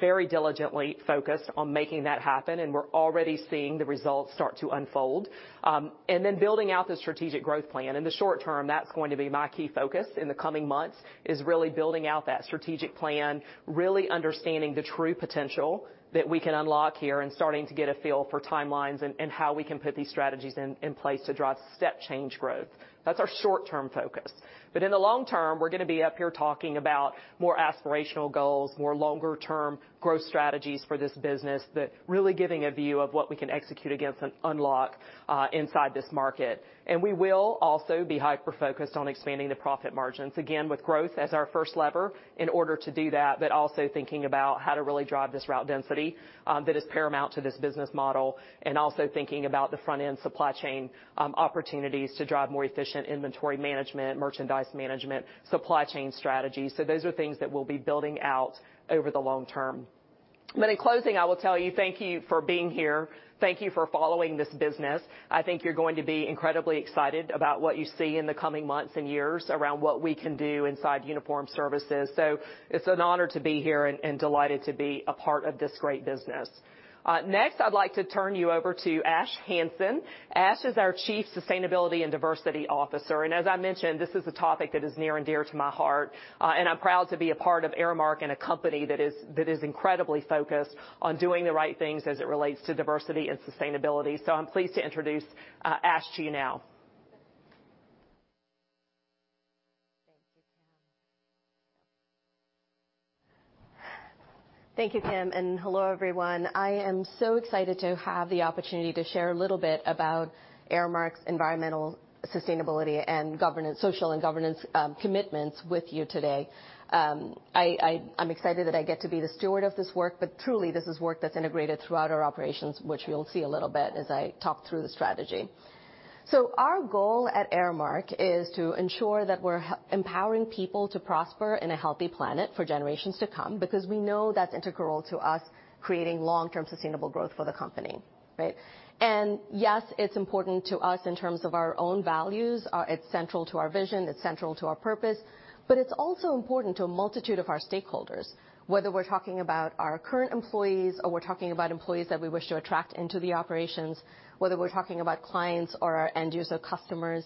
Speaker 12: very diligently focused on making that happen, and we're already seeing the results start to unfold. Then building out the strategic growth plan. In the short term, that's going to be my key focus in the coming months, is really building out that strategic plan, really understanding the true potential that we can unlock here and starting to get a feel for timelines and how we can put these strategies in place to drive step change growth. That's our short-term focus. But in the long term, we're gonna be up here talking about more aspirational goals, more longer-term growth strategies for this business that really giving a view of what we can execute against and unlock inside this market. We will also be hyper-focused on expanding the profit margins, again, with growth as our first lever in order to do that, but also thinking about how to really drive this route density, that is paramount to this business model, and also thinking about the front-end supply chain, opportunities to drive more efficient inventory management, merchandise management, supply chain strategies. Those are things that we'll be building out over the long term. In closing, I will tell you thank you for being here. Thank you for following this business. I think you're going to be incredibly excited about what you see in the coming months and years around what we can do inside Uniform Services. It's an honor to be here and delighted to be a part of this great business. Next, I'd like to turn you over to Ashwani Hanson. Ash is our Chief Sustainability and Diversity Officer. As I mentioned, this is a topic that is near and dear to my heart, and I'm proud to be a part of Aramark and a company that is incredibly focused on doing the right things as it relates to diversity and sustainability. I'm pleased to introduce Ash to you now.
Speaker 13: Thank you, Kim. Hello, everyone. I am so excited to have the opportunity to share a little bit about Aramark's environmental, social and governance commitments with you today. I'm excited that I get to be the steward of this work, but truly this is work that's integrated throughout our operations, which you'll see a little bit as I talk through the strategy. Our goal at Aramark is to ensure that we're empowering people to prosper in a healthy planet for generations to come because we know that's integral to us creating long-term sustainable growth for the company, right? Yes, it's important to us in terms of our own values. It's central to our vision, it's central to our purpose, but it's also important to a multitude of our stakeholders, whether we're talking about our current employees or we're talking about employees that we wish to attract into the operations, whether we're talking about clients or our end user customers,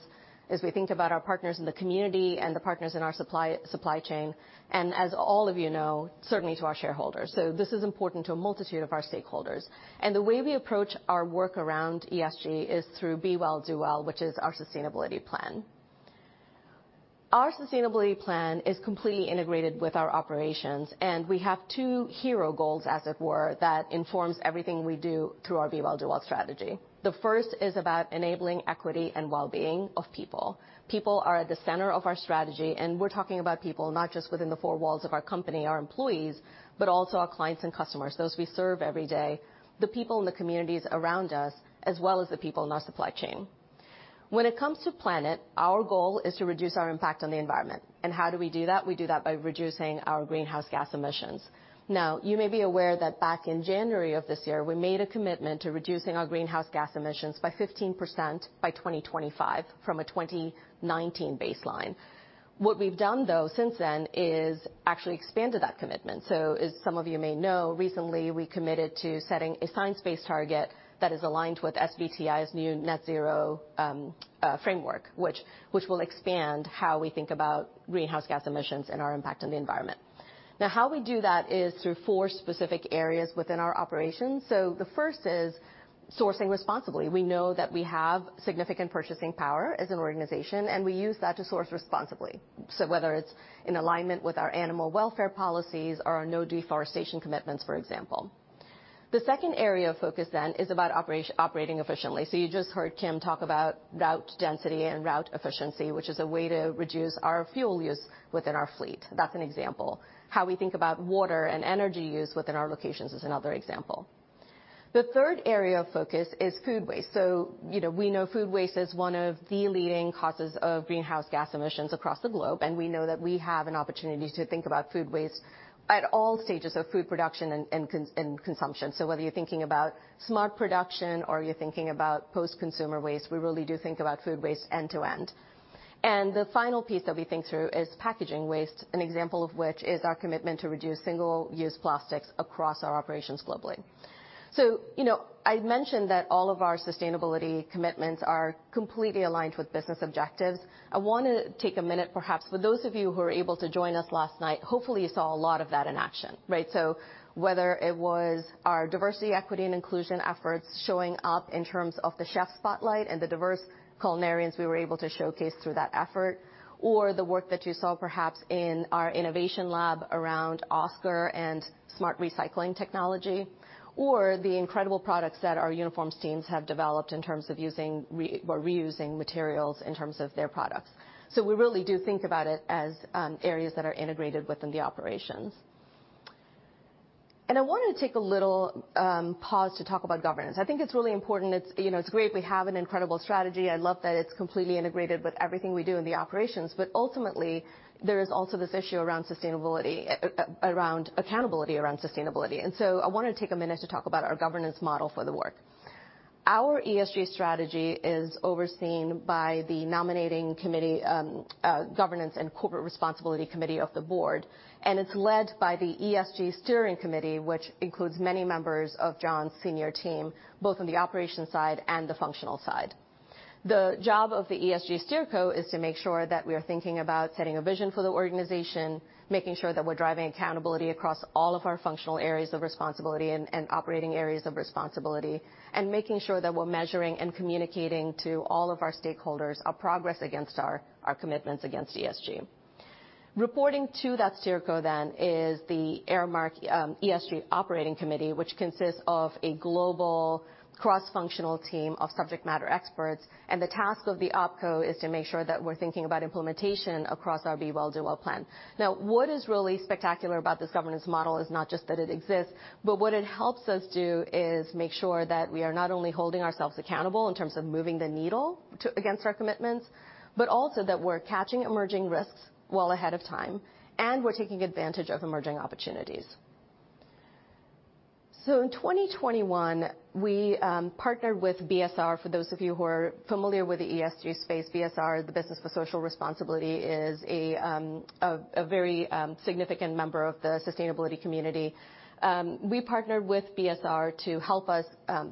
Speaker 13: as we think about our partners in the community and the partners in our supply chain, and as all of you know, certainly to our shareholders. This is important to a multitude of our stakeholders. The way we approach our work around ESG is through Be Well. Do Well., which is our sustainability plan. Our sustainability plan is completely integrated with our operations, and we have two hero goals, as it were, that informs everything we do through our Be Well. Do Well. strategy. The first is about enabling equity and well-being of people. People are at the center of our strategy, and we're talking about people not just within the four walls of our company, our employees, but also our clients and customers, those we serve every day, the people in the communities around us, as well as the people in our supply chain. When it comes to planet, our goal is to reduce our impact on the environment. How do we do that? We do that by reducing our greenhouse gas emissions. Now, you may be aware that back in January of this year, we made a commitment to reducing our greenhouse gas emissions by 15% by 2025 from a 2019 baseline. What we've done, though, since then is actually expanded that commitment. As some of you may know, recently, we committed to setting a science-based target that is aligned with SBTi's new net-zero framework, which will expand how we think about greenhouse gas emissions and our impact on the environment. Now, how we do that is through four specific areas within our operations. The first is sourcing responsibly. We know that we have significant purchasing power as an organization, and we use that to source responsibly. Whether it's in alignment with our animal welfare policies or our no deforestation commitments, for example. The second area of focus is about operating efficiently. You just heard Kim talk about route density and route efficiency, which is a way to reduce our fuel use within our fleet. That's an example. How we think about water and energy use within our locations is another example. The third area of focus is food waste. You know, we know food waste is one of the leading causes of greenhouse gas emissions across the globe, and we know that we have an opportunity to think about food waste at all stages of food production and consumption. Whether you're thinking about smart production or you're thinking about post-consumer waste, we really do think about food waste end to end. The final piece that we think through is packaging waste, an example of which is our commitment to reduce single-use plastics across our operations globally. You know, I'd mentioned that all of our sustainability commitments are completely aligned with business objectives. I wanna take a minute perhaps for those of you who were able to join us last night, hopefully you saw a lot of that in action, right? Whether it was our diversity, equity, and inclusion efforts showing up in terms of the chef spotlight and the diverse culinarians we were able to showcase through that effort, or the work that you saw perhaps in our innovation lab around Oscar and smart recycling technology, or the incredible products that our uniforms teams have developed in terms of using re- or reusing materials in terms of their products. We really do think about it as areas that are integrated within the operations. I wanted to take a little pause to talk about governance. I think it's really important. It's, you know, it's great we have an incredible strategy. I love that it's completely integrated with everything we do in the operations. Ultimately, there is also this issue around sustainability around accountability around sustainability. I wanna take a minute to talk about our governance model for the work. Our ESG strategy is overseen by the Nominating, Governance and Corporate Responsibility Committee of the board, and it's led by the ESG Steering Committee, which includes many members of John's senior team, both on the operations side and the functional side. The job of the ESG steerco is to make sure that we are thinking about setting a vision for the organization, making sure that we're driving accountability across all of our functional areas of responsibility and operating areas of responsibility, and making sure that we're measuring and communicating to all of our stakeholders our progress against our commitments against ESG. Reporting to that steerco then is the Aramark ESG Operating Committee, which consists of a global cross-functional team of subject matter experts, and the task of the OpCo is to make sure that we're thinking about implementation across our Be Well. Do Well. plan. Now, what is really spectacular about this governance model is not just that it exists, but what it helps us do is make sure that we are not only holding ourselves accountable in terms of moving the needle against our commitments, but also that we're catching emerging risks well ahead of time, and we're taking advantage of emerging opportunities. In 2021, we partnered with BSR. For those of you who are familiar with the ESG space, BSR, the Business for Social Responsibility, is a very significant member of the sustainability community. We partnered with BSR to help us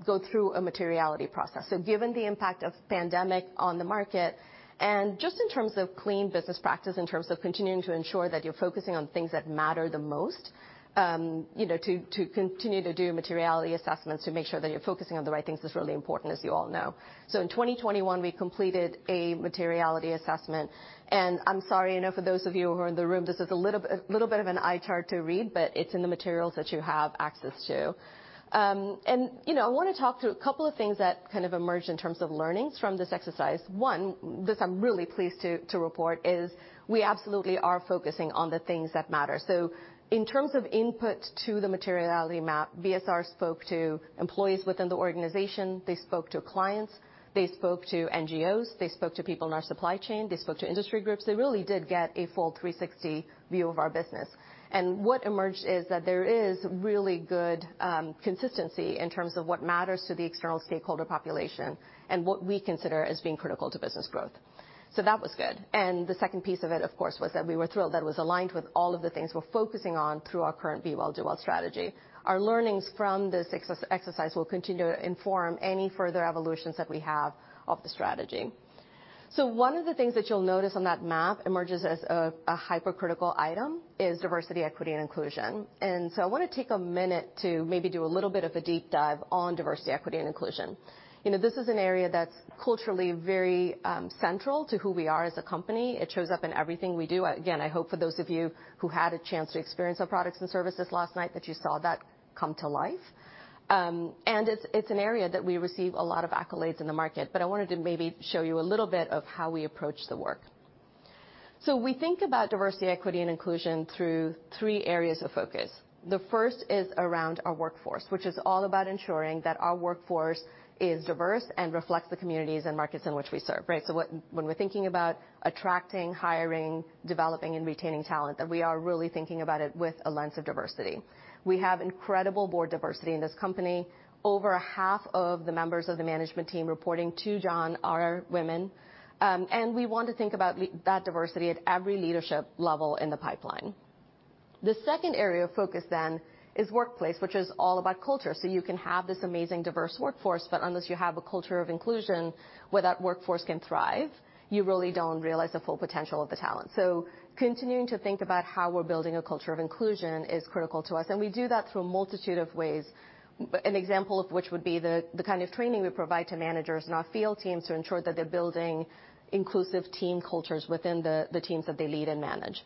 Speaker 13: go through a materiality process. Given the impact of pandemic on the market, and just in terms of clean business practice, in terms of continuing to ensure that you're focusing on things that matter the most, you know, to continue to do materiality assessments to make sure that you're focusing on the right things is really important, as you all know. In 2021, we completed a materiality assessment, and I'm sorry, I know for those of you who are in the room, this is a little bit of an eye chart to read, but it's in the materials that you have access to. You know, I wanna talk through a couple of things that kind of emerged in terms of learnings from this exercise. One, this I'm really pleased to report is we absolutely are focusing on the things that matter. In terms of input to the materiality map, BSR spoke to employees within the organization, they spoke to clients, they spoke to NGOs, they spoke to people in our supply chain, they spoke to industry groups. They really did get a full 360 view of our business. What emerged is that there is really good consistency in terms of what matters to the external stakeholder population and what we consider as being critical to business growth. That was good. The second piece of it, of course, was that we were thrilled that it was aligned with all of the things we're focusing on through our current Be Well. Do Well. strategy. Our learnings from this exercise will continue to inform any further evolutions that we have of the strategy. One of the things that you'll notice on that map emerges as a hypercritical item is diversity, equity, and inclusion. I wanna take a minute to maybe do a little bit of a deep dive on diversity, equity, and inclusion. You know, this is an area that's culturally very central to who we are as a company. It shows up in everything we do. Again, I hope for those of you who had a chance to experience our products and services last night, that you saw that come to life. It's an area that we receive a lot of accolades in the market, but I wanted to maybe show you a little bit of how we approach the work. We think about diversity, equity, and inclusion through three areas of focus. The first is around our workforce, which is all about ensuring that our workforce is diverse and reflects the communities and markets in which we serve, right? When we're thinking about attracting, hiring, developing, and retaining talent, that we are really thinking about it with a lens of diversity. We have incredible board diversity in this company. Over half of the members of the management team reporting to John are women. We want to think about that diversity at every leadership level in the pipeline. The second area of focus then is workplace, which is all about culture. You can have this amazing, diverse workforce, but unless you have a culture of inclusion where that workforce can thrive, you really don't realize the full potential of the talent. Continuing to think about how we're building a culture of inclusion is critical to us, and we do that through a multitude of ways. An example of which would be the kind of training we provide to managers and our field teams to ensure that they're building inclusive team cultures within the teams that they lead and manage.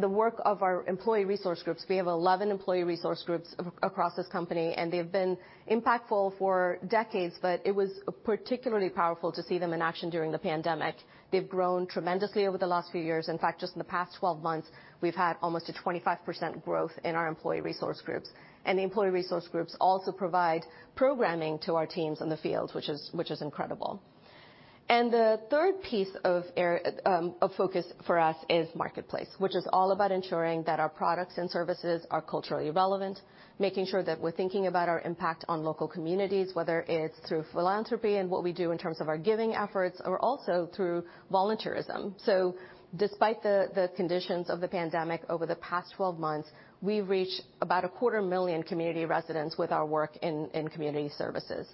Speaker 13: The work of our employee resource groups, we have 11 employee resource groups across this company, and they've been impactful for decades, but it was particularly powerful to see them in action during the pandemic. They've grown tremendously over the last few years. In fact, just in the past 12 months, we've had almost a 25% growth in our employee resource groups. The employee resource groups also provide programming to our teams in the field, which is incredible. The third piece of area of focus for us is marketplace, which is all about ensuring that our products and services are culturally relevant, making sure that we're thinking about our impact on local communities, whether it's through philanthropy and what we do in terms of our giving efforts, or also through volunteerism. Despite the conditions of the pandemic over the past 12 months, we've reached about a quarter million community residents with our work in community services.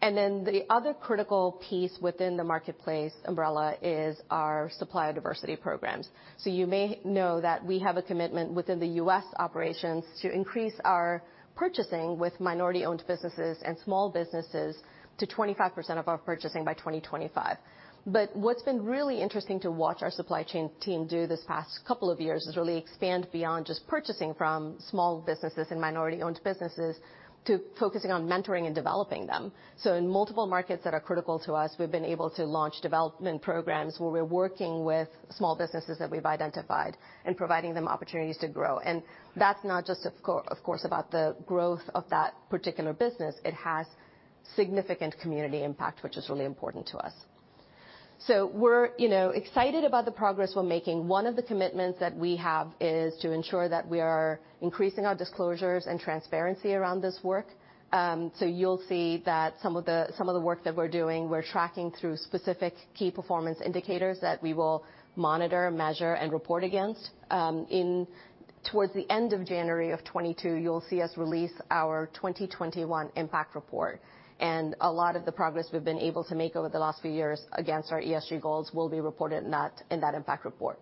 Speaker 13: Then the other critical piece within the marketplace umbrella is our supplier diversity programs. You may know that we have a commitment within the U.S. operations to increase our purchasing with minority-owned businesses and small businesses to 25% of our purchasing by 2025. What's been really interesting to watch our supply chain team do this past couple of years is really expand beyond just purchasing from small businesses and minority-owned businesses to focusing on mentoring and developing them. In multiple markets that are critical to us, we've been able to launch development programs where we're working with small businesses that we've identified and providing them opportunities to grow. That's not just of course about the growth of that particular business. It has significant community impact, which is really important to us. We're, you know, excited about the progress we're making. One of the commitments that we have is to ensure that we are increasing our disclosures and transparency around this work. You'll see that some of the work that we're doing, we're tracking through specific key performance indicators that we will monitor, measure, and report against. Toward the end of January 2022, you'll see us release our 2021 impact report. A lot of the progress we've been able to make over the last few years against our ESG goals will be reported in that impact report.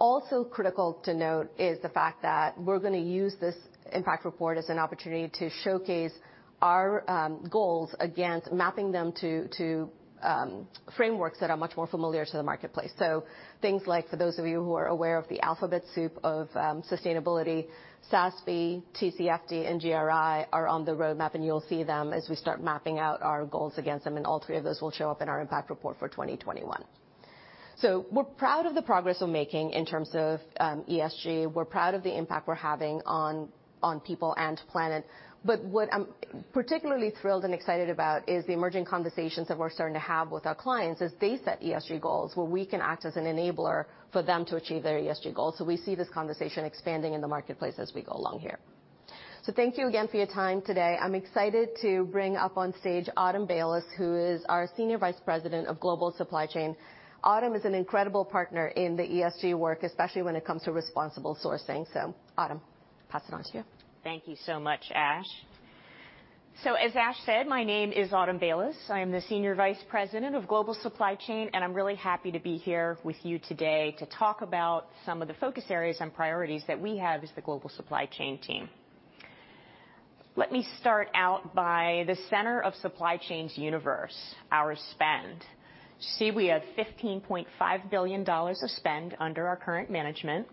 Speaker 13: Also critical to note is the fact that we're gonna use this impact report as an opportunity to showcase our goals against mapping them to frameworks that are much more familiar to the marketplace. Things like for those of you who are aware of the alphabet soup of sustainability, SASB, TCFD, and GRI are on the roadmap, and you'll see them as we start mapping out our goals against them, and all three of those will show up in our impact report for 2021. We're proud of the progress we're making in terms of ESG. We're proud of the impact we're having on people and planet. What I'm particularly thrilled and excited about is the emerging conversations that we're starting to have with our clients as they set ESG goals, where we can act as an enabler for them to achieve their ESG goals. We see this conversation expanding in the marketplace as we go along here. Thank you again for your time today. I'm excited to bring up on stage Autumn Bayles, who is our Senior Vice President of Global Supply Chain. Autumn is an incredible partner in the ESG work, especially when it comes to responsible sourcing. Autumn, pass it on to you.
Speaker 14: Thank you so much, Ash. As Ash said, my name is Autumn Bayles. I am the Senior Vice President of Global Supply Chain, and I'm really happy to be here with you today to talk about some of the focus areas and priorities that we have as the global supply chain team. Let me start out by the center of supply chain's universe, our spend. See, we have $15.5 billion of spend under our current management.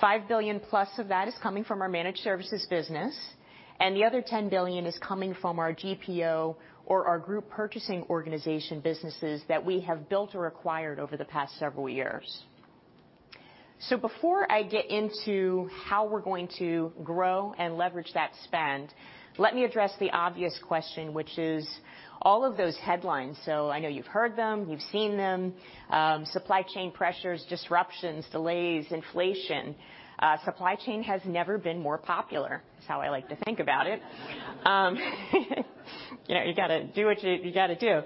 Speaker 14: $5 billion+ of that is coming from our managed services business, and the other $10 billion is coming from our GPO or our group purchasing organization businesses that we have built or acquired over the past several years. Before I get into how we're going to grow and leverage that spend, let me address the obvious question, which is all of those headlines. I know you've heard them, you've seen them, supply chain pressures, disruptions, delays, inflation. Supply chain has never been more popular. That's how I like to think about it. You know, you gotta do what you gotta do.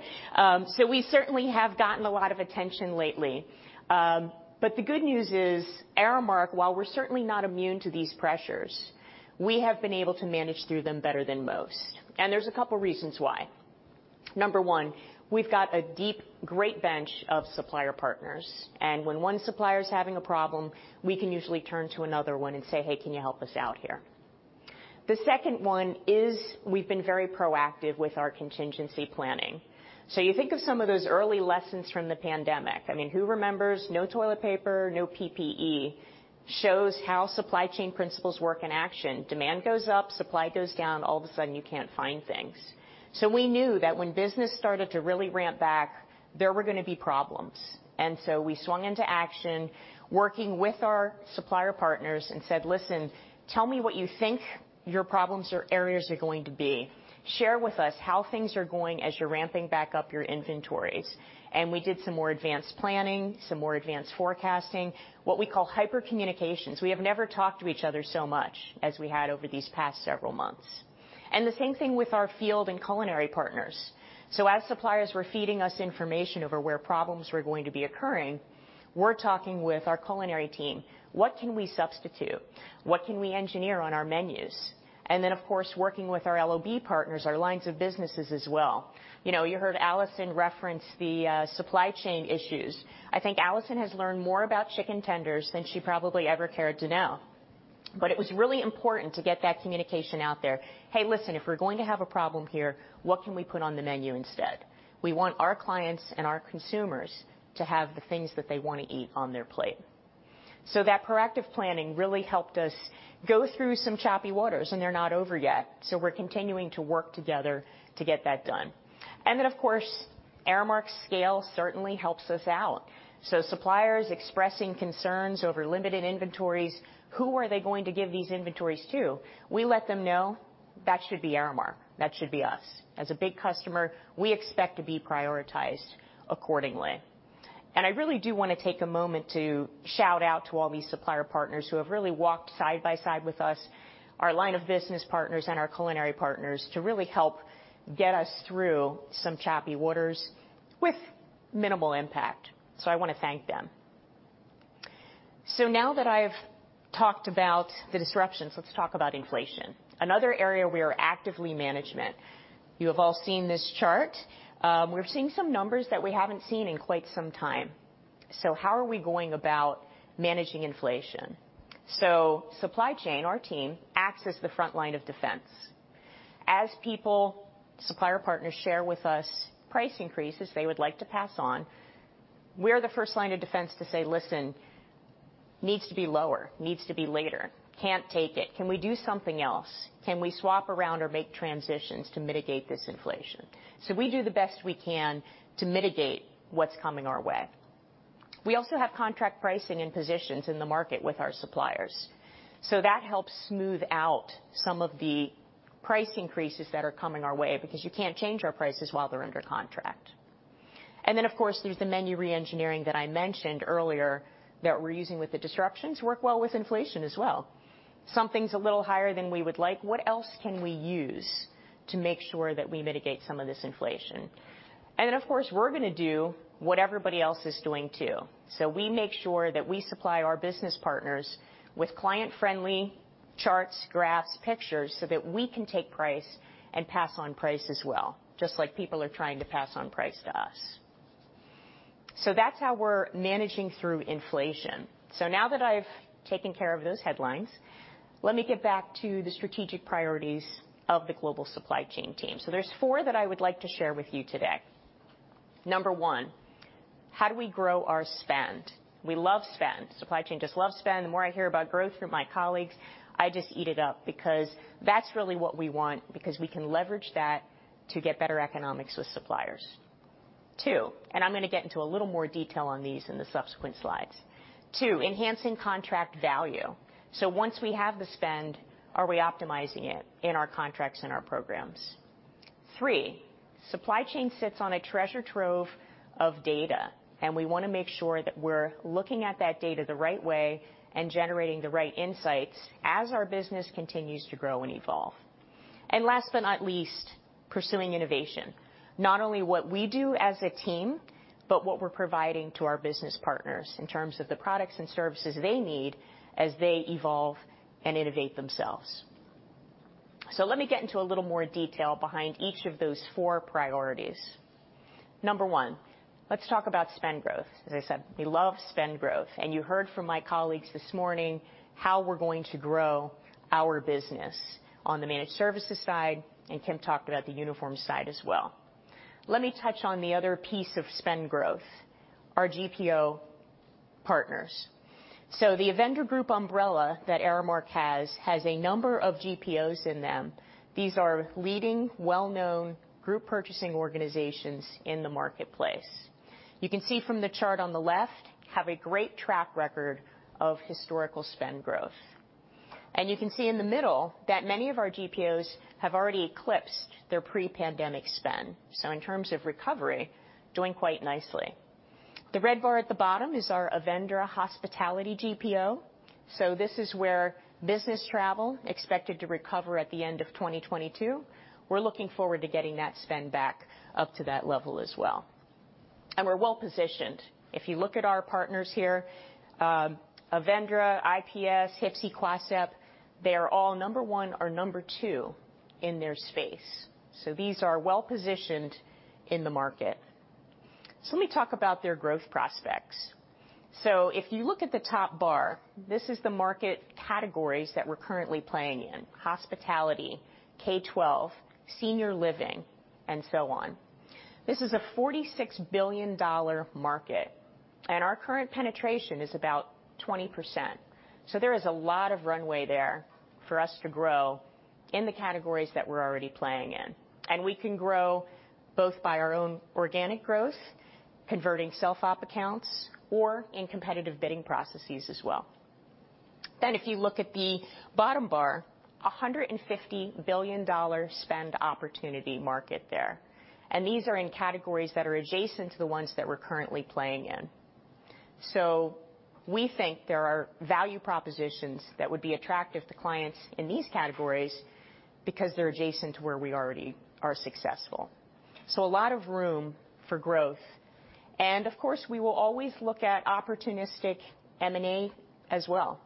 Speaker 14: We certainly have gotten a lot of attention lately. The good news is, Aramark, while we're certainly not immune to these pressures, we have been able to manage through them better than most, and there's a couple reasons why. Number one, we've got a deep great bench of supplier partners, and when one supplier's having a problem, we can usually turn to another one and say, "Hey, can you help us out here?" The second one is we've been very proactive with our contingency planning. You think of some of those early lessons from the pandemic. I mean, who remembers no toilet paper, no PPE? Shows how supply chain principles work in action. Demand goes up, supply goes down. All of a sudden, you can't find things. We knew that when business started to really ramp back, there were gonna be problems. We swung into action, working with our supplier partners and said, "Listen, tell me what you think your problems or areas are going to be. Share with us how things are going as you're ramping back up your inventories." We did some more advanced planning, some more advanced forecasting, what we call hyper-communications. We have never talked to each other so much as we had over these past several months. The same thing with our field and culinary partners. As suppliers were feeding us information over where problems were going to be occurring, we're talking with our culinary team. What can we substitute? What can we engineer on our menus? Of course, working with our LOB partners, our lines of businesses as well. You know, you heard Allison reference the supply chain issues. I think Allison has learned more about chicken tenders than she probably ever cared to know. It was really important to get that communication out there. "Hey, listen, if we're going to have a problem here, what can we put on the menu instead?" We want our clients and our consumers to have the things that they wanna eat on their plate. That proactive planning really helped us go through some choppy waters, and they're not over yet, so we're continuing to work together to get that done. Of course, Aramark's scale certainly helps us out. Suppliers expressing concerns over limited inventories, who are they going to give these inventories to? We let them know. That should be Aramark. That should be us. As a big customer, we expect to be prioritized accordingly. I really do wanna take a moment to shout out to all these supplier partners who have really walked side by side with us, our line of business partners and our culinary partners to really help get us through some choppy waters with minimal impact. I wanna thank them. Now that I've talked about the disruptions, let's talk about inflation. Another area we are actively managing. You have all seen this chart. We're seeing some numbers that we haven't seen in quite some time. How are we going about managing inflation? Supply chain, our team, acts as the front line of defense. As people, supplier partners share with us price increases they would like to pass on, we're the first line of defense to say, "Listen, needs to be lower, needs to be later. Can't take it. Can we do something else? Can we swap around or make transitions to mitigate this inflation?" We do the best we can to mitigate what's coming our way. We also have contract pricing and positions in the market with our suppliers, so that helps smooth out some of the price increases that are coming our way, because you can't change our prices while they're under contract. Then, of course, there's the menu re-engineering that I mentioned earlier that we're using with the disruptions, work well with inflation as well. Something's a little higher than we would like, what else can we use to make sure that we mitigate some of this inflation? Of course, we're gonna do what everybody else is doing too. We make sure that we supply our business partners with client-friendly charts, graphs, pictures, so that we can take price and pass on price as well, just like people are trying to pass on price to us. That's how we're managing through inflation. Now that I've taken care of those headlines, let me get back to the strategic priorities of the global supply chain team. There's four that I would like to share with you today. Number one, how do we grow our spend? We love spend. Supply chain just loves spend. The more I hear about growth from my colleagues, I just eat it up because that's really what we want, because we can leverage that to get better economics with suppliers. Two, I'm gonna get into a little more detail on these in the subsequent slides. Two, enhancing contract value. So once we have the spend, are we optimizing it in our contracts and our programs? Three, supply chain sits on a treasure trove of data, and we wanna make sure that we're looking at that data the right way and generating the right insights as our business continues to grow and evolve. Last but not least, pursuing innovation. Not only what we do as a team, but what we're providing to our business partners in terms of the products and services they need as they evolve and innovate themselves. Let me get into a little more detail behind each of those four priorities. Number one, let's talk about spend growth. As I said, we love spend growth, and you heard from my colleagues this morning how we're going to grow our business on the managed services side, and Kim talked about the uniform side as well. Let me touch on the other piece of spend growth, our GPO partners. The Avendra Group umbrella that Aramark has has a number of GPOs in them. These are leading, well-known group purchasing organizations in the marketplace. You can see from the chart on the left that they have a great track record of historical spend growth. You can see in the middle that many of our GPOs have already eclipsed their pre-pandemic spend. In terms of recovery, we're doing quite nicely. The red bar at the bottom is our Avendra Hospitality GPO. This is where business travel is expected to recover at the end of 2022. We're looking forward to getting that spend back up to that level as well. We're well positioned. If you look at our partners here, Avendra, IPS, HPSI, CPS, they are all number one or number two in their space. These are well positioned in the market. Let me talk about their growth prospects. If you look at the top bar, this is the market categories that we're currently playing in, hospitality, K-12, senior living, and so on. This is a $46 billion market, and our current penetration is about 20%. There is a lot of runway there for us to grow in the categories that we're already playing in. We can grow both by our own organic growth, converting self-op accounts or in competitive bidding processes as well. If you look at the bottom bar, $150 billion spend opportunity market there. These are in categories that are adjacent to the ones that we're currently playing in. We think there are value propositions that would be attractive to clients in these categories because they're adjacent to where we already are successful. A lot of room for growth. Of course, we will always look at opportunistic M&A as well.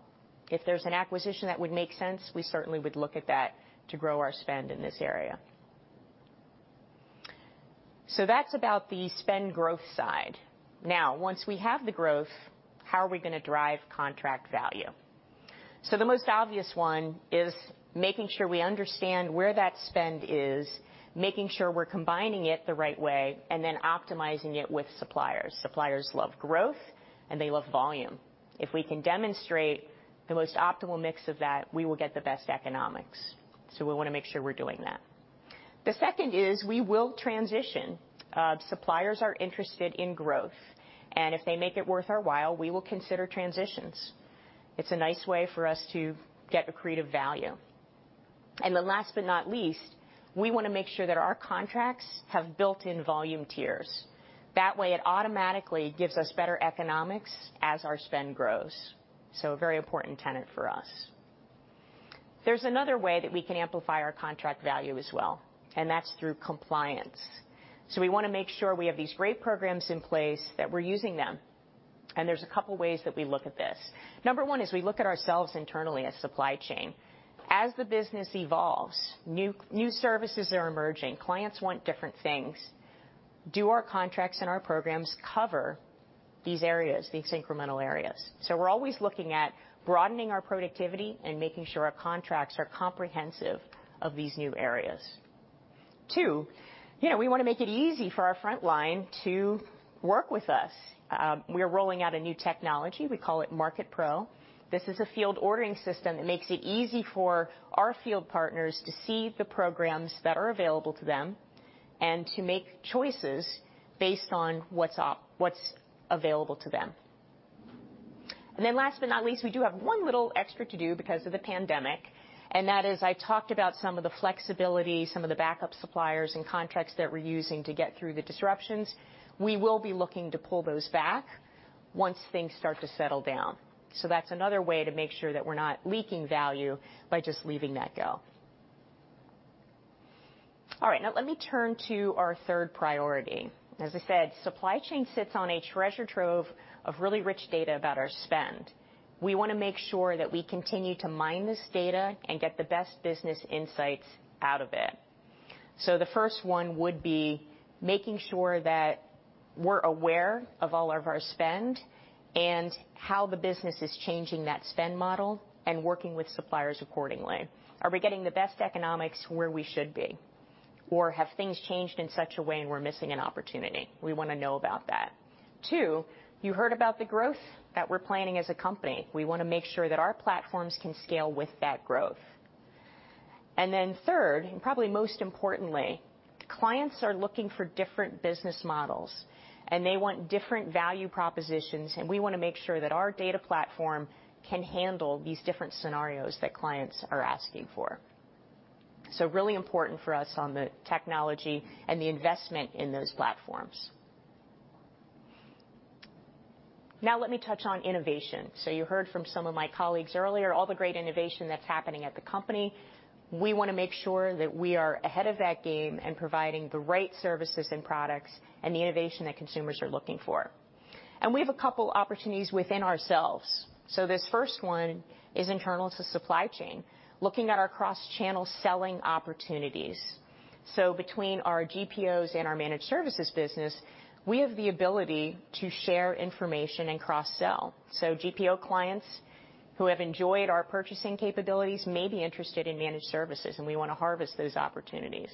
Speaker 14: If there's an acquisition that would make sense, we certainly would look at that to grow our spend in this area. That's about the spend growth side. Now, once we have the growth, how are we gonna drive contract value? The most obvious one is making sure we understand where that spend is, making sure we're combining it the right way, and then optimizing it with suppliers. Suppliers love growth and they love volume. If we can demonstrate the most optimal mix of that, we will get the best economics. We wanna make sure we're doing that. The second is we will transition. Suppliers are interested in growth, and if they make it worth our while, we will consider transitions. It's a nice way for us to get accretive value. Last but not least, we wanna make sure that our contracts have built-in volume tiers. That way, it automatically gives us better economics as our spend grows. A very important tenet for us. There's another way that we can amplify our contract value as well, and that's through compliance. We wanna make sure we have these great programs in place, that we're using them, and there's a couple ways that we look at this. Number one is we look at ourselves internally as supply chain. As the business evolves, new services are emerging. Clients want different things. Do our contracts and our programs cover these areas, these incremental areas? We're always looking at broadening our productivity and making sure our contracts are comprehensive of these new areas. Two, you know, we wanna make it easy for our front line to work with us. We are rolling out a new technology, we call it MarketPro. This is a field ordering system that makes it easy for our field partners to see the programs that are available to them and to make choices based on what's available to them. Last but not least, we do have one little extra to do because of the pandemic, and that is I talked about some of the flexibility, some of the backup suppliers and contracts that we're using to get through the disruptions. We will be looking to pull those back once things start to settle down. That's another way to make sure that we're not leaking value by just letting that go. All right, now let me turn to our third priority. As I said, supply chain sits on a treasure trove of really rich data about our spend. We wanna make sure that we continue to mine this data and get the best business insights out of it. The first one would be making sure that we're aware of all of our spend and how the business is changing that spend model and working with suppliers accordingly. Are we getting the best economics where we should be? Or have things changed in such a way and we're missing an opportunity? We wanna know about that. Two, you heard about the growth that we're planning as a company. We wanna make sure that our platforms can scale with that growth. Third, and probably most importantly, clients are looking for different business models, and they want different value propositions, and we wanna make sure that our data platform can handle these different scenarios that clients are asking for. Really important for us on the technology and the investment in those platforms. Now let me touch on innovation. You heard from some of my colleagues earlier all the great innovation that's happening at the company. We wanna make sure that we are ahead of that game and providing the right services and products and the innovation that consumers are looking for. We have a couple opportunities within ourselves. This first one is internal to supply chain, looking at our cross-channel selling opportunities. Between our GPOs and our managed services business, we have the ability to share information and cross-sell. GPO clients who have enjoyed our purchasing capabilities may be interested in managed services, and we wanna harvest those opportunities.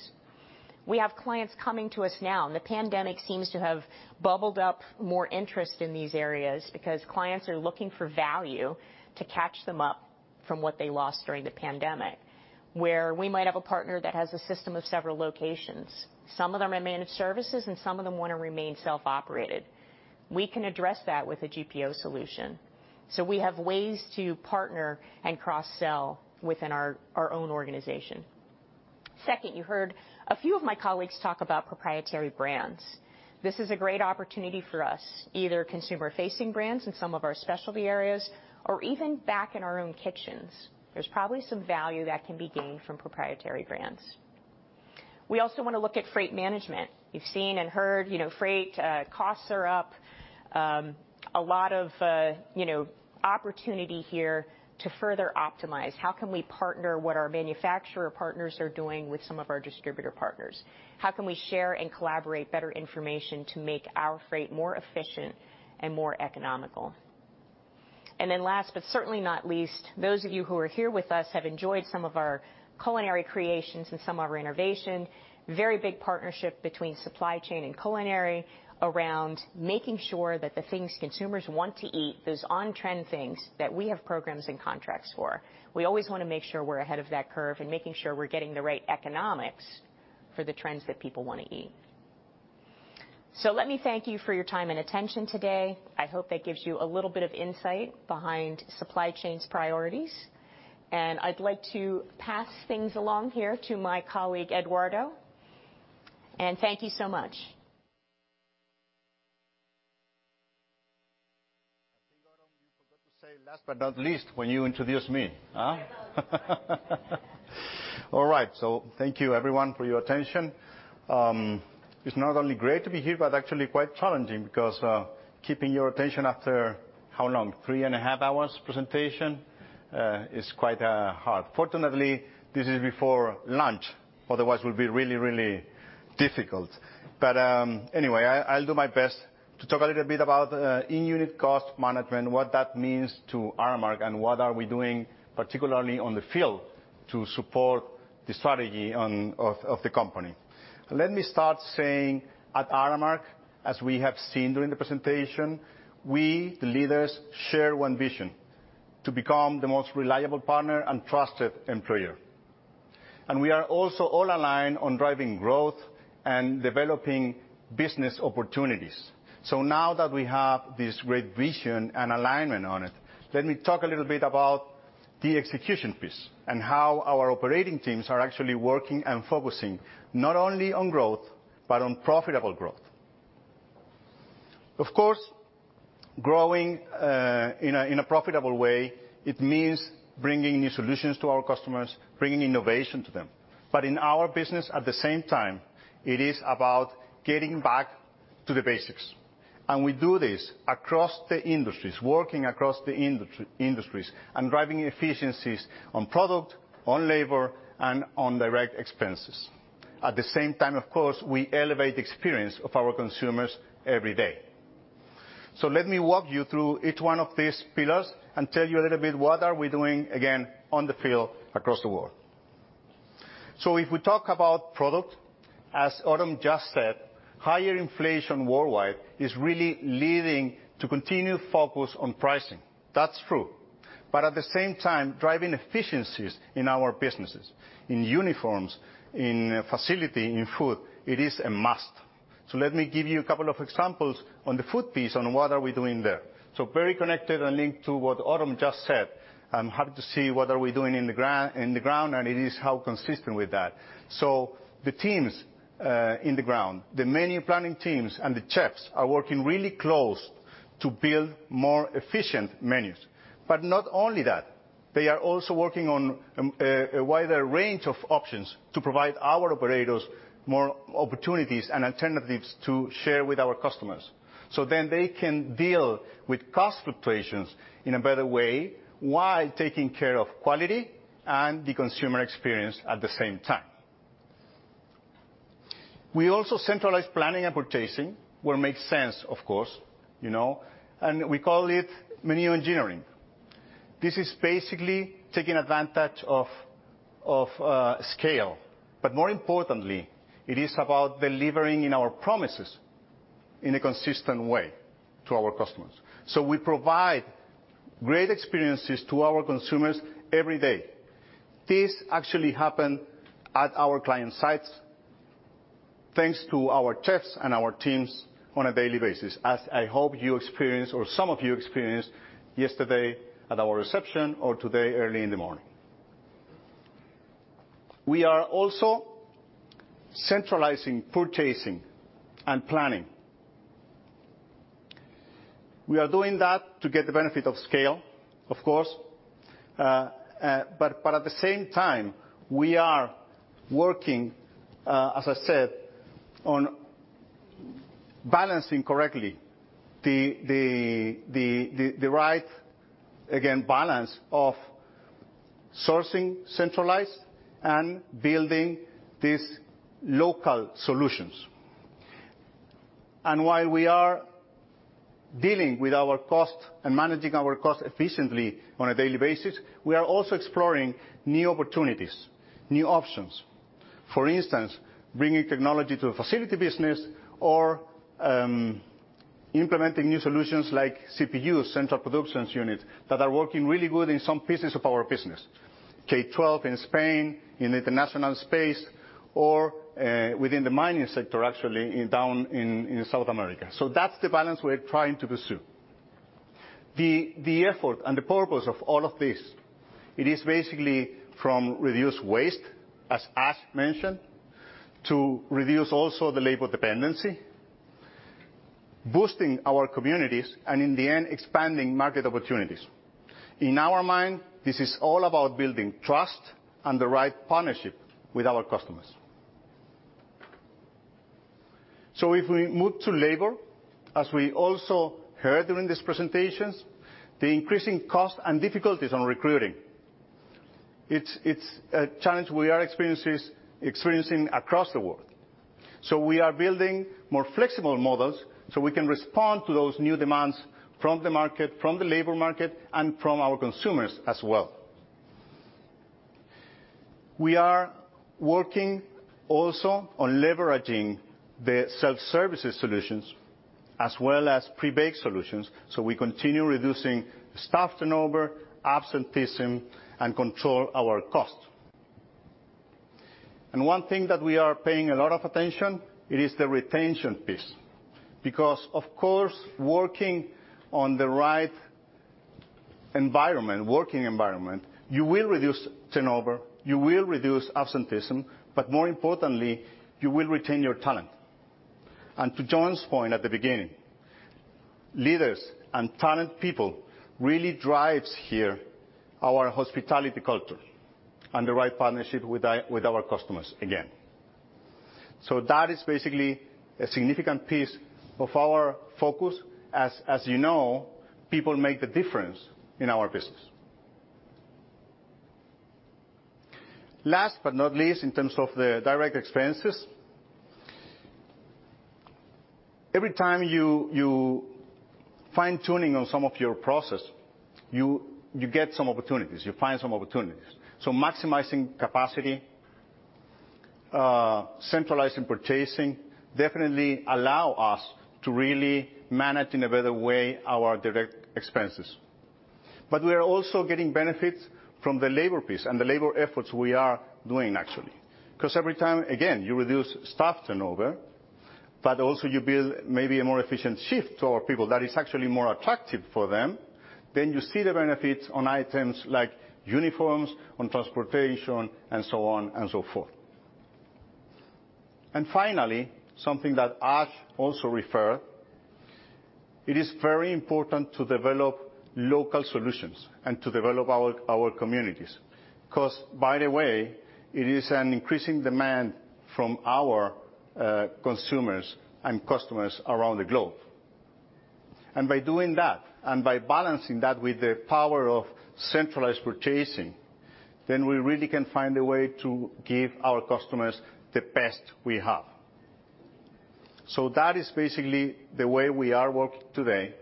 Speaker 14: We have clients coming to us now, and the pandemic seems to have bubbled up more interest in these areas because clients are looking for value to catch them up from what they lost during the pandemic, where we might have a partner that has a system of several locations. Some of them are managed services, and some of them wanna remain self-operated. We can address that with a GPO solution. We have ways to partner and cross-sell within our own organization. Second, you heard a few of my colleagues talk about proprietary brands. This is a great opportunity for us, either consumer-facing brands in some of our specialty areas or even back in our own kitchens. There's probably some value that can be gained from proprietary brands. We also wanna look at freight management. You've seen and heard, you know, freight costs are up. A lot of, you know, opportunity here to further optimize. How can we partner what our manufacturer partners are doing with some of our distributor partners? How can we share and collaborate better information to make our freight more efficient and more economical? Last but certainly not least, those of you who are here with us have enjoyed some of our culinary creations and some of our innovation. Very big partnership between supply chain and culinary around making sure that the things consumers want to eat, those on-trend things that we have programs and contracts for, we always wanna make sure we're ahead of that curve and making sure we're getting the right economics for the trends that people wanna eat. Let me thank you for your time and attention today. I hope that gives you a little bit of insight behind supply chain's priorities. I'd like to pass things along here to my colleague, Eduardo. Thank you so much.
Speaker 15: to say last but not least when you introduced me, huh? All right, thank you everyone for your attention. It's not only great to be here, but actually quite challenging because keeping your attention after how long, three and a half hours presentation, is quite hard. Fortunately, this is before lunch. Otherwise, it would be really difficult. Anyway, I'll do my best to talk a little bit about in-unit cost management, what that means to Aramark, and what are we doing, particularly on the field, to support the strategy of the company. Let me start saying at Aramark, as we have seen during the presentation, we, the leaders, share one vision. To become the most reliable partner and trusted employer. We are also all aligned on driving growth and developing business opportunities. Now that we have this great vision and alignment on it, let me talk a little bit about the execution piece and how our operating teams are actually working and focusing, not only on growth, but on profitable growth. Of course, growing in a profitable way, it means bringing new solutions to our customers, bringing innovation to them. In our business, at the same time, it is about getting back to the basics, and we do this across the industries, working across the industries and driving efficiencies on product, on labor, and on direct expenses. At the same time, of course, we elevate the experience of our consumers every day. Let me walk you through each one of these pillars and tell you a little bit what are we doing, again, on the field across the world. If we talk about product, as Autumn just said, higher inflation worldwide is really leading to continued focus on pricing. That's true. At the same time, driving efficiencies in our businesses, in uniforms, in facilities, in food, it is a must. Let me give you a couple of examples on the food piece on what we're doing there. Very connected and linked to what Autumn just said, I'm happy to share what we're doing on the ground, and how consistent it is with that. The teams on the ground, the menu planning teams and the chefs are working really close to build more efficient menus. Not only that, they are also working on a wider range of options to provide our operators more opportunities and alternatives to share with our customers. They can deal with cost fluctuations in a better way, while taking care of quality and the consumer experience at the same time. We also centralize planning and purchasing, where it makes sense, of course, you know, and we call it menu engineering. This is basically taking advantage of scale, but more importantly, it is about delivering on our promises in a consistent way to our customers. We provide great experiences to our consumers every day. This actually happen at our client sites thanks to our chefs and our teams on a daily basis, as I hope you experienced or some of you experienced yesterday at our reception or today early in the morning. We are also centralizing purchasing and planning. We are doing that to get the benefit of scale, of course. At the same time, we are working, as I said, on balancing correctly the right, again, balance of sourcing centralized and building these local solutions. While we are dealing with our cost and managing our cost efficiently on a daily basis, we are also exploring new opportunities, new options. For instance, bringing technology to the facility business or implementing new solutions like CPU, central production unit, that are working really good in some pieces of our business, K-12 in Spain, in international space, or within the mining sector, actually, down in South America. That's the balance we're trying to pursue. The effort and the purpose of all of this, it is basically from reduced waste, as Ash mentioned, to reduce also the labor dependency, boosting our communities, and in the end, expanding market opportunities. In our mind, this is all about building trust and the right partnership with our customers. If we move to labor, as we also heard during these presentations, the increasing cost and difficulties on recruiting, it's a challenge we are experiencing across the world. We are building more flexible models so we can respond to those new demands from the market, from the labor market, and from our consumers as well. We are working also on leveraging the self-service solutions as well as pre-baked solutions, so we continue reducing staff turnover, absenteeism, and control our cost. One thing that we are paying a lot of attention, it is the retention piece. Because of course, working on the right working environment, you will reduce turnover, you will reduce absenteeism, but more importantly, you will retain your talent. To John's point at the beginning, leaders and talent people really drives here our hospitality culture and the right partnership with our customers again. That is basically a significant piece of our focus. As you know, people make the difference in our business. Last but not least, in terms of the direct expenses, every time you fine-tuning on some of your process, you get some opportunities, you find some opportunities. Maximizing capacity, centralizing purchasing definitely allow us to really manage in a better way our direct expenses. We are also getting benefits from the labor piece and the labor efforts we are doing actually, 'cause every time, again, you reduce staff turnover, but also you build maybe a more efficient shift to our people that is actually more attractive for them, then you see the benefits on items like uniforms, on transportation, and so on and so forth. Finally, something that Ash also referred, it is very important to develop local solutions and to develop our communities. 'Cause by the way, it is an increasing demand from our consumers and customers around the globe. By doing that, and by balancing that with the power of centralized purchasing, then we really can find a way to give our customers the best we have. That is basically the way we are working today.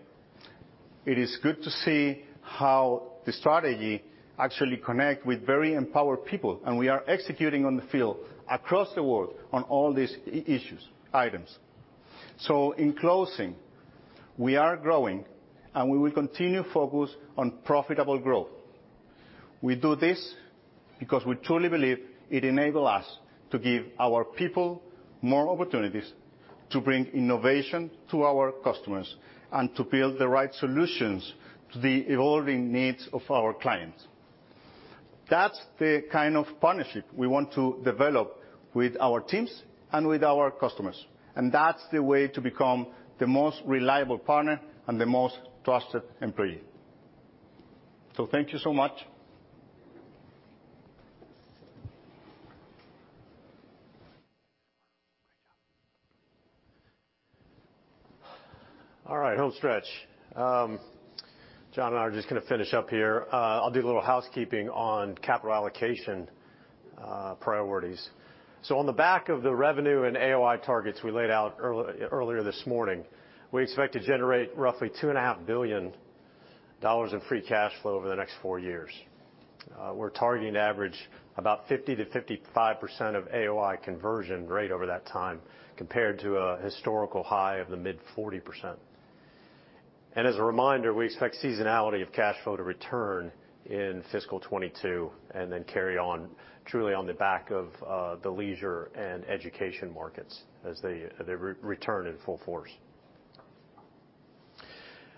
Speaker 15: It is good to see how the strategy actually connect with very empowered people, and we are executing on the field across the world on all these items. In closing, we are growing, and we will continue focus on profitable growth. We do this because we truly believe it enable us to give our people more opportunities to bring innovation to our customers and to build the right solutions to the evolving needs of our clients. That's the kind of partnership we want to develop with our teams and with our customers, and that's the way to become the most reliable partner and the most trusted employee. Thank you so much.
Speaker 4: All right, home stretch. John and I are just gonna finish up here. I'll do a little housekeeping on capital allocation, priorities. On the back of the revenue and AOI targets we laid out earlier this morning, we expect to generate roughly $2.5 billion in free cash flow over the next four years. We're targeting to average about 50%-55% of AOI conversion rate over that time compared to a historical high of the mid-40%. As a reminder, we expect seasonality of cash flow to return in fiscal 2022 and then carry on truly on the back of the leisure and education markets as they return in full force.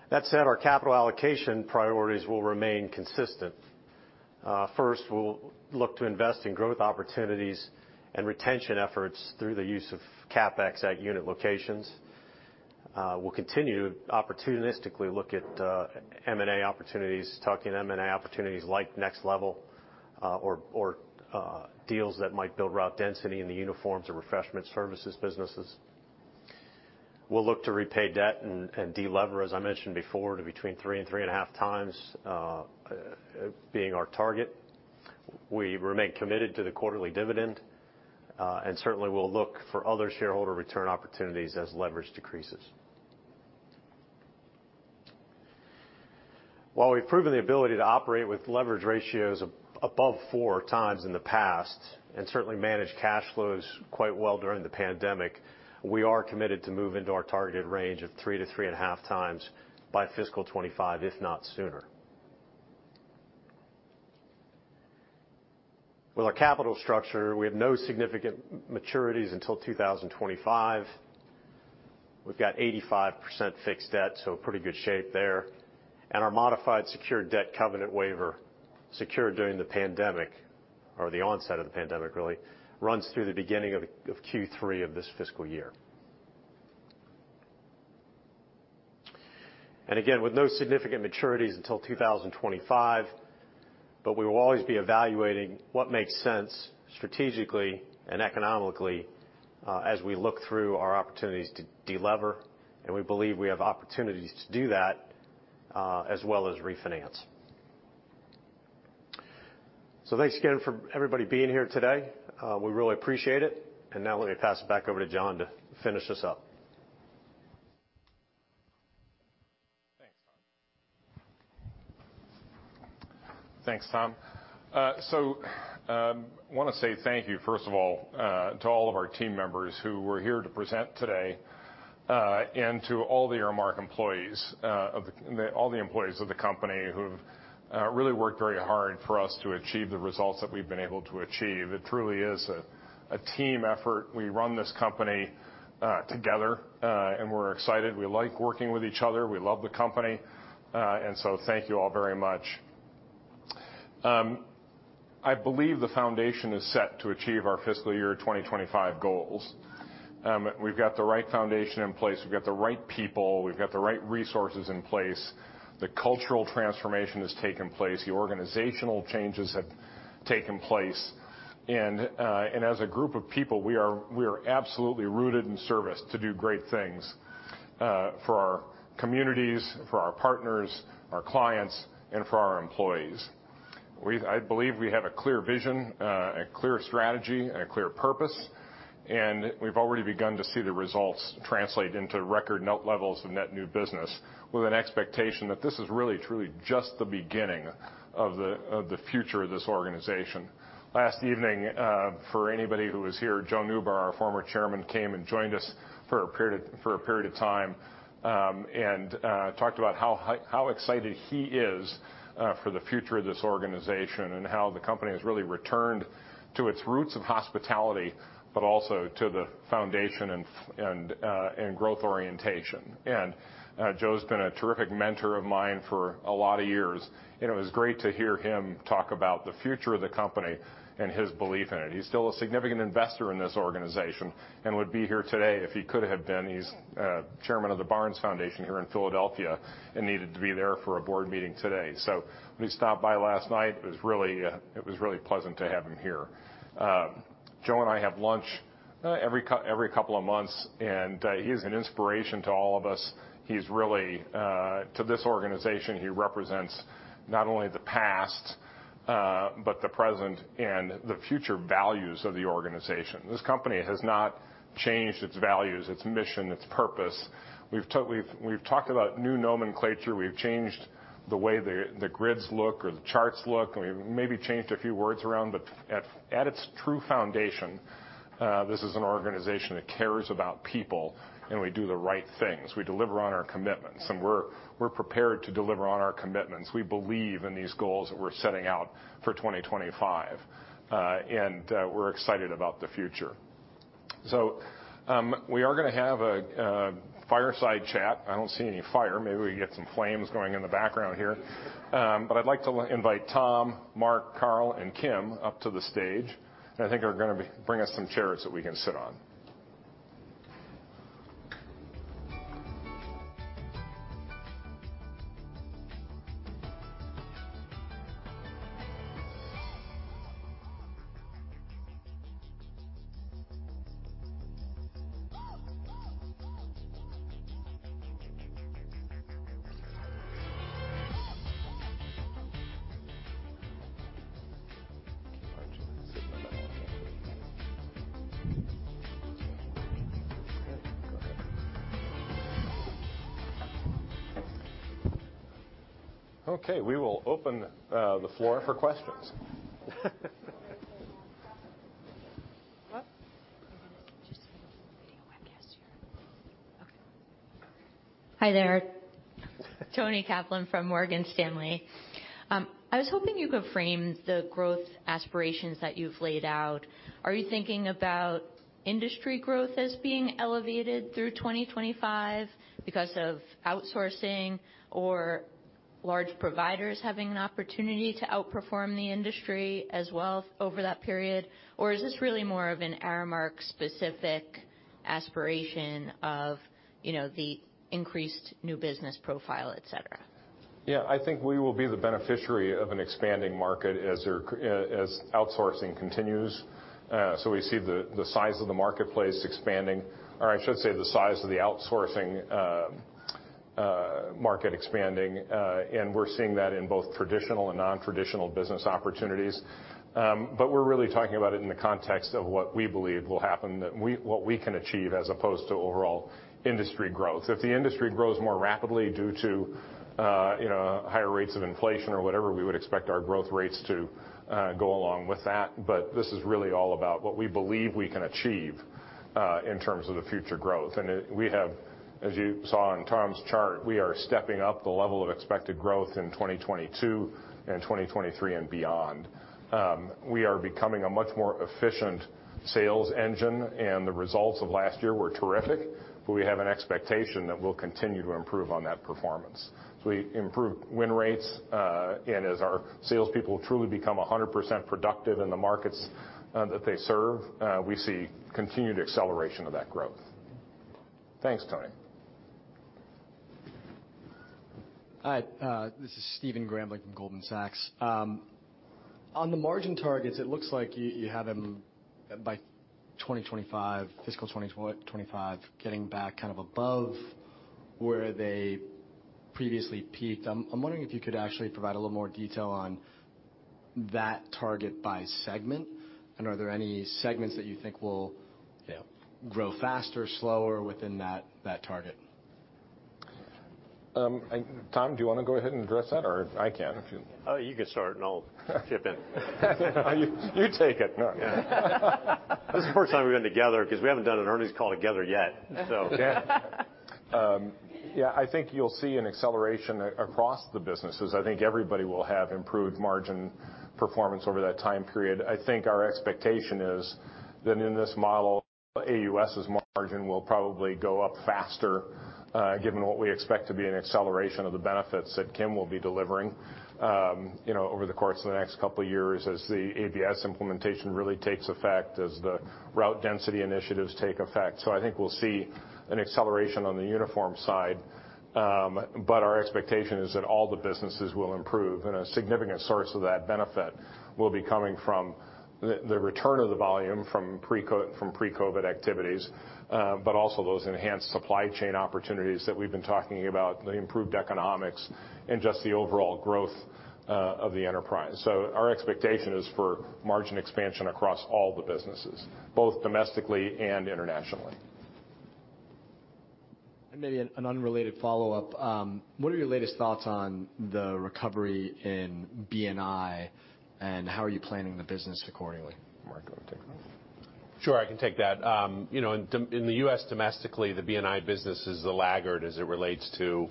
Speaker 4: That said, our capital allocation priorities will remain consistent. First, we'll look to invest in growth opportunities and retention efforts through the use of CapEx at unit locations. We'll continue to opportunistically look at M&A opportunities like Next Level or deals that might build route density in the uniforms or refreshment services businesses. We'll look to repay debt and delever, as I mentioned before, to between 3 and 3.5 times, being our target. We remain committed to the quarterly dividend, and certainly we'll look for other shareholder return opportunities as leverage decreases. While we've proven the ability to operate with leverage ratios above 4 times in the past, and certainly managed cash flows quite well during the pandemic, we are committed to move into our targeted range of 3-3.5 times by fiscal 2025, if not sooner. With our capital structure, we have no significant maturities until 2025. We've got 85% fixed debt, so pretty good shape there. Our modified secured debt covenant waiver, secured during the pandemic, or the onset of the pandemic really, runs through the beginning of Q3 of this fiscal year. Again, with no significant maturities until 2025, but we will always be evaluating what makes sense strategically and economically, as we look through our opportunities to delever, and we believe we have opportunities to do that, as well as refinance. Thanks again for everybody being here today. We really appreciate it. Now let me pass it back over to John to finish this up.
Speaker 3: Thanks, Tom. Wanna say thank you, first of all, to all of our team members who were here to present today, and to all the Aramark employees, of all the employees of the company who've really worked very hard for us to achieve the results that we've been able to achieve. It truly is a team effort. We run this company together, and we're excited. We like working with each other. We love the company, and so thank you all very much. I believe the foundation is set to achieve our fiscal year 2025 goals. We've got the right foundation in place. We've got the right people. We've got the right resources in place. The cultural transformation has taken place. The organizational changes have taken place. As a group of people, we are absolutely rooted in service to do great things for our communities, for our partners, our clients, and for our employees. I believe we have a clear vision, a clear strategy, and a clear purpose. We've already begun to see the results translate into record net levels of net new business with an expectation that this is really truly just the beginning of the future of this organization. Last evening, for anybody who was here, Joe Neubauer, our former Chairman, came and joined us for a period of time and talked about how excited he is for the future of this organization and how the company has really returned to its roots of hospitality, but also to the foundation and growth orientation. Joe's been a terrific mentor of mine for a lot of years, and it was great to hear him talk about the future of the company and his belief in it. He's still a significant investor in this organization and would be here today if he could have been. He's Chairman of the Barnes Foundation here in Philadelphia and needed to be there for a board meeting today. When he stopped by last night, it was really pleasant to have him here. Joe and I have lunch every couple of months, and he is an inspiration to all of us. To this organization, he represents not only the past, but the present and the future values of the organization. This company has not changed its values, its mission, its purpose. We've talked about new nomenclature. We've changed the way the grids look or the charts look, and we've maybe changed a few words around. At its true foundation, this is an organization that cares about people, and we do the right things. We deliver on our commitments, and we're prepared to deliver on our commitments. We believe in these goals that we're setting out for 2025, and we're excited about the future. We are gonna have a fireside chat. I don't see any fire. Maybe we can get some flames going in the background here. I'd like to invite Tom, Mark, Carl, and Kim up to the stage. I think they're gonna bring us some chairs that we can sit on. Okay. We will open the floor for questions.
Speaker 16: What?
Speaker 17: We're gonna just do a video webcast here.
Speaker 16: Okay. Hi there. Toni Kaplan from Morgan Stanley. I was hoping you could frame the growth aspirations that you've laid out. Are you thinking about industry growth as being elevated through 2025 because of outsourcing or large providers having an opportunity to outperform the industry as well over that period? Or is this really more of an Aramark-specific aspiration of, you know, the increased new business profile, et cetera?
Speaker 3: Yeah. I think we will be the beneficiary of an expanding market as outsourcing continues. We see the size of the marketplace expanding, or I should say the size of the outsourcing market expanding. We're seeing that in both traditional and non-traditional business opportunities. We're really talking about it in the context of what we believe will happen, what we can achieve as opposed to overall industry growth. If the industry grows more rapidly due to you know, higher rates of inflation or whatever, we would expect our growth rates to go along with that. This is really all about what we believe we can achieve in terms of the future growth. We have, as you saw in Tom's chart, we are stepping up the level of expected growth in 2022 and 2023 and beyond. We are becoming a much more efficient sales engine, and the results of last year were terrific, but we have an expectation that we'll continue to improve on that performance. We improved win rates, and as our salespeople truly become 100% productive in the markets that they serve, we see continued acceleration of that growth. Thanks, Toni.
Speaker 18: Hi, this is Stephen Grambling from Goldman Sachs. On the margin targets, it looks like you have them by 2025, fiscal 2025, getting back kind of above where they previously peaked. I'm wondering if you could actually provide a little more detail on that target by segment, and are there any segments that you think will, you know, grow faster or slower within that target?
Speaker 3: Tom, do you wanna go ahead and address that, or I can if you
Speaker 4: You can start, and I'll chip in.
Speaker 3: You take it.
Speaker 4: No. This is the first time we've been together 'cause we haven't done an earnings call together yet, so.
Speaker 3: Yeah. Yeah, I think you'll see an acceleration across the businesses. I think everybody will have improved margin performance over that time period. I think our expectation is that in this model, AUS's margin will probably go up faster, given what we expect to be an acceleration of the benefits that Kim will be delivering, you know, over the course of the next couple years as the ABS implementation really takes effect, as the route density initiatives take effect. I think we'll see an acceleration on the uniform side. Our expectation is that all the businesses will improve, and a significant source of that benefit will be coming from the return of the volume from pre-COVID activities, but also those enhanced supply chain opportunities that we've been talking about, the improved economics and just the overall growth of the enterprise. Our expectation is for margin expansion across all the businesses, both domestically and internationally.
Speaker 18: Maybe an unrelated follow-up. What are your latest thoughts on the recovery in B&I, and how are you planning the business accordingly?
Speaker 4: Mark, do you wanna take that?
Speaker 5: Sure, I can take that. You know, in the U.S. domestically, the B&I business is the laggard as it relates to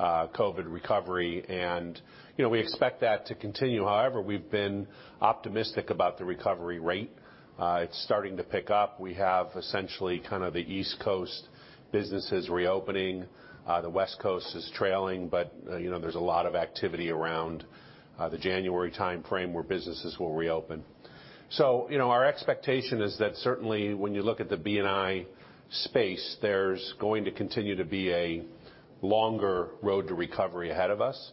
Speaker 5: COVID recovery. You know, we expect that to continue. However, we've been optimistic about the recovery rate. It's starting to pick up. We have essentially kind of the East Coast businesses reopening. The West Coast is trailing, but you know, there's a lot of activity around the January timeframe where businesses will reopen. You know, our expectation is that certainly when you look at the B&I space, there's going to continue to be a longer road to recovery ahead of us.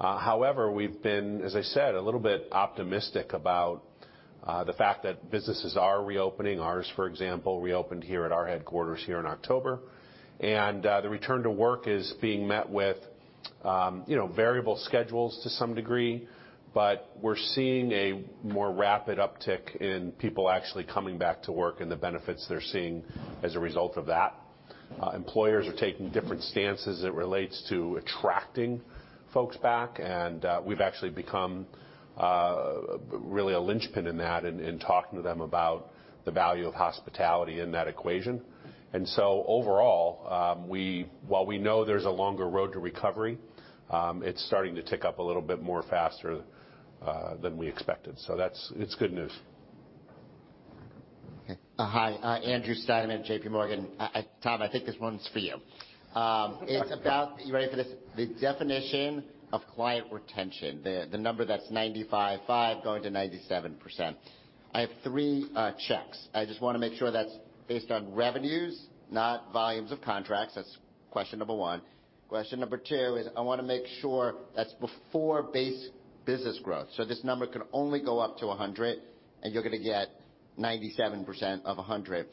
Speaker 5: However, we've been, as I said, a little bit optimistic about the fact that businesses are reopening. Ours, for example, reopened here at our headquarters here in October. The return to work is being met with, you know, variable schedules to some degree, but we're seeing a more rapid uptick in people actually coming back to work and the benefits they're seeing as a result of that. Employers are taking different stances as it relates to attracting folks back, and we've actually become really a linchpin in that in talking to them about the value of hospitality in that equation. Overall, while we know there's a longer road to recovery, it's starting to tick up a little bit more faster than we expected. That's good news.
Speaker 18: Okay.
Speaker 19: Hi, Andrew Steinerman, JPMorgan. Tom, I think this one's for you. It's about, are you ready for this? The definition of client retention, the number that's 95.5% going to 97%. I have three checks. I just wanna make sure that's based on revenues, not volumes of contracts. That's question number one. Question number two is I wanna make sure that's before base business growth. This number can only go up to 100%, and you're gonna get 97% of 100%.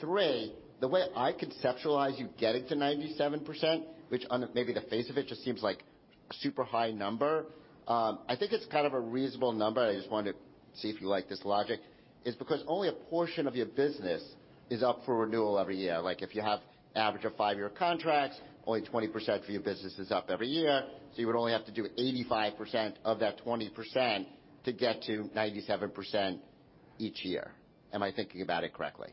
Speaker 19: Three, the way I conceptualize you getting to 97%, which on maybe the face of it just seems like super high number, I think it's kind of a reasonable number. I just wanted to see if you like this logic. It's because only a portion of your business is up for renewal every year. Like, if you have average of five-year contracts, only 20% of your business is up every year. You would only have to do 85% of that 20% to get to 97% each year. Am I thinking about it correctly?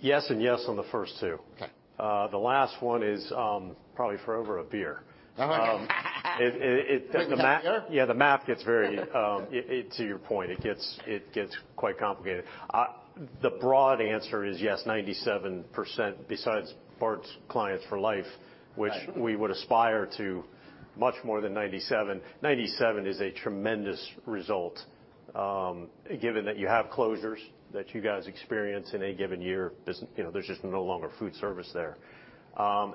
Speaker 4: Yes and yes on the first two.
Speaker 19: Okay.
Speaker 4: The last one is probably for over a beer.
Speaker 19: Over a beer?
Speaker 4: Yeah, the math gets very, it to your point, it gets quite complicated. The broad answer is yes, 97% besides Bart's clients for life-
Speaker 19: Right
Speaker 4: which we would aspire to much more than 97%. 97% is a tremendous result, given that you have closures that you guys experience in a given year, you know, there's just no longer food service there.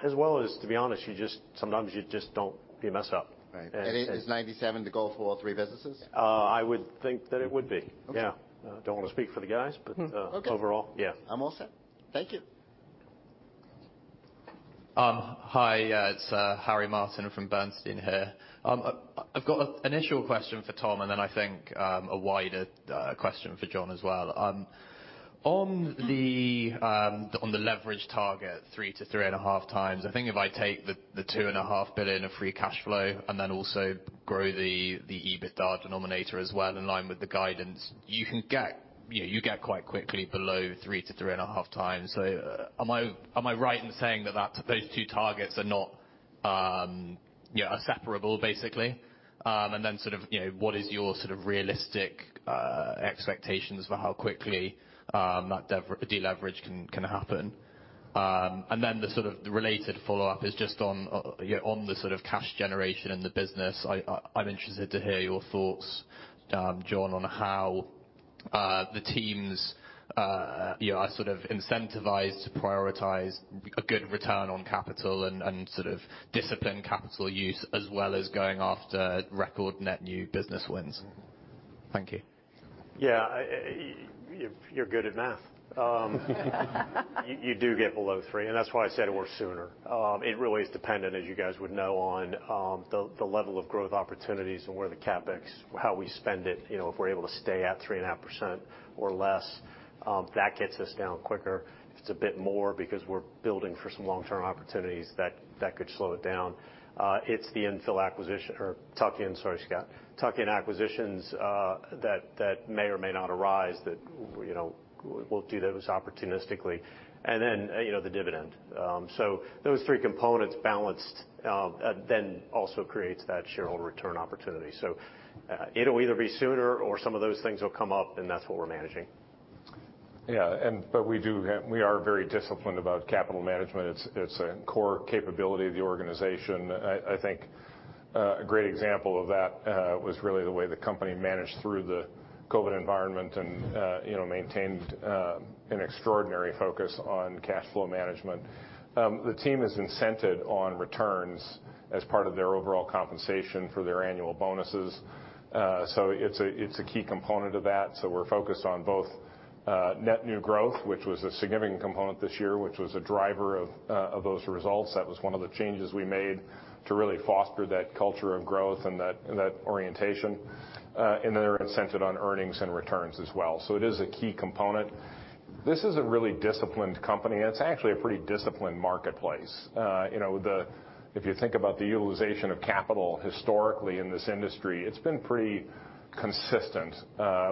Speaker 4: As well as, to be honest, you just sometimes don't. You mess up.
Speaker 19: Right. Is 97% the goal for all three businesses?
Speaker 4: I would think that it would be.
Speaker 19: Okay.
Speaker 4: Yeah. Don't wanna speak for the guys, but,
Speaker 19: Okay
Speaker 4: Overall, yeah.
Speaker 19: I'm all set. Thank you.
Speaker 20: Hi, it's Harry Martin from Bernstein here. I've got an initial question for Tom, and then I think a wider question for John as well. On the leverage target 3x-3.5x, I think if I take the $2.5 billion of free cash flow and then also grow the EBITDA denominator as well in line with the guidance, you can get, you know, you get quite quickly below 3x-3.5x. Am I right in saying that those two targets are not, you know, separable, basically? And then sort of, you know, what is your sort of realistic expectations for how quickly that deleverage can happen? The sort of related follow-up is just on, you know, on the sort of cash generation in the business. I'm interested to hear your thoughts, John, on how the teams, you know, are sort of incentivized to prioritize a good return on capital and sort of discipline capital use as well as going after record net new business wins. Thank you.
Speaker 4: Yeah. You're good at math. You do get below three, and that's why I said it was sooner. It really is dependent, as you guys would know, on the level of growth opportunities and where the CapEx, how we spend it. You know, if we're able to stay at 3.5% or less, that gets us down quicker. If it's a bit more because we're building for some long-term opportunities, that could slow it down. It's the infill acquisition or tuck in, sorry, Scott. Tuck in acquisitions that may or may not arise. You know, we'll do those opportunistically. Then, you know, the dividend. So those three components balanced then also creates that shareholder return opportunity. It'll either be sooner or some of those things will come up, and that's what we're managing.
Speaker 3: We are very disciplined about capital management. It's a core capability of the organization. I think a great example of that was really the way the company managed through the COVID environment and you know, maintained an extraordinary focus on cash flow management. The team is incented on returns as part of their overall compensation for their annual bonuses. It's a key component of that, so we're focused on both net new growth, which was a significant component this year, which was a driver of those results. That was one of the changes we made to really foster that culture of growth and that orientation. They're incented on earnings and returns as well. It is a key component. This is a really disciplined company, and it's actually a pretty disciplined marketplace. If you think about the utilization of capital historically in this industry, it's been pretty consistent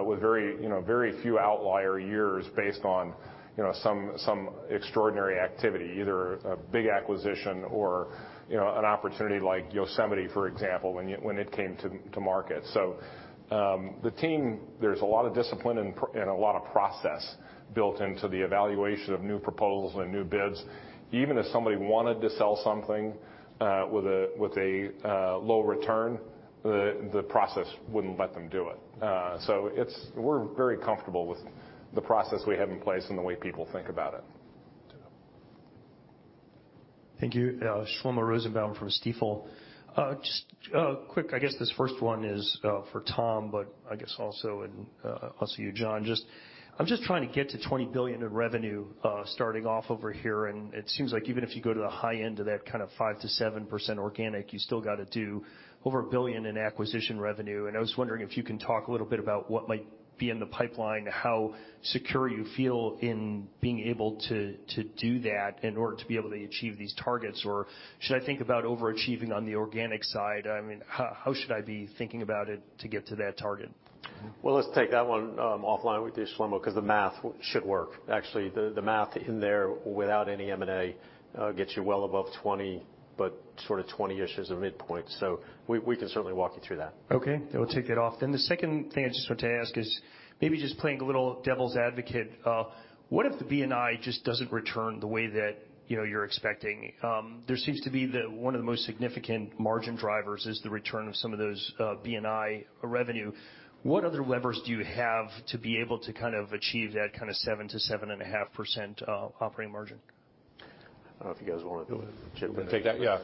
Speaker 3: with very you know very few outlier years based on you know some extraordinary activity, either a big acquisition or you know an opportunity like Yosemite, for example, when it came to market. The team, there's a lot of discipline and a lot of process built into the evaluation of new proposals and new bids. Even if somebody wanted to sell something with a low return, the process wouldn't let them do it. We're very comfortable with the process we have in place and the way people think about it.
Speaker 21: Thank you. Shlomo Rosenbaum from Stifel. Just quick, I guess this first one is for Tom, but I guess also you, John. I'm just trying to get to $20 billion in revenue, starting off over here, and it seems like even if you go to the high end of that kind of 5%-7% organic, you still gotta do over $1 billion in acquisition revenue. I was wondering if you can talk a little bit about what might be in the pipeline, how secure you feel in being able to do that in order to be able to achieve these targets. Or should I think about overachieving on the organic side? I mean, how should I be thinking about it to get to that target?
Speaker 4: Well, let's take that one offline with you, Shlomo, 'cause the math should work. Actually, the math in there without any M&A gets you well above $20, but sort of $20-ish as a midpoint. We can certainly walk you through that.
Speaker 21: Okay. We'll take that off then. The second thing I just wanted to ask is maybe just playing a little devil's advocate, what if the B&I just doesn't return the way that, you know, you're expecting? There seems to be one of the most significant margin drivers is the return of some of those B&I revenue. What other levers do you have to be able to kind of achieve that kind of 7%-7.5% operating margin?
Speaker 3: I don't know if you guys wanna go. Chip, wanna take that?
Speaker 5: Yeah.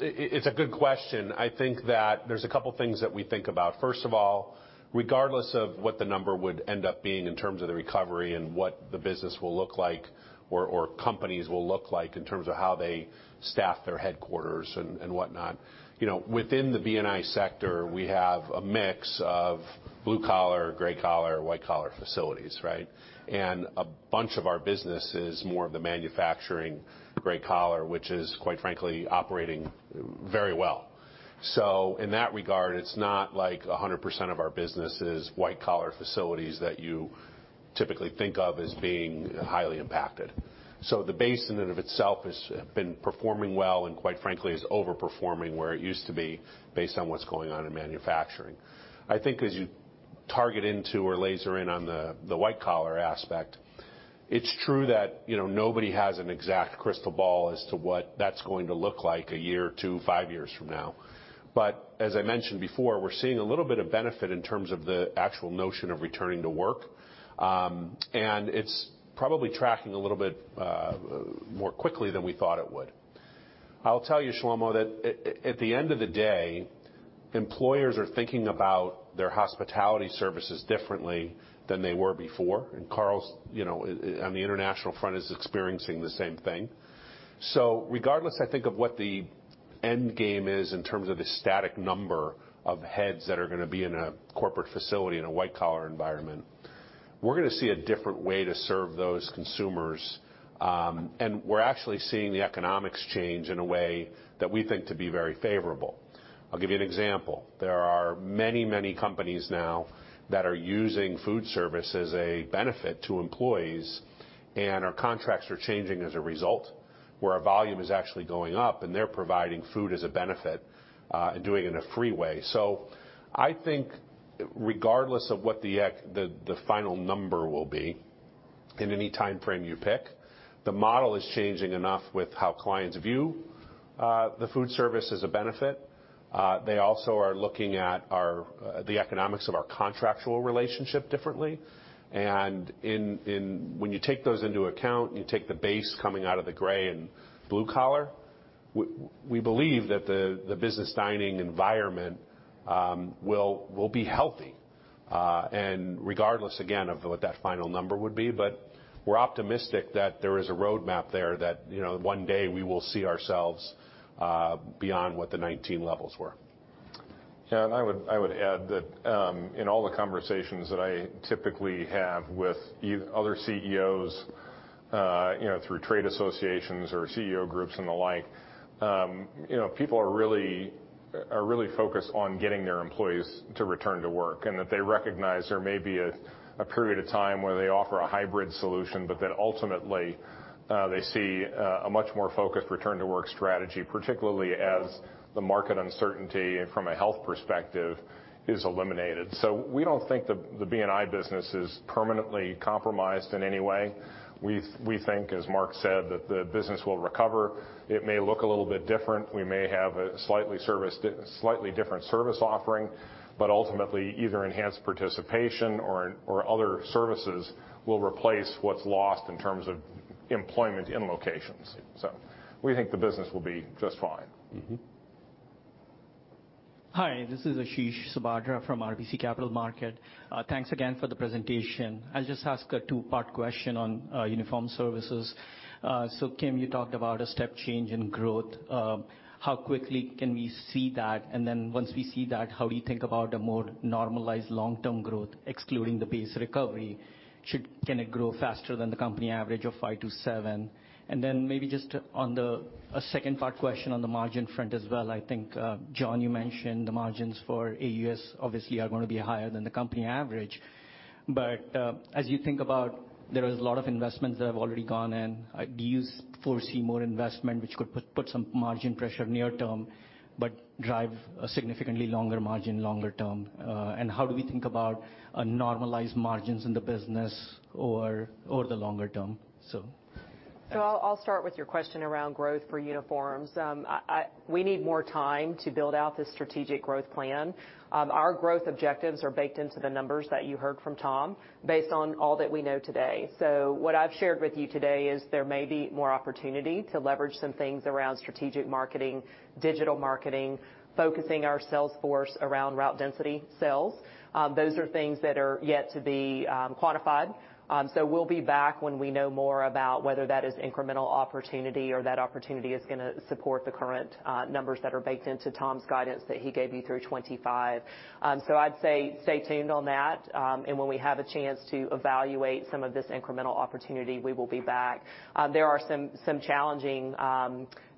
Speaker 5: It's a good question. I think that there's a couple things that we think about. First of all, regardless of what the number would end up being in terms of the recovery and what the business will look like or companies will look like in terms of how they staff their headquarters and whatnot, you know, within the B&I sector, we have a mix of blue collar, gray collar, white collar facilities, right? A bunch of our business is more of the manufacturing gray collar, which is, quite frankly, operating very well. In that regard, it's not like 100% of our business is white collar facilities that you typically think of as being highly impacted. The base in and of itself has been performing well, and quite frankly, is overperforming where it used to be based on what's going on in manufacturing. I think as you target into or laser in on the white collar aspect, it's true that, you know, nobody has an exact crystal ball as to what that's going to look like a year or two, five years from now. As I mentioned before, we're seeing a little bit of benefit in terms of the actual notion of returning to work, and it's probably tracking a little bit more quickly than we thought it would. I'll tell you, Shlomo, that at the end of the day, employers are thinking about their hospitality services differently than they were before. Carl, you know, on the international front, is experiencing the same thing. Regardless, I think, of what the end game is in terms of the static number of heads that are gonna be in a corporate facility in a white-collar environment, we're gonna see a different way to serve those consumers, and we're actually seeing the economics change in a way that we think to be very favorable. I'll give you an example. There are many, many companies now that are using food service as a benefit to employees, and our contracts are changing as a result, where our volume is actually going up, and they're providing food as a benefit, and doing it in a free way. I think regardless of what the final number will be in any timeframe you pick, the model is changing enough with how clients view the food service as a benefit. They also are looking at the economics of our contractual relationship differently. When you take those into account, you take the base coming out of the gray and blue collar, we believe that the business dining environment will be healthy. Regardless again of what that final number would be, we're optimistic that there is a roadmap there that, you know, one day we will see ourselves beyond what the '19 levels were.
Speaker 3: I would add that in all the conversations that I typically have with other CEOs, you know, through trade associations or CEO groups and the like, you know, people are really focused on getting their employees to return to work, and that they recognize there may be a period of time where they offer a hybrid solution, but that ultimately they see a much more focused return to work strategy, particularly as the market uncertainty from a health perspective is eliminated. We don't think the B&I business is permanently compromised in any way. We think, as Mark said, that the business will recover. It may look a little bit different. We may have a slightly different service offering, but ultimately either enhanced participation or other services will replace what's lost in terms of employment in locations. We think the business will be just fine.
Speaker 5: Mm-hmm.
Speaker 22: Hi, this is Ashish Sabadra from RBC Capital Markets. Thanks again for the presentation. I'll just ask a two-part question on Uniform Services. So Kim, you talked about a step change in growth. How quickly can we see that? And then once we see that, how do you think about a more normalized long-term growth, excluding the base recovery? Can it grow faster than the company average of 5%-7%? And then maybe just a second part question on the margin front as well. I think, John, you mentioned the margins for AUS, obviously, are gonna be higher than the company average. But as you think about, there is a lot of investments that have already gone in. Do you foresee more investment which could put some margin pressure near term, but drive a significantly higher margin longer term? How do we think about a normalized margins in the business over the longer term?
Speaker 12: I'll start with your question around growth for uniforms. We need more time to build out the strategic growth plan. Our growth objectives are baked into the numbers that you heard from Tom based on all that we know today. What I've shared with you today is there may be more opportunity to leverage some things around strategic marketing, digital marketing, focusing our sales force around route density sales. Those are things that are yet to be quantified. We'll be back when we know more about whether that is incremental opportunity or that opportunity is gonna support the current numbers that are baked into Tom's guidance that he gave you through 2025. I'd say stay tuned on that. When we have a chance to evaluate some of this incremental opportunity, we will be back. There are some challenging,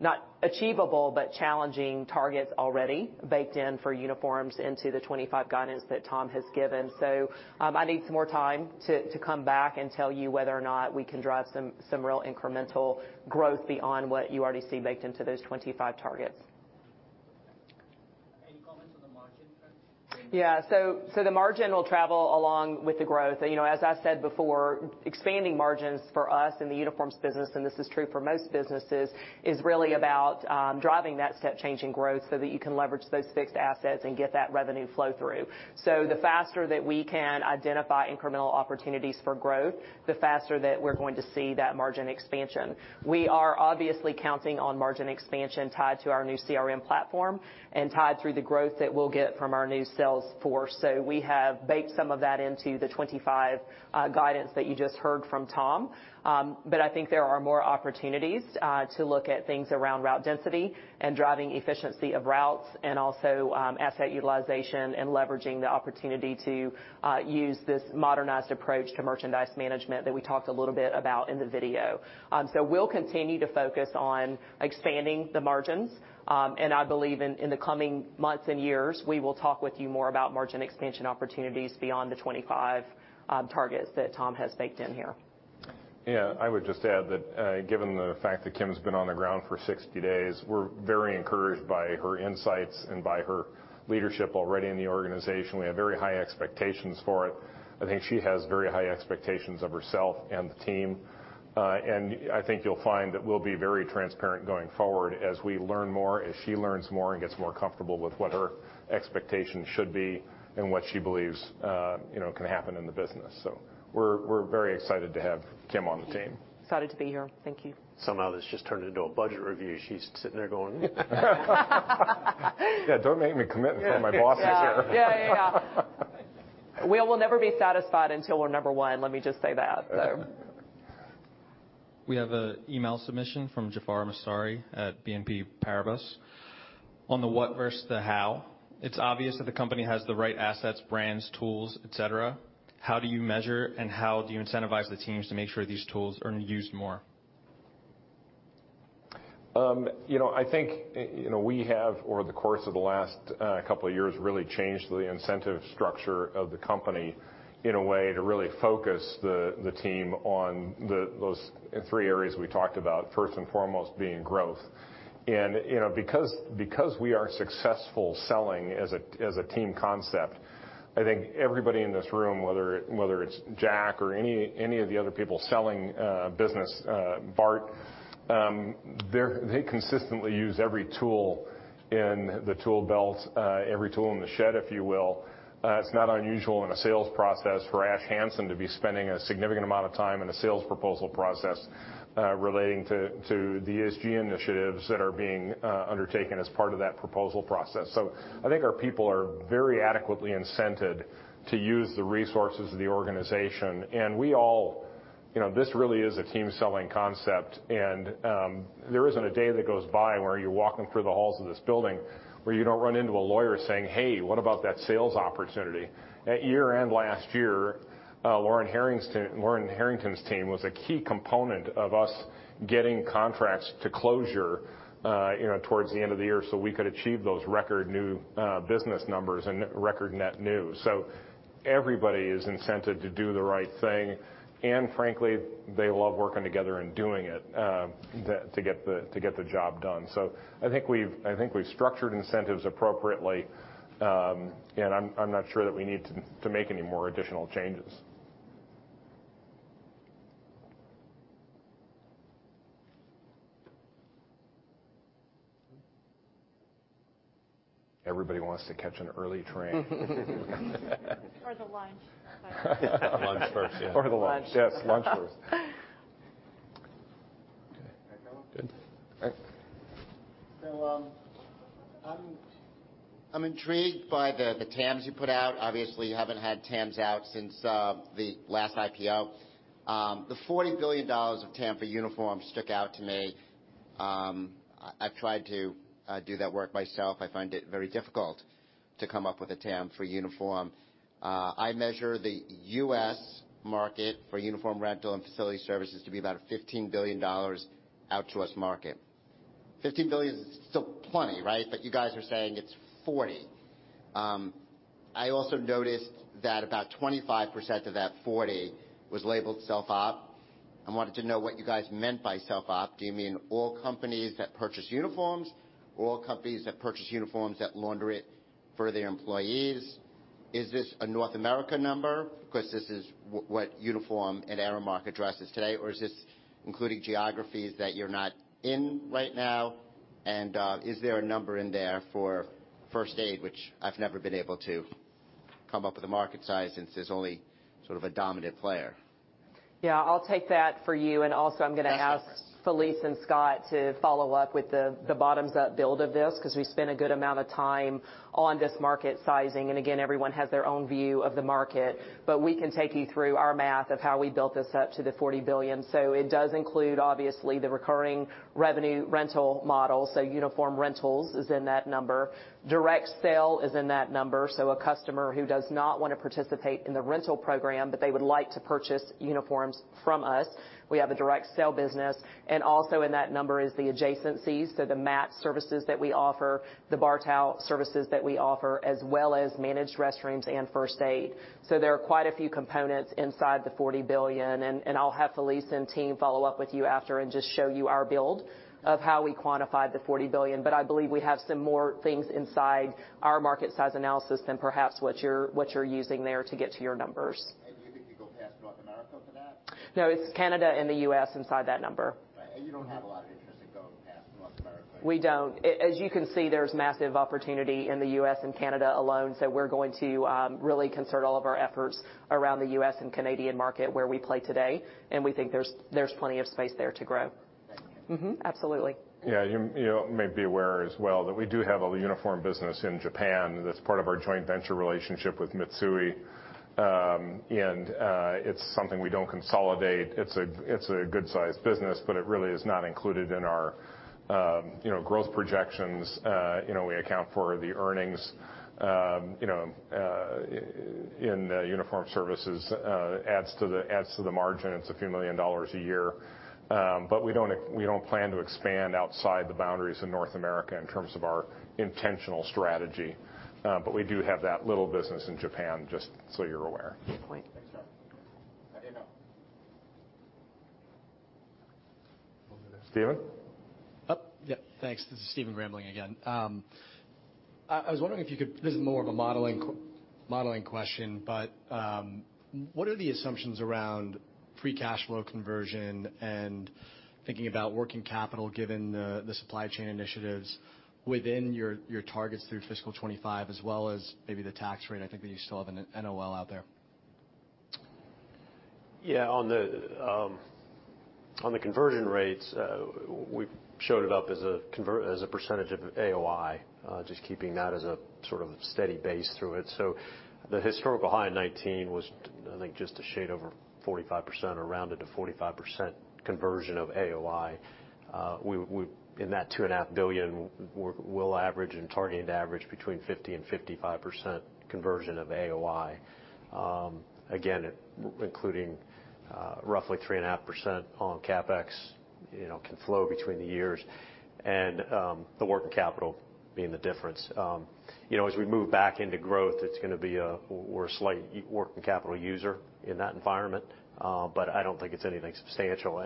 Speaker 12: not achievable, but challenging targets already baked in for uniforms into the 25 guidance that Tom has given. I need some more time to come back and tell you whether or not we can drive some real incremental growth beyond what you already see baked into those 25 targets. Yeah. The margin will travel along with the growth. You know, as I said before, expanding margins for us in the uniforms business, and this is true for most businesses, is really about driving that step change in growth so that you can leverage those fixed assets and get that revenue flow through. The faster that we can identify incremental opportunities for growth, the faster that we're going to see that margin expansion. We are obviously counting on margin expansion tied to our new CRM platform and tied through the growth that we'll get from our new sales force. We have baked some of that into the 25 guidance that you just heard from Tom. I think there are more opportunities to look at things around route density and driving efficiency of routes and also asset utilization and leveraging the opportunity to use this modernized approach to merchandise management that we talked a little bit about in the video. We'll continue to focus on expanding the margins. I believe in the coming months and years, we will talk with you more about margin expansion opportunities beyond the 25 targets that Tom has baked in here.
Speaker 3: Yeah, I would just add that, given the fact that Kim's been on the ground for 60 days, we're very encouraged by her insights and by her leadership already in the organization. We have very high expectations for it. I think she has very high expectations of herself and the team. I think you'll find that we'll be very transparent going forward as we learn more, as she learns more and gets more comfortable with what her expectations should be and what she believes, you know, can happen in the business. We're very excited to have Kim on the team.
Speaker 12: Excited to be here. Thank you.
Speaker 3: Somehow, this just turned into a budget review. She's sitting there going, "Mm. Yeah, don't make me commit before my boss is here.
Speaker 12: Yeah. We will never be satisfied until we're number one. Let me just say that, so.
Speaker 11: We have an email submission from Jaafar Mestari at BNP Paribas. On the what versus the how, it's obvious that the company has the right assets, brands, tools, et cetera. How do you measure and how do you incentivize the teams to make sure these tools are used more?
Speaker 3: You know, I think you know, we have, over the course of the last couple of years, really changed the incentive structure of the company in a way to really focus the team on those three areas we talked about, first and foremost being growth. You know, because we are successful selling as a team concept, I think everybody in this room, whether it's Jack or any of the other people selling business, Bart, they consistently use every tool in the tool belt, every tool in the shed, if you will. It's not unusual in a sales process for Ash Hanson to be spending a significant amount of time in a sales proposal process relating to the ESG initiatives that are being undertaken as part of that proposal process. I think our people are very adequately incented to use the resources of the organization. We all... You know, this really is a team selling concept. There isn't a day that goes by where you're walking through the halls of this building where you don't run into a lawyer saying, "Hey, what about that sales opportunity?" At year-end last year, Lauren Harrington's team was a key component of us getting contracts to closure, you know, towards the end of the year, so we could achieve those record new business numbers and record net new. Everybody is incented to do the right thing. Frankly, they love working together and doing it to get the job done. I think we've structured incentives appropriately, and I'm not sure that we need to make any more additional changes. Everybody wants to catch an early train.
Speaker 12: The lunch.
Speaker 11: Lunch first, yeah.
Speaker 3: The lunch.
Speaker 12: Lunch.
Speaker 3: Yes, lunch first.
Speaker 23: I'm intrigued by the TAMs you put out. Obviously, you haven't had TAMs out since the last IPO. The $40 billion of TAM for uniform stuck out to me. I've tried to do that work myself. I find it very difficult to come up with a TAM for uniform. I measure the U.S. market for uniform rental and facility services to be about $15 billion in the U.S. market. $15 billion is still plenty, right? You guys are saying it's $40. I also noticed that about 25% of that $40 was labeled self-op. I wanted to know what you guys meant by self-op. Do you mean all companies that purchase uniforms, or all companies that purchase uniforms that launder it for their employees? Is this a North America number? Because this is what Uniform and Aramark addresses today, or is this including geographies that you're not in right now? And, is there a number in there for first aid, which I've never been able to come up with a market size since there's only sort of a dominant player.
Speaker 14: Yeah, I'll take that for you. Also I'm gonna ask-
Speaker 3: That's for us.
Speaker 14: Felise and Scott to follow up with the bottoms-up build of this, because we spent a good amount of time on this market sizing. Again, everyone has their own view of the market. We can take you through our math of how we built this up to the $40 billion. It does include, obviously, the recurring revenue rental model. Uniform rentals is in that number. Direct sale is in that number. A customer who does not wanna participate in the rental program, but they would like to purchase uniforms from us, we have a direct sale business. Also in that number is the adjacencies, so the mat services that we offer, the bar towel services that we offer, as well as managed restrooms and first aid. There are quite a few components inside the $40 billion. I'll have Felise and team follow up with you after and just show you our build of how we quantified the 40 billion. I believe we have some more things inside our market size analysis than perhaps what you're using there to get to your numbers. No, it's Canada and the U.S. inside that number.
Speaker 20: Right. You don't have a lot of interest
Speaker 14: We don't. As you can see, there's massive opportunity in the U.S. and Canada alone, so we're going to really concentrate all of our efforts around the U.S. and Canadian market where we play today, and we think there's plenty of space there to grow.
Speaker 20: Thank you.
Speaker 14: Absolutely.
Speaker 3: Yeah. You know may be aware as well that we do have a uniform business in Japan that's part of our joint venture relationship with Mitsui. It's something we don't consolidate. It's a good-sized business, but it really is not included in our growth projections. We account for the earnings in the uniform services adds to the margin. It's a few million dollars a year. We don't plan to expand outside the boundaries of North America in terms of our intentional strategy. We do have that little business in Japan, just so you're aware.
Speaker 12: Good point.
Speaker 20: Thanks, Scott. Let me know.
Speaker 3: Over there. Stephen?
Speaker 18: Oh, yeah. Thanks. This is Stephen Grambling again. I was wondering if you could. This is more of a modeling question, but what are the assumptions around free cash flow conversion and thinking about working capital, given the supply chain initiatives within your targets through fiscal 2025 as well as maybe the tax rate? I think that you still have an NOL out there.
Speaker 4: Yeah. On the conversion rates, we showed it up as a percentage of AOI, just keeping that as a sort of steady base through it. The historical high in 2019 was, I think, just a shade over 45% or rounded to 45% conversion of AOI. We in that $2.5 billion, we'll average and targeted average between 50%-55% conversion of AOI. Again, including roughly 3.5% on CapEx, you know, can flow between the years and the working capital being the difference. You know, as we move back into growth, we're a slight working capital user in that environment, but I don't think it's anything substantial.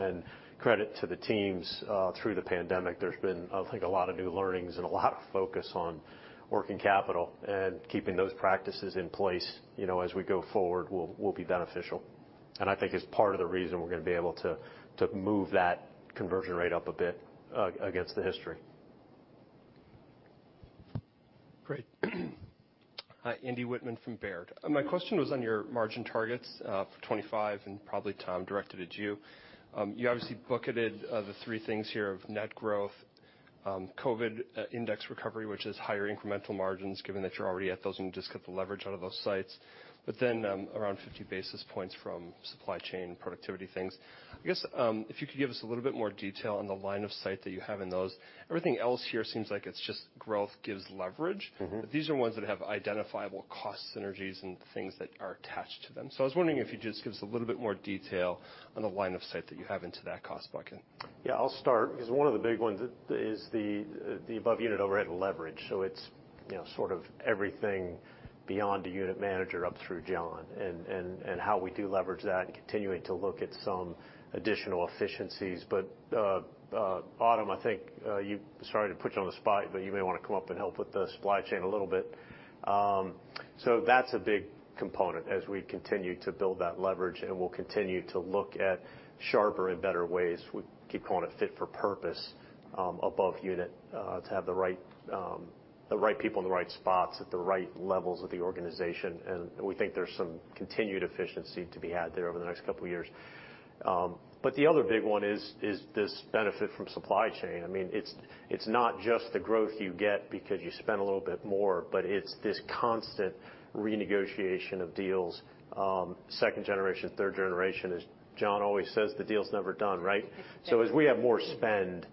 Speaker 4: Credit to the teams, through the pandemic, there's been, I think, a lot of new learnings and a lot of focus on working capital and keeping those practices in place, you know, as we go forward, will be beneficial. I think it's part of the reason we're gonna be able to move that conversion rate up a bit against the history.
Speaker 24: Great. Hi, Andrew Wittmann from Baird. My question was on your margin targets for 25 and probably, Tom, directed at you. You obviously bucketed the three things here of net growth, COVID index recovery, which is higher incremental margins, given that you're already at those and you just get the leverage out of those sites. Around 50 basis points from supply chain productivity things. I guess if you could give us a little bit more detail on the line of sight that you have in those. Everything else here seems like it's just growth gives leverage.
Speaker 4: Mm-hmm.
Speaker 24: These are ones that have identifiable cost synergies and things that are attached to them. I was wondering if you just give us a little bit more detail on the line of sight that you have into that cost bucket.
Speaker 4: Yeah, I'll start because one of the big ones is the above unit overhead leverage. It's sort of everything beyond a unit manager up through John and how we do leverage that, continuing to look at some additional efficiencies. Autumn, I think, sorry to put you on the spot, but you may wanna come up and help with the supply chain a little bit. That's a big component as we continue to build that leverage, and we'll continue to look at sharper and better ways. We keep calling it fit for purpose, above unit, to have the right people in the right spots at the right levels of the organization. We think there's some continued efficiency to be had there over the next couple of years. The other big one is this benefit from supply chain. I mean, it's not just the growth you get because you spend a little bit more, but it's this constant renegotiation of deals, second generation, third generation. As John always says, "The deal's never done," right? As we have more spend,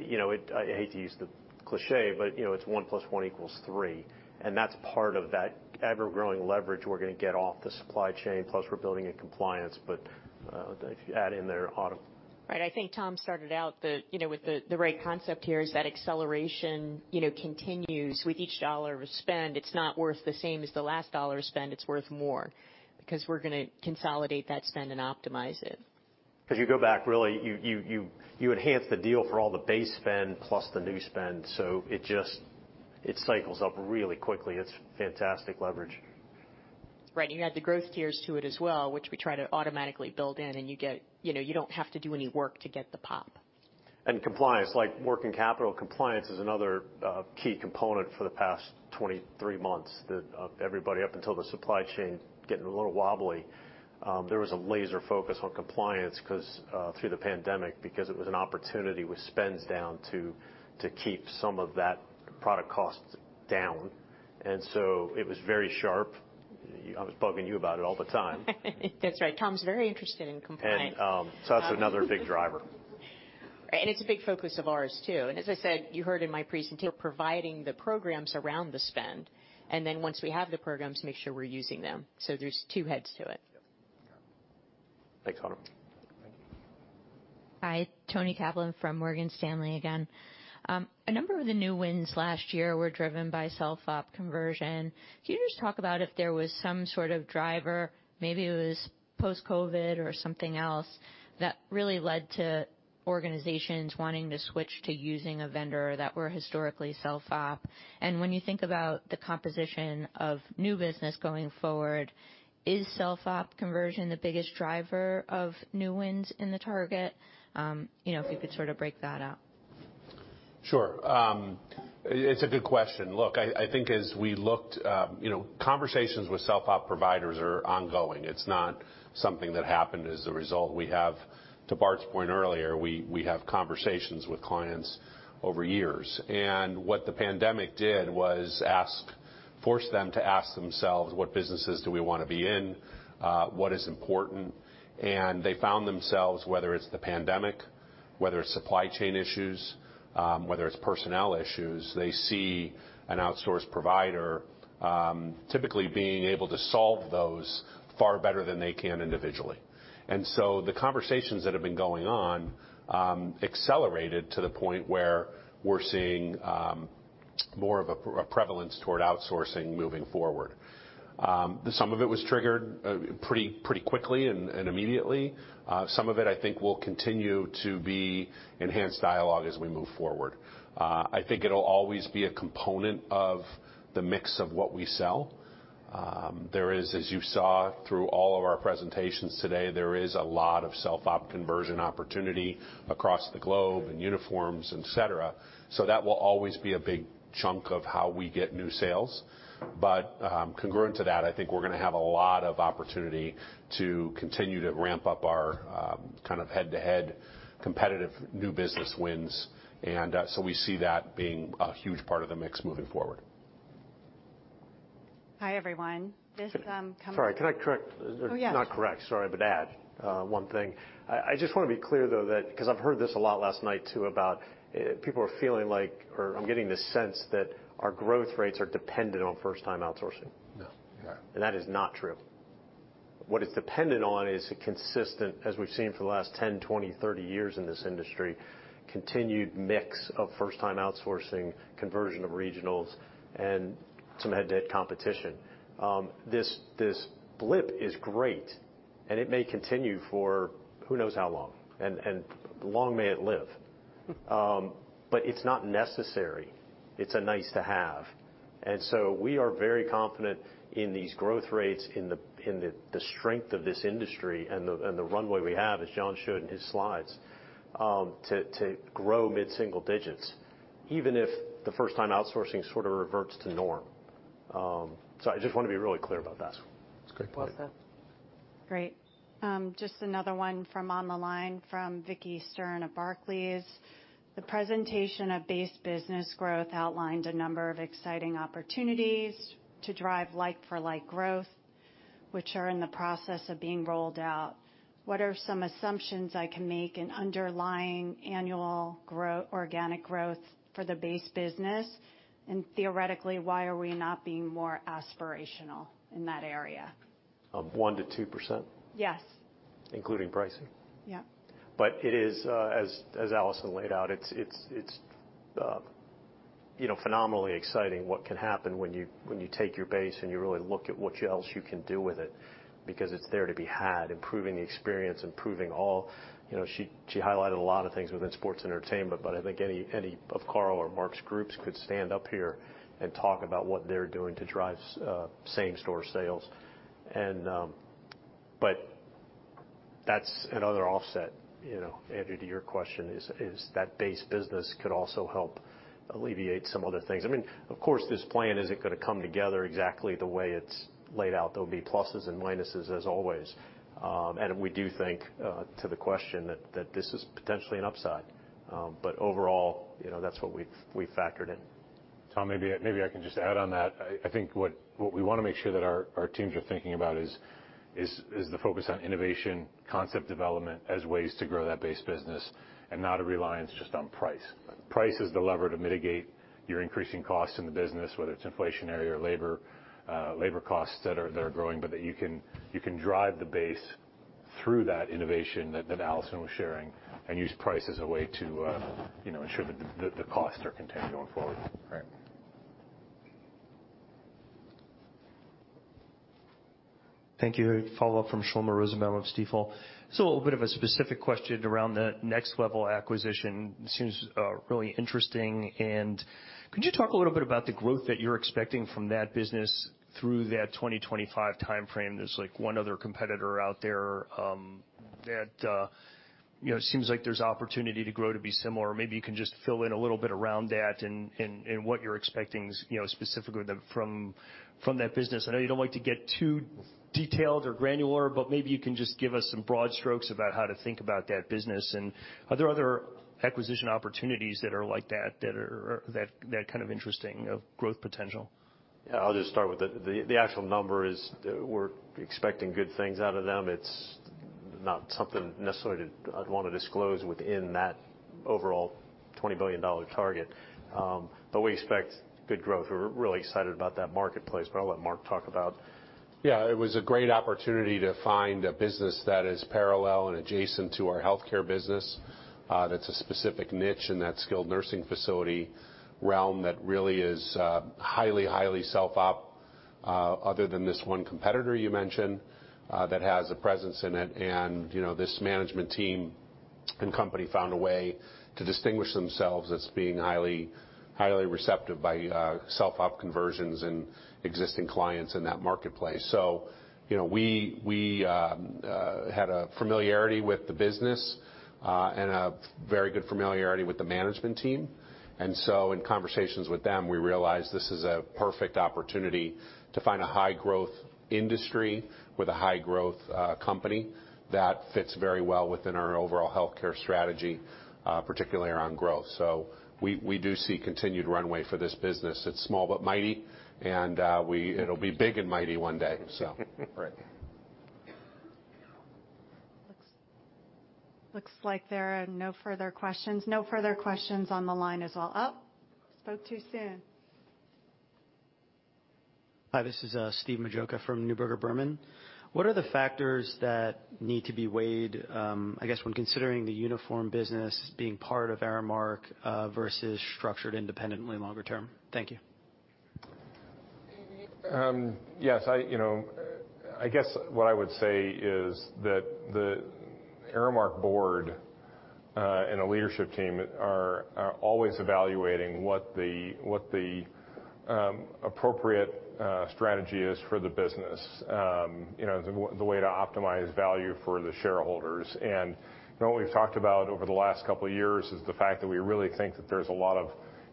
Speaker 4: you know, I hate to use the cliche, but, you know, it's one plus one equals three, and that's part of that ever-growing leverage we're gonna get off the supply chain. We're building in compliance, but if you add in there, Autumn.
Speaker 14: Right. I think Tom started out, you know, with the right concept here is that acceleration, you know, continues with each dollar of spend. It's not worth the same as the last dollar spent. It's worth more, because we're gonna consolidate that spend and optimize it.
Speaker 4: 'Cause you go back, really, you enhance the deal for all the base spend plus the new spend, so it just, it cycles up really quickly. It's fantastic leverage.
Speaker 14: Right. You add the growth tiers to it as well, which we try to automatically build in, and you get, you know, you don't have to do any work to get the pop.
Speaker 4: Compliance, like working capital compliance, is another key component for the past 23 months that everybody up until the supply chain getting a little wobbly, there was a laser focus on compliance 'cause through the pandemic because it was an opportunity with spends down to keep some of that product costs down. It was very sharp. I was bugging you about it all the time.
Speaker 14: That's right. Tom's very interested in compliance.
Speaker 4: That's another big driver.
Speaker 14: Right. It's a big focus of ours, too. As I said, you heard in my presentation, providing the programs around the spend, and then once we have the programs, make sure we're using them. There's two heads to it.
Speaker 4: Yeah. Thanks, Autumn.
Speaker 14: Thank you.
Speaker 16: Hi, Toni Kaplan from Morgan Stanley again. A number of the new wins last year were driven by self-op conversion. Can you just talk about if there was some sort of driver, maybe it was post-COVID or something else that really led to organizations wanting to switch to using a vendor that were historically self-op? When you think about the composition of new business going forward, is self-op conversion the biggest driver of new wins in the target? You know, if you could sort of break that out.
Speaker 4: Sure. It's a good question. Look, I think as we looked, you know, conversations with self-op providers are ongoing. It's not something that happened as a result. We have, to Bart's point earlier, we have conversations with clients over years. What the pandemic did was force them to ask themselves, "What businesses do we wanna be in? What is important?" They found themselves, whether it's the pandemic, whether it's supply chain issues, whether it's personnel issues, they see an outsource provider, typically being able to solve those far better than they can individually. The conversations that have been going on, accelerated to the point where we're seeing, more of a prevalence toward outsourcing moving forward. Some of it was triggered, pretty quickly and immediately. Some of it, I think, will continue to be enhanced dialogue as we move forward. I think it'll always be a component of the mix of what we sell. There is, as you saw through all of our presentations today, there is a lot of self-op conversion opportunity across the globe in uniforms, et cetera. That will always be a big chunk of how we get new sales. Congruent to that, I think we're gonna have a lot of opportunity to continue to ramp up our, kind of head-to-head competitive new business wins. We see that being a huge part of the mix moving forward.
Speaker 25: Hi, everyone.
Speaker 4: Sorry, can I correct.
Speaker 14: Oh, yeah.
Speaker 4: Not correct, sorry, but add one thing. I just wanna be clear, though, that, 'cause I've heard this a lot last night, too, about people are feeling like, or I'm getting the sense that our growth rates are dependent on first-time outsourcing.
Speaker 3: No.
Speaker 4: That is not true. What it's dependent on is a consistent, as we've seen for the last 10, 20, 30 years in this industry, continued mix of first-time outsourcing, conversion of regionals, and some head-to-head competition. This blip is great, and it may continue for who knows how long, and long may it live. But it's not necessary. It's a nice to have. We are very confident in these growth rates in the strength of this industry and the runway we have, as John showed in his slides, to grow mid-single digits, even if the first-time outsourcing sort of reverts to norm. I just wanna be really clear about that.
Speaker 17: That's a great point.
Speaker 11: Great. Just another one from on the line from Vicki Stern of Barclays. The presentation of base business growth outlined a number of exciting opportunities to drive like-for-like growth, which are in the process of being rolled out. What are some assumptions I can make in underlying annual organic growth for the base business? And theoretically, why are we not being more aspirational in that area?
Speaker 4: Of 1% to 2%?
Speaker 11: Yes.
Speaker 4: Including pricing?
Speaker 11: Yeah.
Speaker 4: It is, as Allison laid out, it's, you know, phenomenally exciting what can happen when you take your base and you really look at what else you can do with it, because it's there to be had, improving the experience, improving all. You know, she highlighted a lot of things within sports entertainment, but I think any of Carl or Mark's groups could stand up here and talk about what they're doing to drive same-store sales. That's another offset, you know, Andrew, to your question is that base business could also help alleviate some other things. I mean, of course, this plan isn't gonna come together exactly the way it's laid out. There'll be pluses and minuses as always. We do think to the question that this is potentially an upside. Overall, you know, that's what we factored in.
Speaker 3: Tom, maybe I can just add on that. I think what we wanna make sure that our teams are thinking about is the focus on innovation, concept development as ways to grow that base business and not a reliance just on price. Price is the lever to mitigate your increasing costs in the business, whether it's inflationary or labor costs that are growing. You can drive the base through that innovation that Allison was sharing and use price as a way to, you know, ensure that the costs are contained going forward.
Speaker 4: Right.
Speaker 21: Thank you. A follow-up from Shlomo Rosenbaum of Stifel. A little bit of a specific question around the Next Level Hospitality acquisition. It seems really interesting, and could you talk a little bit about the growth that you're expecting from that business through that 2025 timeframe? There's like one other competitor out there that you know seems like there's opportunity to grow to be similar. Maybe you can just fill in a little bit around that and what you're expecting, you know, specifically from that business. I know you don't like to get too detailed or granular, but maybe you can just give us some broad strokes about how to think about that business. Are there other acquisition opportunities that are like that that kind of interesting of growth potential?
Speaker 4: Yeah, I'll just start with the actual number is we're expecting good things out of them. It's not something necessarily I'd wanna disclose within that overall $20 billion target. We expect good growth. We're really excited about that marketplace, but I'll let Mark talk about.
Speaker 3: Yeah, it was a great opportunity to find a business that is parallel and adjacent to our healthcare business. That's a specific niche in that skilled nursing facility realm that really is highly self-op, other than this one competitor you mentioned, that has a presence in it. You know, this management team and company found a way to distinguish themselves as being highly receptive by self-op conversions and existing clients in that marketplace. You know, we had a familiarity with the business and a very good familiarity with the management team. In conversations with them, we realized this is a perfect opportunity to find a high-growth industry with a high-growth company that fits very well within our overall healthcare strategy, particularly around growth. We do see continued runway for this business. It's small but mighty, and it'll be big and mighty one day.
Speaker 4: Right.
Speaker 11: Looks like there are no further questions. No further questions on the line as well. Oh, I spoke too soon.
Speaker 26: Hi, this is Steven Majocha from Neuberger Berman. What are the factors that need to be weighed, I guess, when considering the uniform business being part of Aramark versus structured independently longer term? Thank you.
Speaker 3: Yes, you know, I guess what I would say is that the Aramark board and the leadership team are always evaluating what the appropriate strategy is for the business, you know, the way to optimize value for the shareholders. You know, what we've talked about over the last couple years is the fact that we really think that there's a lot of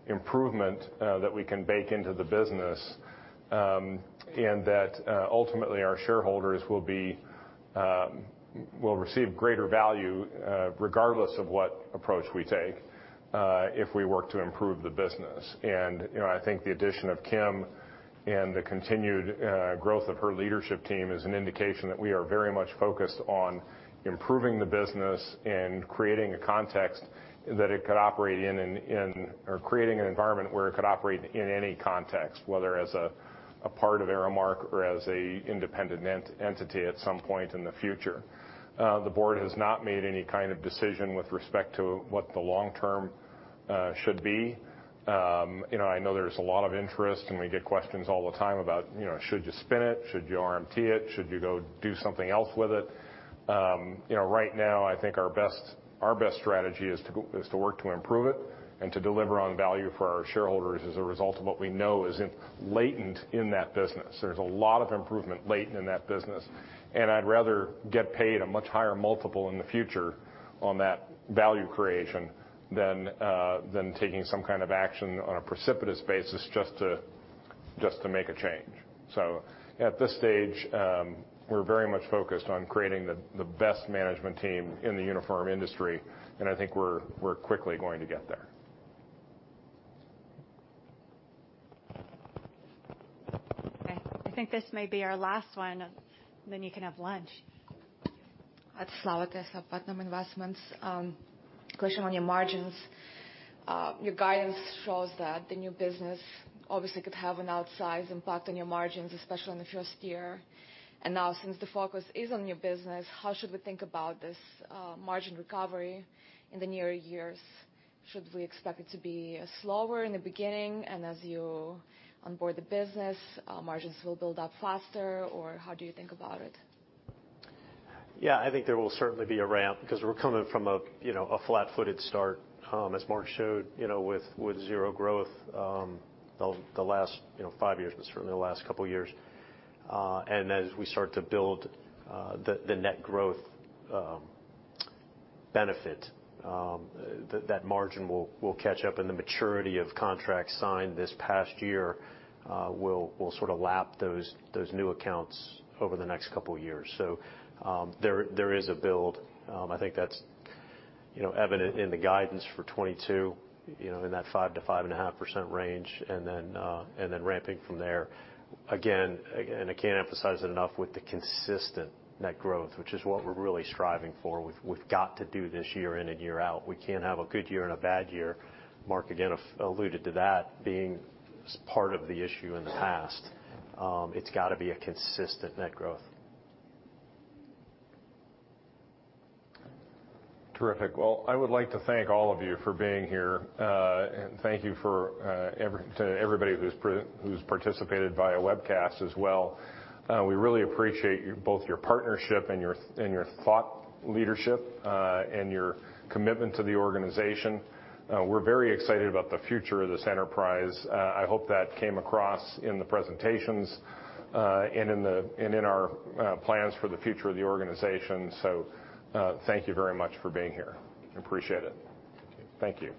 Speaker 3: improvement that we can bake into the business, and that ultimately our shareholders will receive greater value, regardless of what approach we take, if we work to improve the business. You know, I think the addition of Kim and the continued growth of her leadership team is an indication that we are very much focused on improving the business and creating an environment where it could operate in any context, whether as a part of Aramark or as an independent entity at some point in the future. The board has not made any kind of decision with respect to what the long-term should be. You know, I know there's a lot of interest, and we get questions all the time about, you know, should you spin it? Should you RMT it? Should you go do something else with it? You know, right now I think our best strategy is to work to improve it and to deliver on value for our shareholders as a result of what we know is latent in that business. There's a lot of improvement latent in that business, and I'd rather get paid a much higher multiple in the future on that value creation than taking some kind of action on a precipitous basis just to make a change. At this stage, we're very much focused on creating the best management team in the uniform industry, and I think we're quickly going to get there.
Speaker 11: Okay. I think this may be our last one, and then you can have lunch.
Speaker 27: It's Yaroslava Teslya, Putnam Investments. A question on your margins. Your guidance shows that the new business obviously could have an outsized impact on your margins, especially in the first year. Now, since the focus is on your business, how should we think about this, margin recovery in the nearer years? Should we expect it to be slower in the beginning, and as you onboard the business, margins will build up faster? Or how do you think about it?
Speaker 4: Yeah. I think there will certainly be a ramp because we're coming from a, you know, a flat-footed start, as Mark showed, you know, with zero growth the last, you know, five years, but certainly the last couple years. As we start to build the net growth benefit, that margin will catch up, and the maturity of contracts signed this past year will sorta lap those new accounts over the next couple years. There is a build. I think that's, you know, evident in the guidance for 2022, you know, in that 5%-5.5% range and then ramping from there. Again, and I can't emphasize it enough with the consistent net growth, which is what we're really striving for. We've got to do this year in and year out. We can't have a good year and a bad year. Mark, again, alluded to that being part of the issue in the past. It's gotta be a consistent net growth.
Speaker 3: Terrific. Well, I would like to thank all of you for being here. Thank you to everybody who's participated via webcast as well. We really appreciate both your partnership and your thought leadership and your commitment to the organization. We're very excited about the future of this enterprise. I hope that came across in the presentations and in our plans for the future of the organization. Thank you very much for being here. Appreciate it. Thank you.